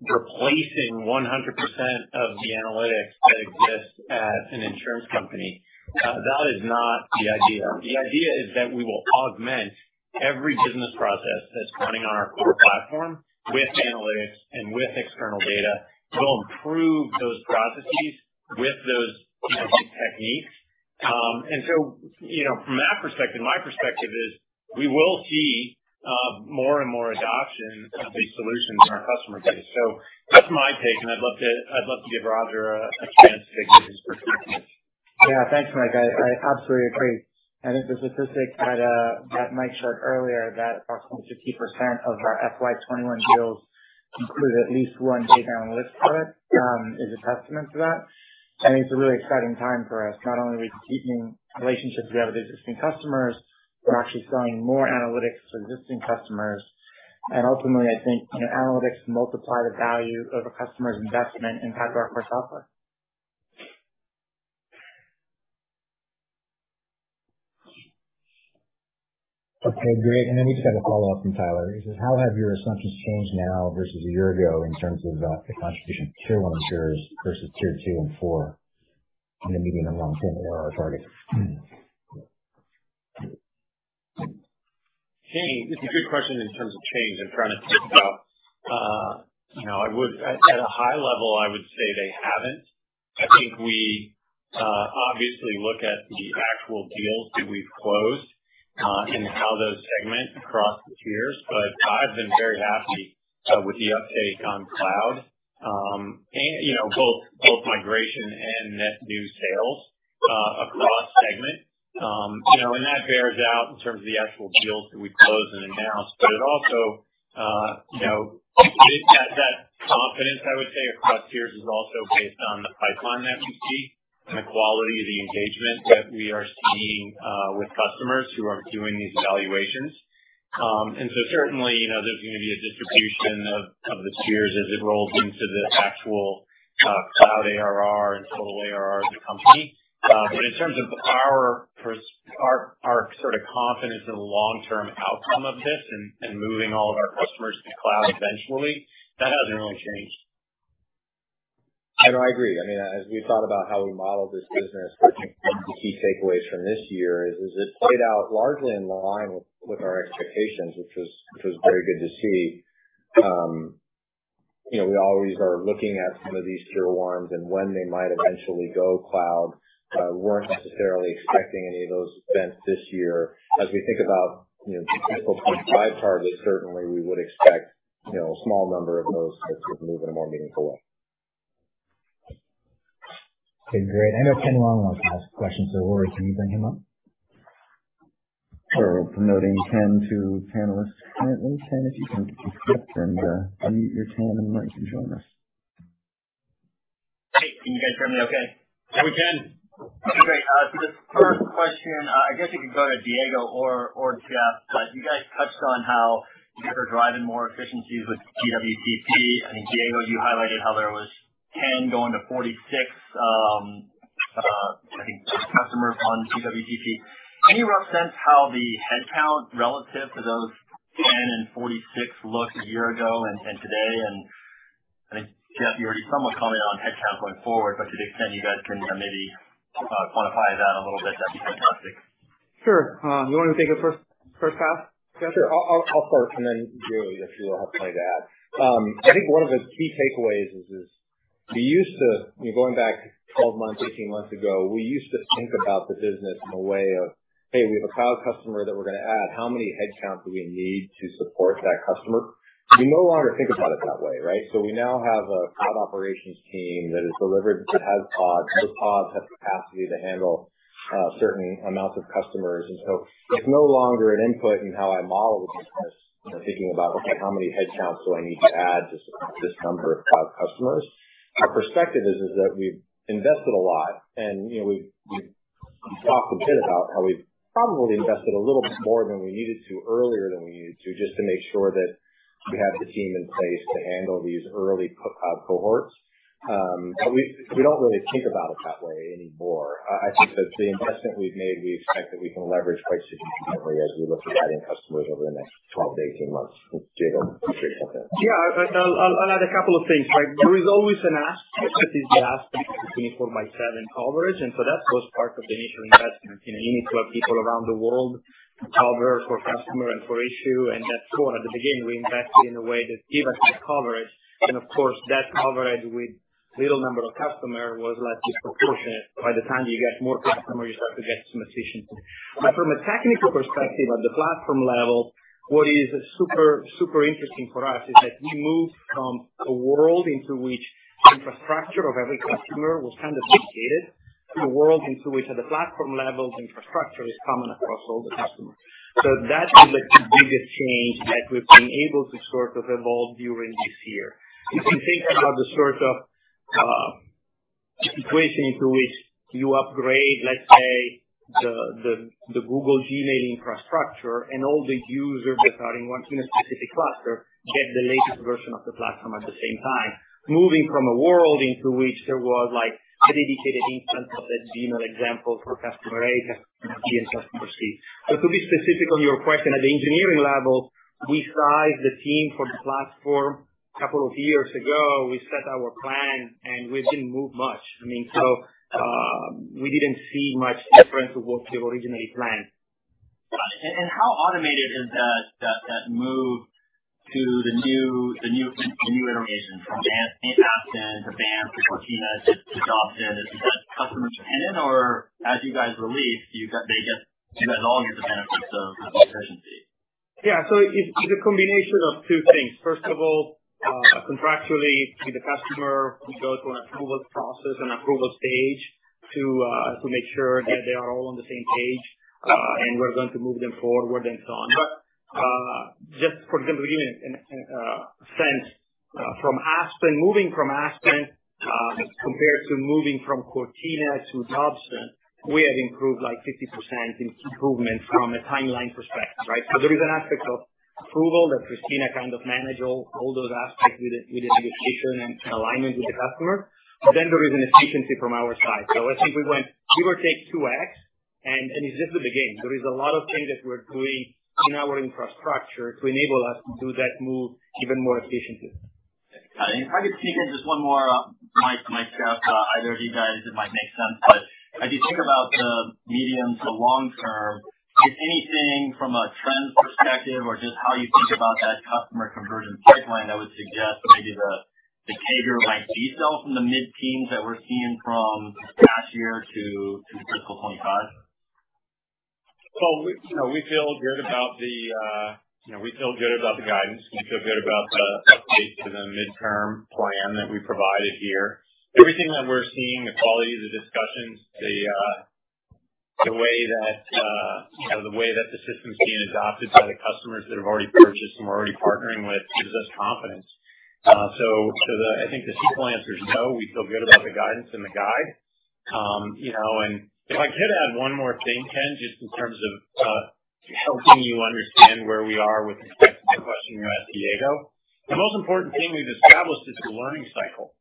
replacing 100% of the analytics that exists at an insurance company. That is not the idea. The idea is that we will augment every business process that's running on our core platform with analytics and with external data to improve those processes with those kinds of techniques. From that perspective, my perspective is we will see more and more adoption of these solutions in our customer base. That's my take, and I'd love to give Roger a chance to give his perspective. Yeah. Thanks, Mike. I absolutely agree. I think the statistic that Mike showed earlier, that approximately 50% of our FY 2021 deals include at least one data analytics product is a testament to that. I think it's a really exciting time for us. Not only are we deepening relationships we have with existing customers, we're actually selling more analytics to existing customers. Ultimately, I think analytics multiply the value of a customer's investment in Guidewire core software. Okay, great. We just got a follow-up from Tyler. He says, "How have your assumptions changed now versus a year ago in terms of the contribution of Tier 1 insurers versus Tier 2 and 4 in the medium and long term ARR targets? It's a good question in terms of change. At a high level, I would say they haven't. I think we obviously look at the actual deals that we've closed and how those segment across the tiers. I've been very happy with the uptake on Cloud, both migration and net new sales across segments. That bears out in terms of the actual deals that we've closed and announced. It also has that confidence, I would say, across peers is also based on the pipeline that we see and the quality of the engagement that we are seeing with customers who are doing these evaluations. Certainly, there's going to be a distribution of the tiers as it rolls into the actual Cloud ARR and total ARR of the company. In terms of our confidence in the long-term outcome of this and moving all of our customers to cloud eventually, that hasn't really changed. I agree. As we thought about how we model this business, I think one of the key takeaways from this year is it played out largely in line with our expectations, which was very good to see. We always are looking at some of these Tier 1s and when they might eventually go cloud. Weren't necessarily expecting any of those events this year. As we think about FY 2025 targets, certainly we would expect a small number of those types of move in a more meaningful way. Okay, great. I know Ken Wong wants to ask a question, Rory, can you bring him up? Promoting Ken to panelist. Ken, if you can hit accept and unmute your camera and mic and join us. Hey, can you guys hear me okay? Yeah, we can. Okay, great. The first question, I guess you could go to Diego or Jeff. You guys touched on how you're driving more efficiencies with GWCP. I think, Diego, you highlighted how there was 10 going to 46, I think, customers on GWCP. Any rough sense how the headcount relative to those 10 and 46 looked a year ago and today? I think, Jeff, you already somewhat commented on headcount going forward, but to the extent you guys can maybe quantify that a little bit, that'd be fantastic. Sure. You want to take the first pass, Jeff? Sure. I'll start, then Diego, if you will, have plenty to add. I think one of the key takeaways is, going back 12 months, 18 months ago, we used to think about the business in a way of, hey, we have a cloud customer that we're going to add. How many headcount do we need to support that customer? We no longer think about it that way, right? We now have a cloud operations team that is delivered, that has pods. Those pods have capacity to handle certain amounts of customers. It's no longer an input in how I model the business, thinking about, okay, how many headcounts do I need to add to support this number of cloud customers? Our perspective is that we've invested a lot, and we've talked a bit about how we've probably invested a little bit more than we needed to, earlier than we needed to, just to make sure that we have the team in place to handle these early cloud cohorts. We don't really think about it that way anymore. I think that the investment we've made, we expect that we can leverage quite significantly as we look at adding customers over the next 12-18 months. Diego, I'm sure you have that. Yeah, I'll add a couple of things. There is always an aspect that is the aspect between 4/7 coverage. That was part of the initial investment. You need to have people around the world cover for customer and for issue. That's one. At the beginning, we invested in a way that gave us that coverage. Of course, that coverage with little number of customer was less disproportionate. By the time you get more customers, you start to get some efficiency. From a technical perspective, at the platform level, what is super interesting for us is that we moved from a world into which infrastructure of every customer was kind of dedicated to a world into which, at the platform level, the infrastructure is common across all the customers. That is the biggest change that we've been able to sort of evolve during this year. If you think about the sort of situation into which you upgrade, let's say, the Google Gmail infrastructure and all the users that are in one specific cluster get the latest version of the platform at the same time, moving from a world into which there was a dedicated instance of the Gmail example for customer A, customer B, and customer C. To be specific on your question, at the engineering level, we sized the team for the platform a couple of years ago. We set our plan and we didn't move much. We didn't see much difference to what we originally planned. Got it. How automated is that move to the new iteration from Aspen to Banff to Cortina to Dobson? Is that customer-dependent or as you guys release, do you guys all get the benefits of efficiency? Yeah. It's a combination of two things. First of all, contractually, the customer goes through an approval process, an approval stage to make sure that they are all on the same page, and we're going to move them forward and so on. Just for example, even in a sense, moving from Aspen compared to moving from Cortina to Dobson, we have improved 50% in improvement from a timeline perspective, right? There is an aspect of approval that Christina kind of manage all those aspects with the negotiation and alignment with the customer. There is an efficiency from our side. Let's say if we went give or take 2x, and it's just the beginning. There is a lot of changes we're doing in our infrastructure to enable us to do that move even more efficiently. Got it. If I could sneak in just one more, Mike, Jeff, either of you guys, it might make sense. As you think about the medium to long term, is anything from a trends perspective or just how you think about that customer conversion pipeline that would suggest maybe the behavior like detail from the mid-teens that we're seeing from last year to fiscal 2025? We feel good about the guidance. We feel good about the updates to the midterm plan that we provided here. Everything that we're seeing, the quality of the discussions, the way that the system's being adopted by the customers that have already purchased and we're already partnering with gives us confidence. I think the simple answer is no, we feel good about the guidance and the guide. If I could add one more thing, Ken, just in terms of helping you understand where we are with respect to the question you asked Diego. The most important thing we've established is the learning cycle,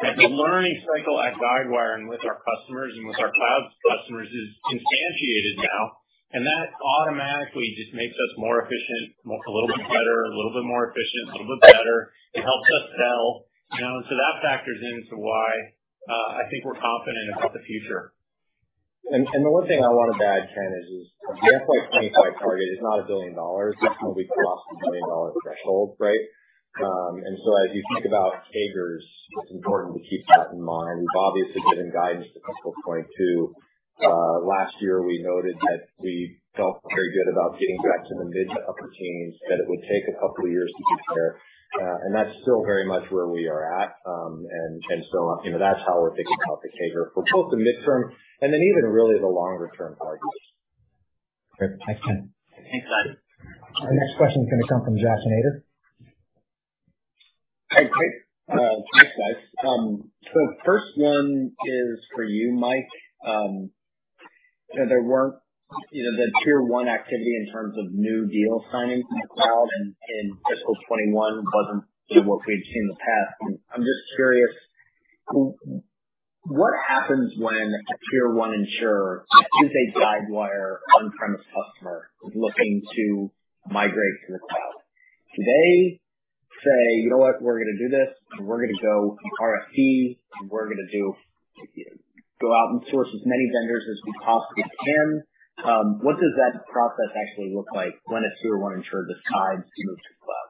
that the learning cycle at Guidewire and with our customers and with our cloud customers is instantiated now, and that automatically just makes us more efficient, a little bit better, a little bit more efficient, a little bit better. It helps us sell, you know? That factors into why I think we're confident about the future. The one thing I want to add, Ken, is the FY 2025 target is not $1 billion. It's when we cross the billion-dollar threshold, right? As you think about CAGRs, it's important to keep that in mind. We've obviously given guidance for fiscal 2022. Last year, we noted that we felt very good about getting back to the mid to upper teens, that it would take a couple of years to get there. That's still very much where we are at. That's how we're thinking about the CAGR for both the midterm and then even really the longer-term targets. Great. Thanks Ken. Thanks, guys. The next question is going to come from Josh Nader. Hey, quick. Thanks, guys. The first one is for you, Mike. The tier 1 activity in terms of new deal signings in the cloud in FY 2021 wasn't what we've seen in the past. I'm just curious, what happens when a tier 1 insurer is a Guidewire on-premise customer looking to migrate to the cloud? Do they say, "You know what? We're going to do this, and we're going to go RFP, and we're going to go out and source as many vendors as we possibly can." What does that process actually look like when a tier 1 insurer decides to move to the cloud?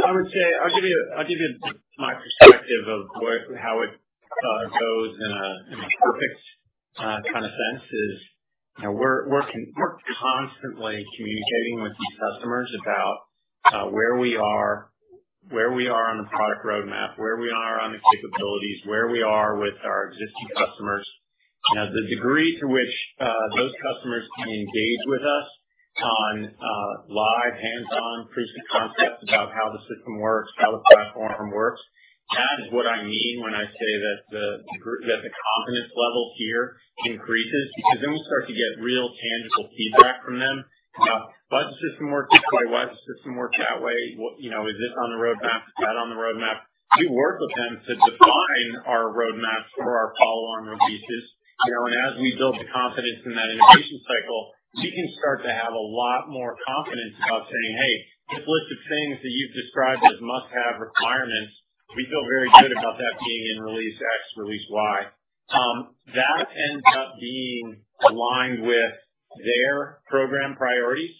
I'll give you my perspective of how it goes in a perfect sense is, we're constantly communicating with these customers about where we are on the product roadmap, where we are on the capabilities, where we are with our existing customers. The degree to which those customers can engage with us on live, hands-on proof of concept about how the system works, how the platform works, that is what I mean when I say that the confidence level here increases because then we'll start to get real tangible feedback from them. Why does the system work this way? Why does the system work that way? Is this on the roadmap? Is that on the roadmap? We work with them to define our roadmaps for our follow-on releases. As we build the confidence in that innovation cycle, we can start to have a lot more confidence about saying, "Hey, this list of things that you've described as must-have requirements, we feel very good about that being in release X, release Y." That ends up being aligned with their program priorities.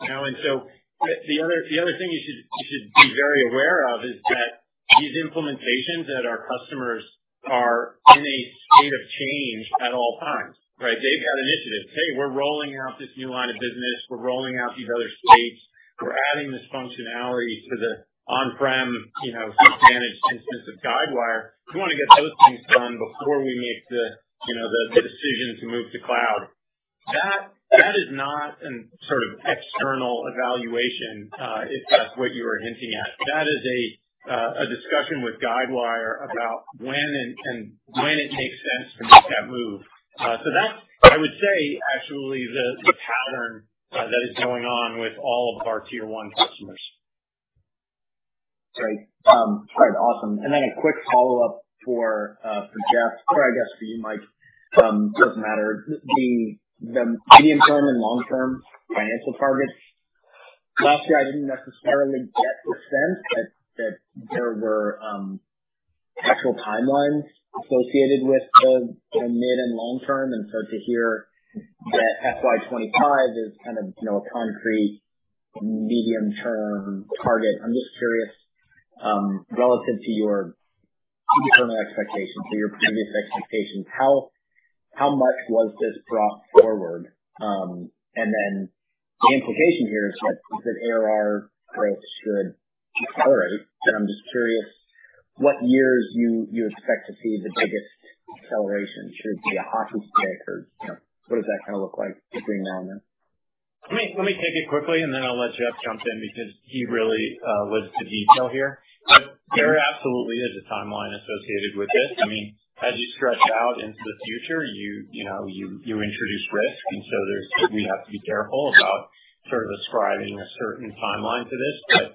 The other thing you should be very aware is that these implementations at our customers are in a state of change at all times, right? They've got initiatives. Hey, we're rolling out this new line of business. We're rolling out these other states. We're adding this functionality to the on-prem, managed instance of Guidewire. We want to get those things done before we make the decision to move to cloud. That is not an external evaluation, if that's what you were hinting at. That is a discussion with Guidewire about when it makes sense to make that move. That I would say actually the pattern that is going on with all of our tier 1 customers. Great. Awesome. Then a quick follow-up for Jeff or I guess for you, Mike, doesn't matter. The medium-term and long-term financial targets. Last year, I didn't necessarily get the sense that there were actual timelines associated with the mid- and long-term. So to hear that FY 2025 is kind of a concrete medium-term target. I'm just curious, relative to your internal expectations or your previous expectations, how much was this brought forward? Then the implication here is that ARR growth should accelerate, and I'm just curious what years you expect to see the biggest acceleration. Should it be a hockey stick or what does that look like between now and then? Let me take it quickly, and then I'll let Jeff jump in because he really was the detail here. There absolutely is a timeline associated with this. As you stretch out into the future, you introduce risk, we have to be careful about ascribing a certain timeline to this.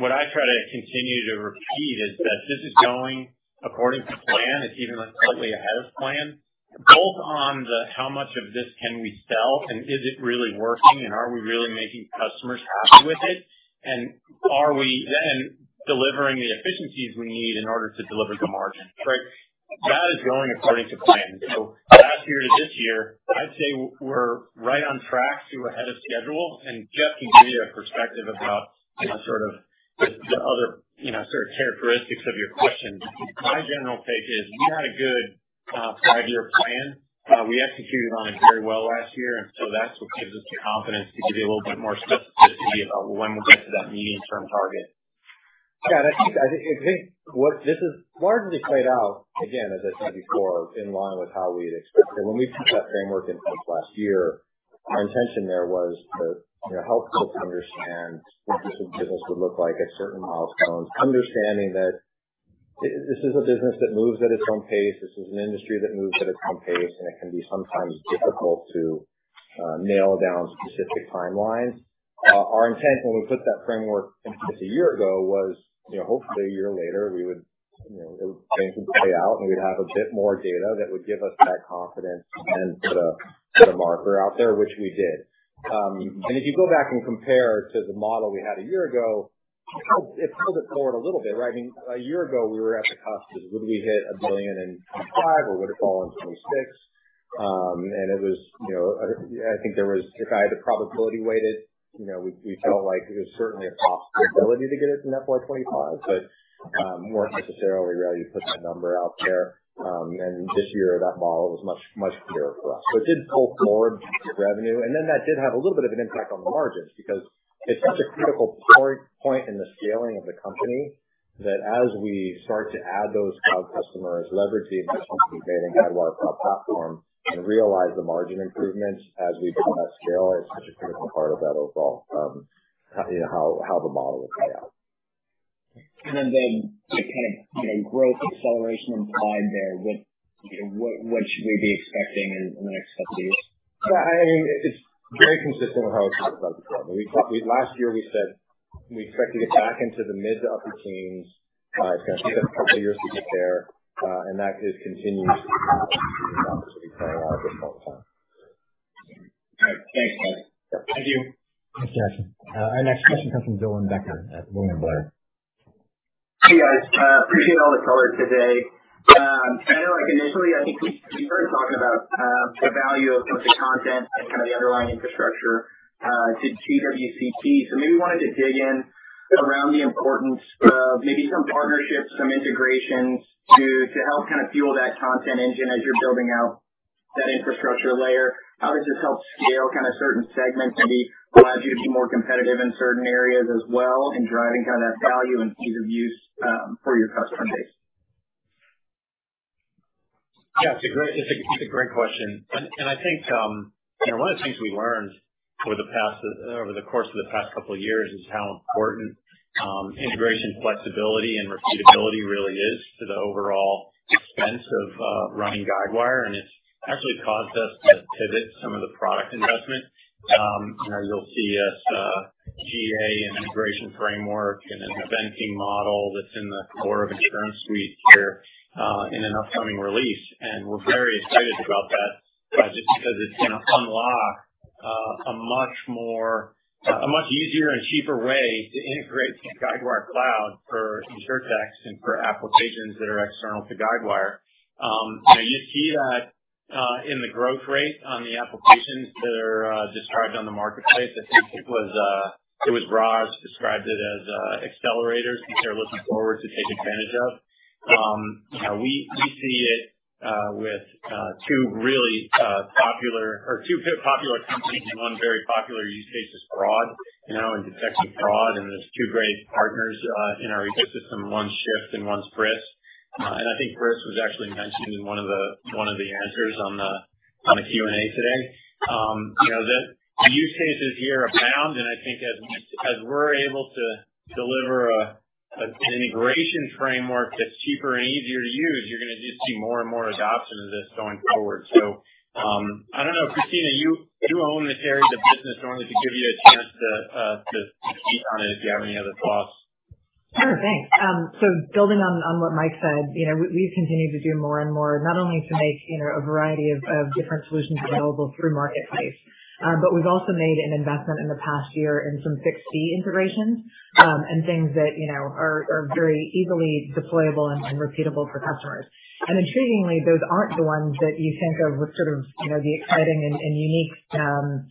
What I try to continue to repeat is that this is going according to plan. It's even slightly ahead of plan, both on the how much of this can we sell and is it really working and are we really making customers happy with it, and are we then delivering the efficiencies we need in order to deliver the margin, right? That is going according to plan. Last year to this year, I'd say we're right on track to ahead of schedule, and Jeff can give you a perspective about the other characteristics of your question. My general take is we had a good five-year plan. We executed on it very well last year. That's what gives us the confidence to give you a little bit more specificity about when we'll get to that medium-term target. Yeah, I think this has largely played out, again, as I said before, in line with how we had expected. When we put that framework in place last year, our intention there was to help folks understand what the business would look like at certain milestones, understanding that this is a business that moves at its own pace. This is an industry that moves at its own pace, and it can be sometimes difficult to nail down specific timelines. Our intent when we put that framework in place a year ago was, hopefully a year later things would play out and we'd have a bit more data that would give us that confidence and put a marker out there, which we did. If you go back and compare to the model we had a year ago, it pulled it forward a little bit, right? A year ago, we were at the cusp of would we hit $1 billion in 2025 or would it fall in 2026? I think there was a guy that probability weighted. We felt like it was certainly a possibility to get it in that FY 2025, but weren't necessarily ready to put that number out there. This year, that model was much clearer for us. It did pull forward revenue, and then that did have a little bit of an impact on the margins because it's such a critical point in the scaling of the company that as we start to add those cloud customers, leverage the investments we've made in Guidewire Cloud Platform and realize the margin improvements as we build that scale is such a critical part of that overall how the model will play out. The kind of growth acceleration implied there, what should we be expecting in the next couple years? Yeah. It's very consistent with how it's looked like before. Last year we said we expect to get back into the mid to upper teens. It's going to take us a couple years to get there. That does continue to be the opportunity plan on at this point in time. All right. Thanks, Mike Thank you. Thanks, Josh. Our next question comes from Dylan Becker at William Blair. Hey, guys. Appreciate all the color today. I know initially, I think we started talking about the value of kind of the content and kind of the underlying infrastructure to GWCP. Maybe wanted to dig in around the importance of maybe some partnerships, some integrations to help kind of fuel that content engine as you're building out that infrastructure layer. How does this help scale kind of certain segments, maybe allows you to be more competitive in certain areas as well in driving kind of that value and ease of use for your customer base? Yeah, it's a great question. I think one of the things we learned over the course of the past couple of years is how important integration flexibility and repeatability really is to the overall expense of running Guidewire. It's actually caused us to pivot some of the product investment. You'll see us GA an integration framework and an eventing model that's in the core of InsuranceSuite here in an upcoming release. We're very excited about that just because it's going to unlock a much easier and cheaper way to integrate Guidewire Cloud for InsurTechs and for applications that are external to Guidewire. You see that in the growth rate on the applications that are described on the Marketplace. I think it was Roz described it as accelerators. These are looking forward to take advantage of. We see it with two really popular, or two popular companies and one very popular use case is fraud, in detecting fraud. There's two great partners in our ecosystem. One's Shift and one's FRISS. I think FRISS was actually mentioned in one of the answers on the Q&A today. The use cases here abound. I think as we're able to deliver an integration framework that's cheaper and easier to use, you're going to just see more and more adoption of this going forward. I don't know, Christina, you own this area of the business. I wanted to give you a chance to speak on it if you have any other thoughts. Sure thing. Building on what Mike said, we've continued to do more and more, not only to make a variety of different solutions available through Marketplace, but we've also made an investment in the past year in some fixed fee integrations, and things that are very easily deployable and repeatable for customers. Intriguingly, those aren't the ones that you think of with sort of the exciting and unique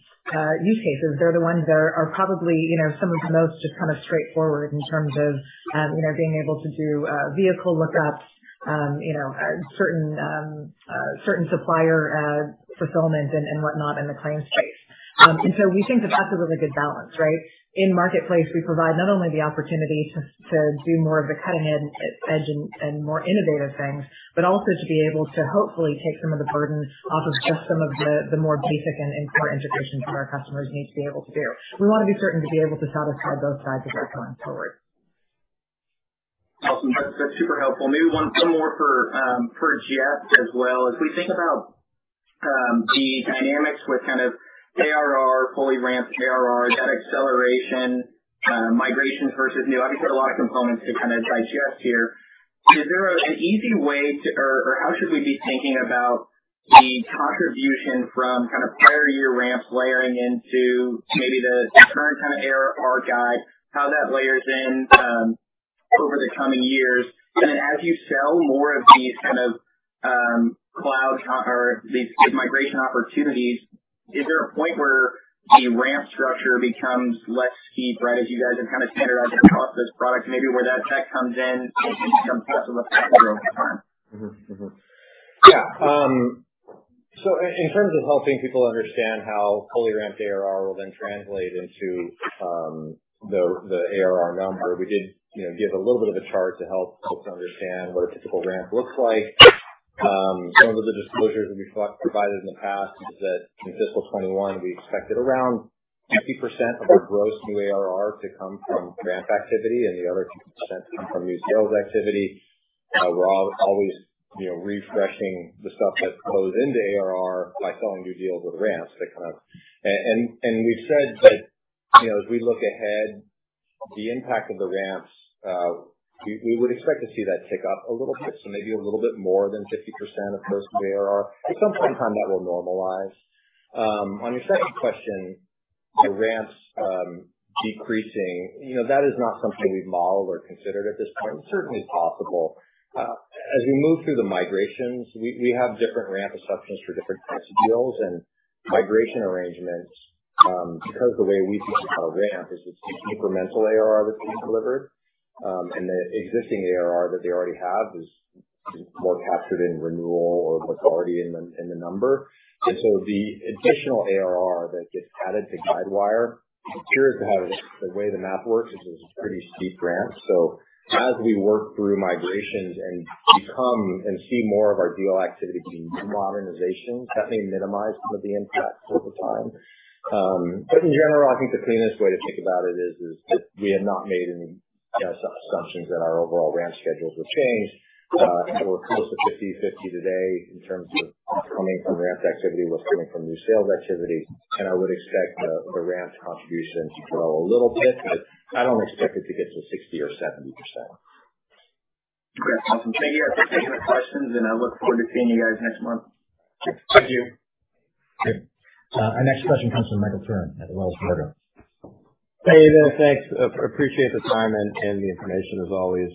use cases. They're the ones that are probably some of the most just kind of straightforward in terms of being able to do vehicle lookups, certain supplier fulfillment and whatnot in the claims space. We think that that's a really good balance, right? In Marketplace, we provide not only the opportunity to do more of the cutting edge and more innovative things, but also to be able to hopefully take some of the burden off of just some of the more basic and core integrations that our customers need to be able to do. We want to be certain to be able to satisfy both sides of that going forward. Awesome. That's super helpful. Maybe one more for Jeff as well. As we think about the dynamics with kind of ARR, fully ramped ARR, net acceleration, migrations versus new, we obviously got a lot of components to kind of digest here. Is there an easy way to, or how should we be thinking about the contribution from kind of prior year ramps layering into maybe the current kind of ARR guide, how that layers in over the coming years? As you sell more of these kind of cloud or these migration opportunities, is there a point where the ramp structure becomes less steep, right, as you guys have kind of standardized the cost of this product, maybe where that check comes in becomes less of a factor over time? In terms of helping people understand how fully ramped ARR will then translate into the ARR number, we did give a little bit of a chart to help folks understand what a typical ramp looks like. Some of the disclosures that we've provided in the past is that in fiscal 2021, we expected around 50% of our gross new ARR to come from ramp activity and the other 50% come from new sales activity. We're always refreshing the stuff that flows into ARR by selling new deals with ramps. We've said that as we look ahead, the impact of the ramps, we would expect to see that tick up a little bit. Maybe a little bit more than 50% of gross new ARR. At some point in time, that will normalize. On your second question, the ramps decreasing, that is not something we've modeled or considered at this point. It's certainly possible. As we move through the migrations, we have different ramp assumptions for different types of deals and migration arrangements. The way we think about a ramp is it's incremental ARR that's being delivered, and the existing ARR that they already have is More captured in renewal or what's already in the number. The additional ARR that gets added to Guidewire, I'm curious about the way the math works, which is a pretty steep ramp. As we work through migrations and become and see more of our deal activity being modernization, that may minimize some of the impact over time. In general, I think the cleanest way to think about it is that we have not made any assumptions that our overall ramp schedules have changed. We're close to 50/50 today in terms of what's coming from ramp activity, what's coming from new sales activity, and I would expect the ramp contribution to grow a little bit, but I don't expect it to get to 60% or 70%. Great. Awesome. Thank you for taking the questions, and I look forward to seeing you guys next month. Thank you. Great. Our next question comes from Michael Turrin at Wells Fargo. Hey, there. Thanks. Appreciate the time and the information as always.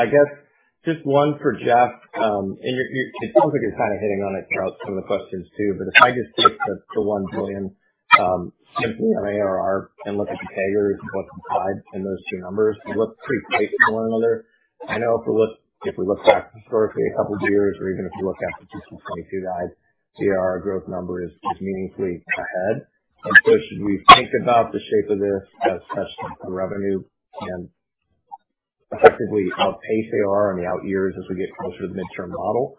I guess just one for Jeff. It sounds like you're kind of hitting on it throughout some of the questions too. If I just take the $1 billion simply on ARR and look at the CAGRs and look inside in those two numbers, they look pretty close to one another. I know if we look back historically a couple of years or even if you look at the FY 2022 guide, the ARR growth number is meaningfully ahead. Should we think about the shape of this as such the revenue can effectively outpace ARR in the out years as we get closer to the midterm model?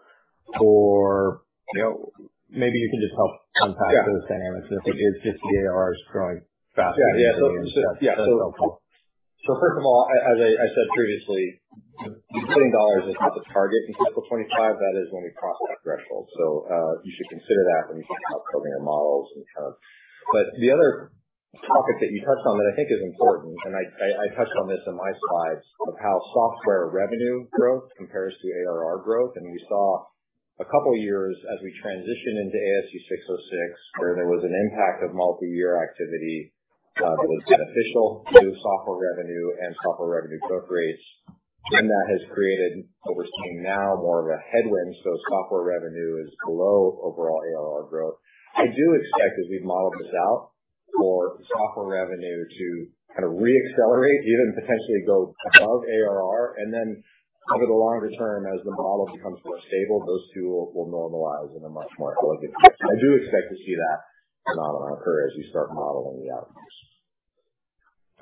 Maybe you can just help unpack those dynamics and if it is just the ARR is growing faster. Yeah. First of all, as I said previously, the $1 billion is not the target in fiscal 2025. That is when we cross that threshold. You should consider that when you think about covering your models and such. The other topic that you touched on that I think is important, and I touched on this in my slides, of how software revenue growth compares to ARR growth. We saw two years as we transitioned into ASC 606, where there was an impact of multi-year activity that was beneficial to software revenue and software revenue growth rates. That has created what we're seeing now, more of a headwind. Software revenue is below overall ARR growth. I do expect as we model this out for software revenue to kind of re-accelerate, even potentially go above ARR, and then over the longer term, as the model becomes more stable, those two will normalize in a much more elegant way. I do expect to see that phenomenon occur as you start modeling the outcomes.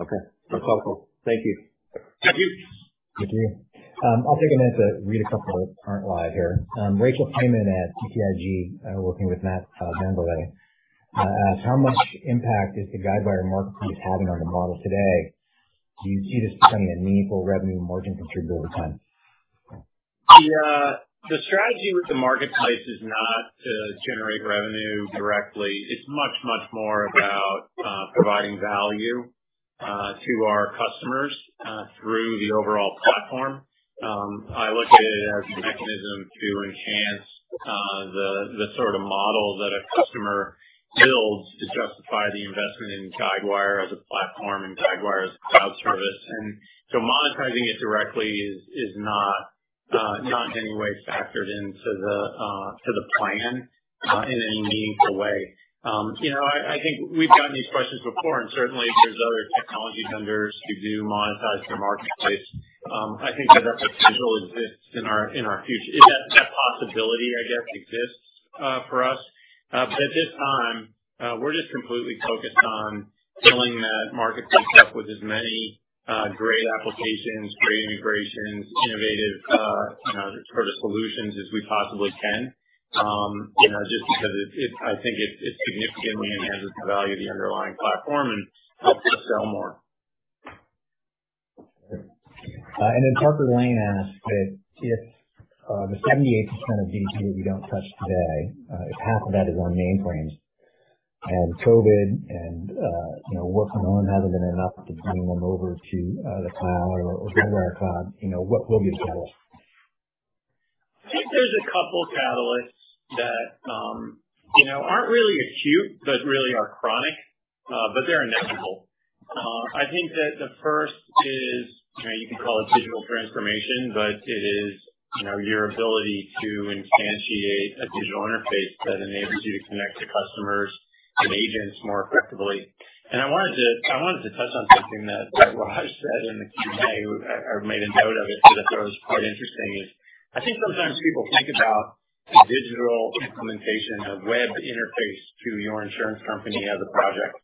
Okay. That's helpful. Thank you. Thank you. I'll take a minute to read a couple that aren't live here. Rachel Freeman at BTIG, working with Matt VanVliet, asks, "How much impact is the Guidewire Marketplace having on the model today? Do you see this becoming a meaningful revenue and margin contributor over time? The strategy with the marketplace is not to generate revenue directly. It's much, much more about providing value to our customers through the overall platform. I look at it as a mechanism to enhance the sort of model that a customer builds to justify the investment in Guidewire as a platform and Guidewire as a cloud service. Monetizing it directly is not in any way factored into the plan in any meaningful way. I think we've gotten these questions before, and certainly there's other technology vendors who do monetize their marketplace. I think that that potential exists in our future. That possibility, I guess, exists for us. At this time, we're just completely focused on filling that marketplace up with as many great applications, great integrations, innovative sort of solutions as we possibly can. Just because I think it significantly enhances the value of the underlying platform and helps us sell more. Parker Lane asked that if the 78% of GDP that you don't touch today, if half of that is on mainframe, and COVID and working remote hasn't been enough to bring them over to the cloud or Guidewire Cloud, what will be the catalyst? I think there's a couple of catalysts that aren't really acute, but really are chronic, but they're inevitable. I think that the first is, you can call it digital transformation, but it is your ability to instantiate a digital interface that enables you to connect to customers and agents more effectively. I wanted to touch on something that Raj said in the Q&A or made a note of it that I thought was quite interesting, is I think sometimes people think about a digital implementation, a web interface to your insurance company as a project,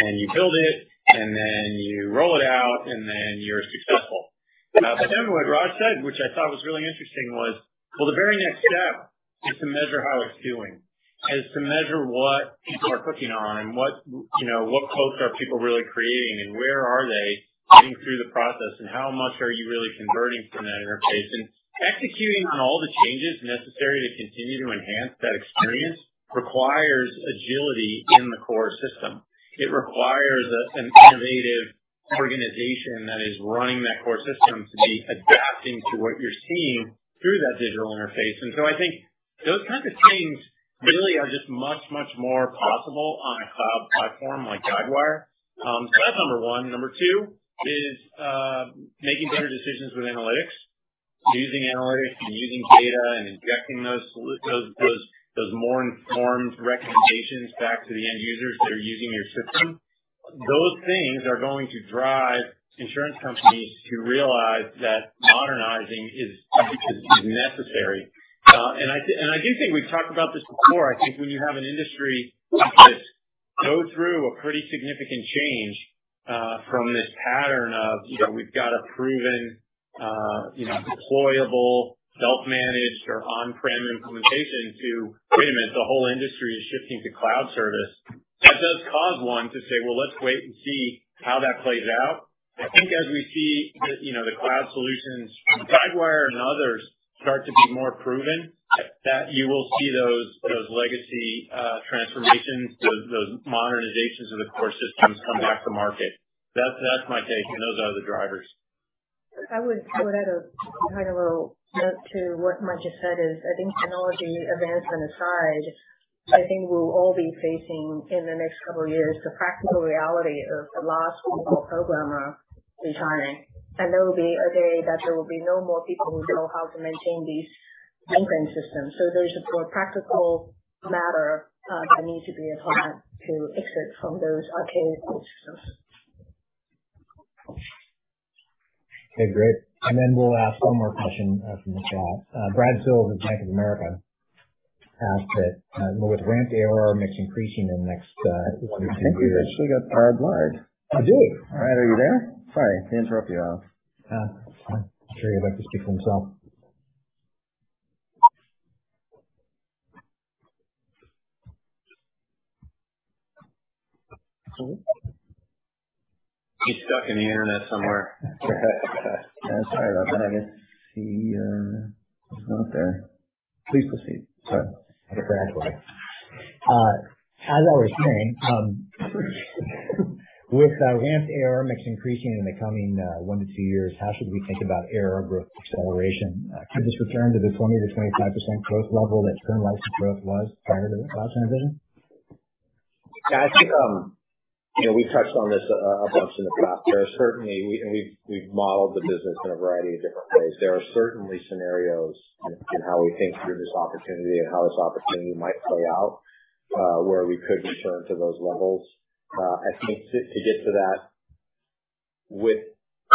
and you build it, and then you roll it out, and then you're successful. What Raj said, which I thought was really interesting, was, well, the very next step is to measure how it's doing, is to measure what people are clicking on and what quotes are people really creating and where are they getting through the process, and how much are you really converting from that interface. Executing on all the changes necessary to continue to enhance that experience requires agility in the core system. It requires us an innovative organization that is running that core system to be adapting to what you're seeing through that digital interface. I think those kinds of things really are just much, much more possible on a cloud platform like Guidewire. That's number one. Number two is making better decisions with analytics, using analytics and using data and injecting those more informed recommendations back to the end users that are using your system. Those things are going to drive insurance companies to realize that modernizing is necessary. I do think we've talked about this before. I think when you have an industry that's go through a pretty significant change, from this pattern of, we've got a proven, deployable, self-managed or on-prem implementation to, wait a minute, the whole industry is shifting to cloud service. That does cause one to say, "Well, let's wait and see how that plays out." I think as we see the cloud solutions from Guidewire and others start to be more proven, that you will see those legacy transformations, those modernizations of the core systems come back to market. That's my take. Those are the drivers. I would add a kind of a note to what Mike just said is, I think technology advancement aside, I think we'll all be facing in the next couple of years, the practical reality of the last programmer retiring. There will be a day that there will be no more people who know how to maintain these mainframe systems. There's a more practical matter that needs to be applied to exit from those archaic systems. Okay, great. We'll ask one more question from the chat. Brad Sills from Bank of America asked that, "With ramp ARR mix increasing in the next one to two years, I think we actually got Brad live. We do. All right. Are you there? Sorry to interrupt you. I'm sure he'd like to speak for himself. Hello? He's stuck in the internet somewhere. Sorry about that. I guess he's not there. Please proceed. Sorry. I forgot who I was. As I was saying, with ramp ARR mix increasing in the coming one to two years, how should we think about ARR growth acceleration? Could this return to the 20-25% growth level that current license growth was prior to the cloud transition? Yeah, I think we touched on this a bunch in the past. We've modeled the business in a variety of different ways. There are certainly scenarios in how we think through this opportunity and how this opportunity might play out, where we could return to those levels. I think to get to that with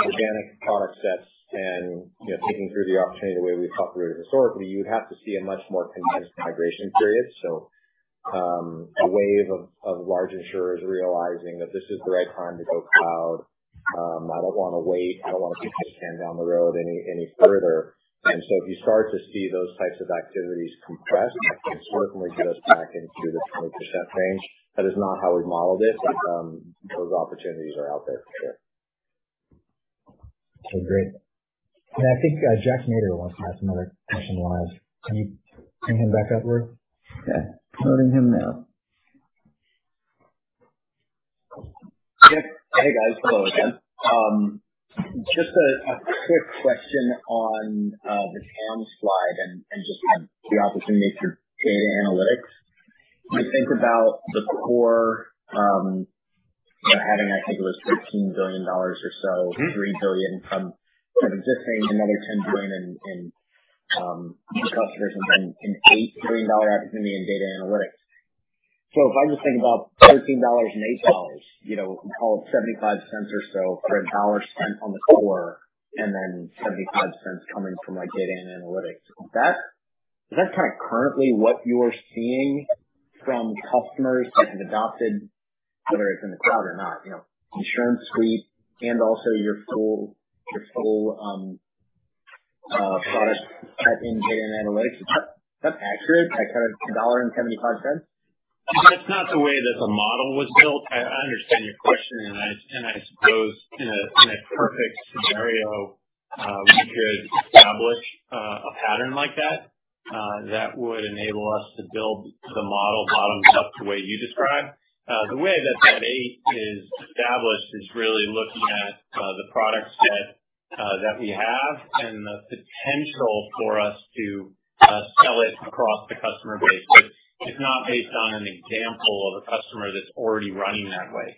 organic product sets and taking through the opportunity the way we've operated historically, you would have to see a much more condensed migration period. A wave of large insurers realizing that this is the right time to go Cloud. I don't want to wait, I don't want to kick this can down the road any further. If you start to see those types of activities compressed, that can certainly get us back into the 20% range. That is not how we modeled it, those opportunities are out there for sure. Okay, great. I think Jack Nader wants to ask another question live. Can you bring him back up, Luke? Okay. Loading him now. Yes. Hey, guys. Hello again. Just a quick question on the TAM slide and just the opportunity for data analytics. I think about the core, adding, I think it was $13 billion or so. $3 billion from existing, another $10 billion in customers, and then an $8 billion opportunity in data analytics. If I just think about $13 and $8, we can call it $0.75 or so for a $1 spent on the core, and then $0.75 coming from our data analytics. Is that kind of currently what you are seeing from customers that have adopted, whether it's in the cloud or not, InsuranceSuite and also your full product set in data analytics? Is that accurate? That kind of a $1.75? That's not the way that the model was built. I understand your question. I suppose in a perfect scenario, we could establish a pattern like that would enable us to build the model bottoms up the way you describe. The way that eight is established is really looking at the product set that we have and the potential for us to sell it across the customer base. It's not based on an example of a customer that's already running that way.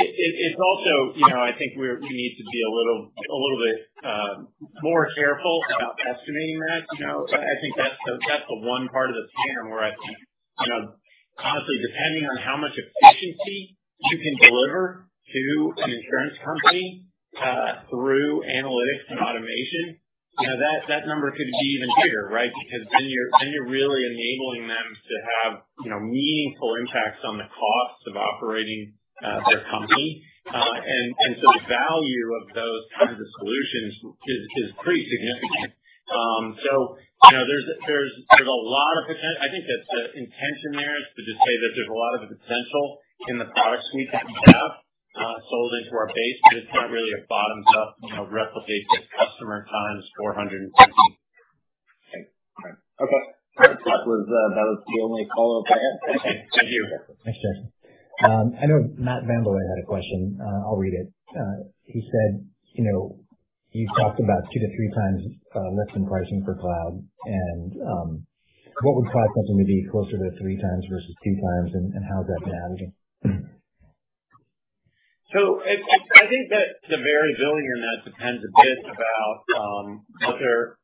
It's also, I think we need to be a little bit more careful about estimating that. I think that's the one part of the TAM where I think, honestly, depending on how much efficiency you can deliver to an insurance company, through analytics and automation, that number could be even bigger, right? You're really enabling them to have meaningful impacts on the cost of operating their company. The value of those kinds of solutions is pretty significant. There's a lot of potential. I think that the intention there is to just say that there's a lot of potential in the product suite that we have, sold into our base, but it's not really a bottoms-up replication of customer times 450. Okay. All right. Okay. That was the only follow-up I had. Thank you. Thanks, Josh. I know Matthew VanVliet had a question. I'll read it. He said, you've talked about two to three times lifts in pricing for cloud, and what would cloud pricing be closer to three times versus two times, and how is that managing? I think that the variability in that depends a bit about how they're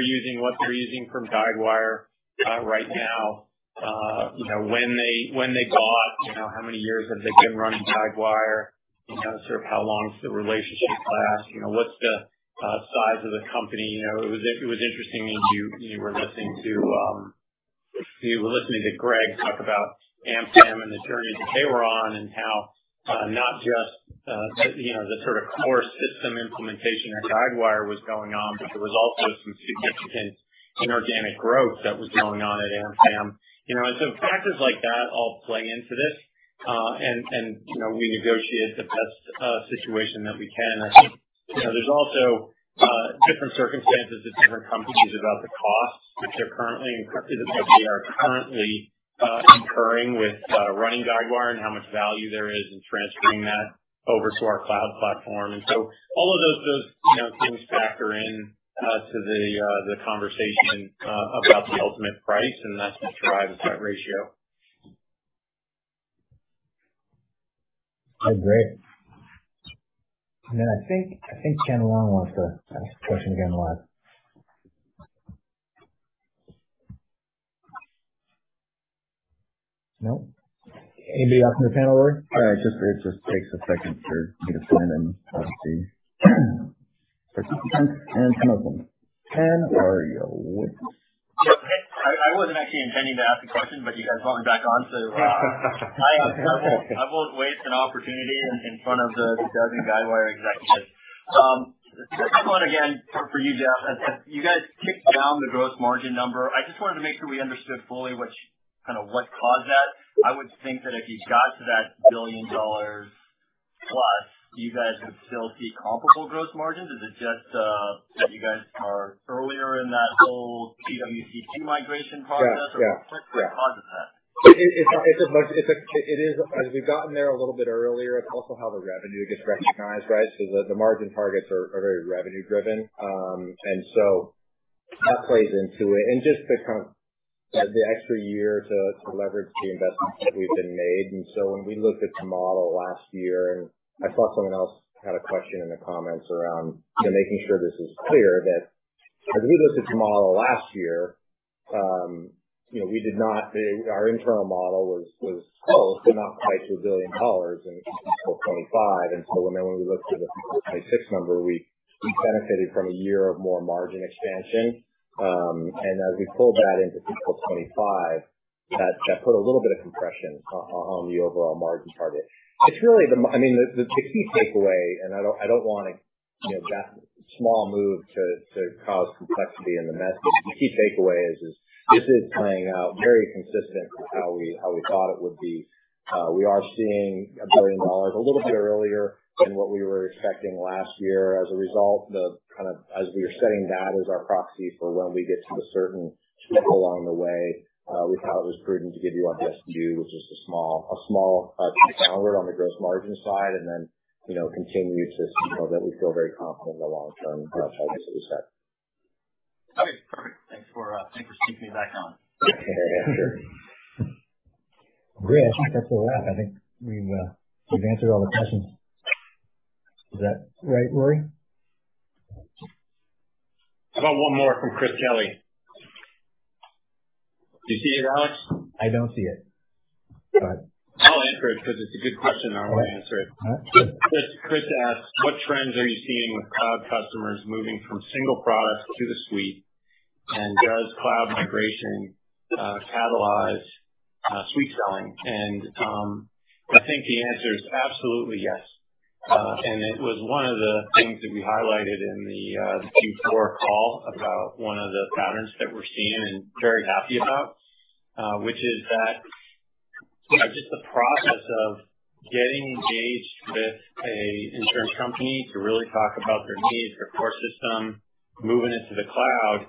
using what they're using from Guidewire right now. When they bought, how many years have they been running Guidewire? Sort of how long has the relationship lasted? What's the size of the company? It was interesting when you were listening to Greg talk about AmFam and the journey that they were on and how not just the sort of core system implementation at Guidewire was going on, but there was also some significant inorganic growth that was going on at AmFam. Factors like that all play into this. We negotiate the best situation that we can. I think there's also different circumstances at different companies about the costs, which they are currently incurring with running Guidewire and how much value there is in transferring that over to our cloud platform. All of those things factor into the conversation about the ultimate price, and that's what drives that ratio. Oh, great. I think Ken Wong wants to ask a question again live. No? Anybody else on the panel, Rory? It just takes a second for me to sign in, obviously. I wasn't actually intending to ask a question, but you guys called me back on, so I won't waste an opportunity in front of the dozen Guidewire executives. This one again for you, Jeff. As you guys kicked down the gross margin number, I just wanted to make sure we understood fully what caused that. I would think that if you got to that $1 billion plus, you guys would still see comparable gross margins. Is it just that you guys are earlier in that whole GWCP migration process? What causes that? As we've gotten there a little bit earlier, it's also how the revenue gets recognized, right? The margin targets are very revenue-driven. That plays into it. Just the kind of the extra year to leverage the investments that we've been made. When we looked at the model last year, and I saw someone else had a question in the comments around making sure this is clear, that as we looked at the model last year our internal model was close, but not quite to $1 billion in fiscal 2025. When we looked at the fiscal 2026 number, we benefited from a year of more margin expansion. As we pulled that into fiscal 2025, that put a little bit of compression on the overall margin target. The key takeaway, I don't want that small move to cause complexity in the message. The key takeaway is this is playing out very consistent with how we thought it would be. We are seeing $1 billion a little bit earlier than what we were expecting last year. As a result, as we were setting that as our proxy for when we get to a certain threshold along the way, we thought it was prudent to give you a heads up, which is a small downward on the gross margin side and then continue to show that we feel very confident in the long-term growth targets that we set. Okay, perfect. Thanks for switching me back on. Yeah. Great. I think that's a wrap. I think we've answered all the questions. Is that right, Rory? How about one more from Chris Kelly? Do you see it, Alex? I don't see it. I'll answer it because it's a good question. I'll answer it. All right. Chris asks, "What trends are you seeing with cloud customers moving from single products to the suite? And does cloud migration catalyze suite selling?" I think the answer is absolutely yes. It was one of the things that we highlighted in the Q4 call about one of the patterns that we're seeing and very happy about. Which is that just the process of getting engaged with an insurance company to really talk about their needs, their core system, moving into the cloud,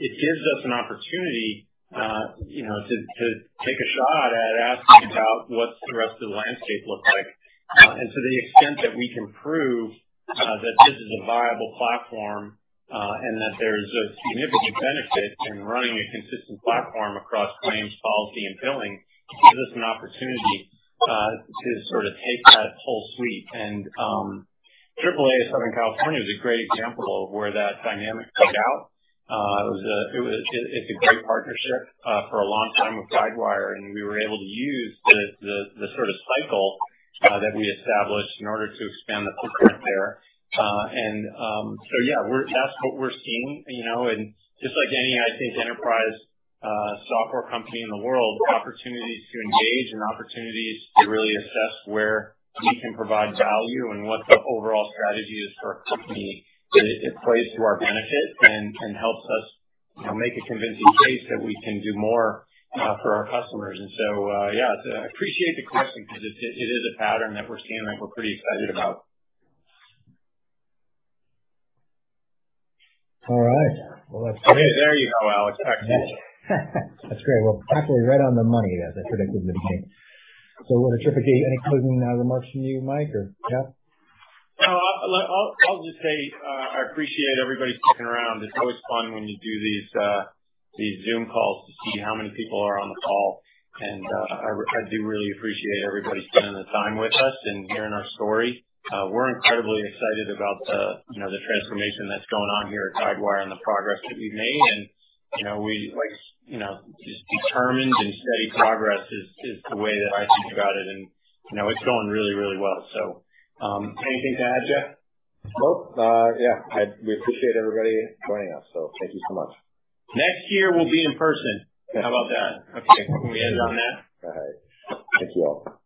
it gives us an opportunity to take a shot at asking about what's the rest of the landscape look like. To the extent that we can prove that this is a viable platform, and that there's a significant benefit in running a consistent platform across claims, policy, and billing, it gives us an opportunity to sort of take that whole suite. AAA Southern California is a great example of where that dynamic played out. It's a great partnership for a long time with Guidewire, and we were able to use the sort of cycle that we established in order to expand the footprint there. Yeah, that's what we're seeing. Just like any, I think, enterprise software company in the world, opportunities to engage and opportunities to really assess where we can provide value and what the overall strategy is for a company, it plays to our benefit and helps us make a convincing case that we can do more for our customers. Yeah, I appreciate the question because it is a pattern that we're seeing that we're pretty excited about. All right. Well, There you go, Alex. Excellent. That's great. Well, actually right on the money as I predicted it would be. Want to wrap up any closing remarks from you, Mike, or Jeff? I'll just say, I appreciate everybody sticking around. It's always fun when you do these Zoom calls to see how many people are on the call. I do really appreciate everybody spending the time with us and hearing our story. We're incredibly excited about the transformation that's going on here at Guidewire and the progress that we've made, and just determined and steady progress is the way that I think about it, and it's going really well. Anything to add, Jeff? Nope. Yeah, we appreciate everybody joining us. Thank you so much. Next year, we'll be in person. How about that? Can we end on that? All right. Thank you all.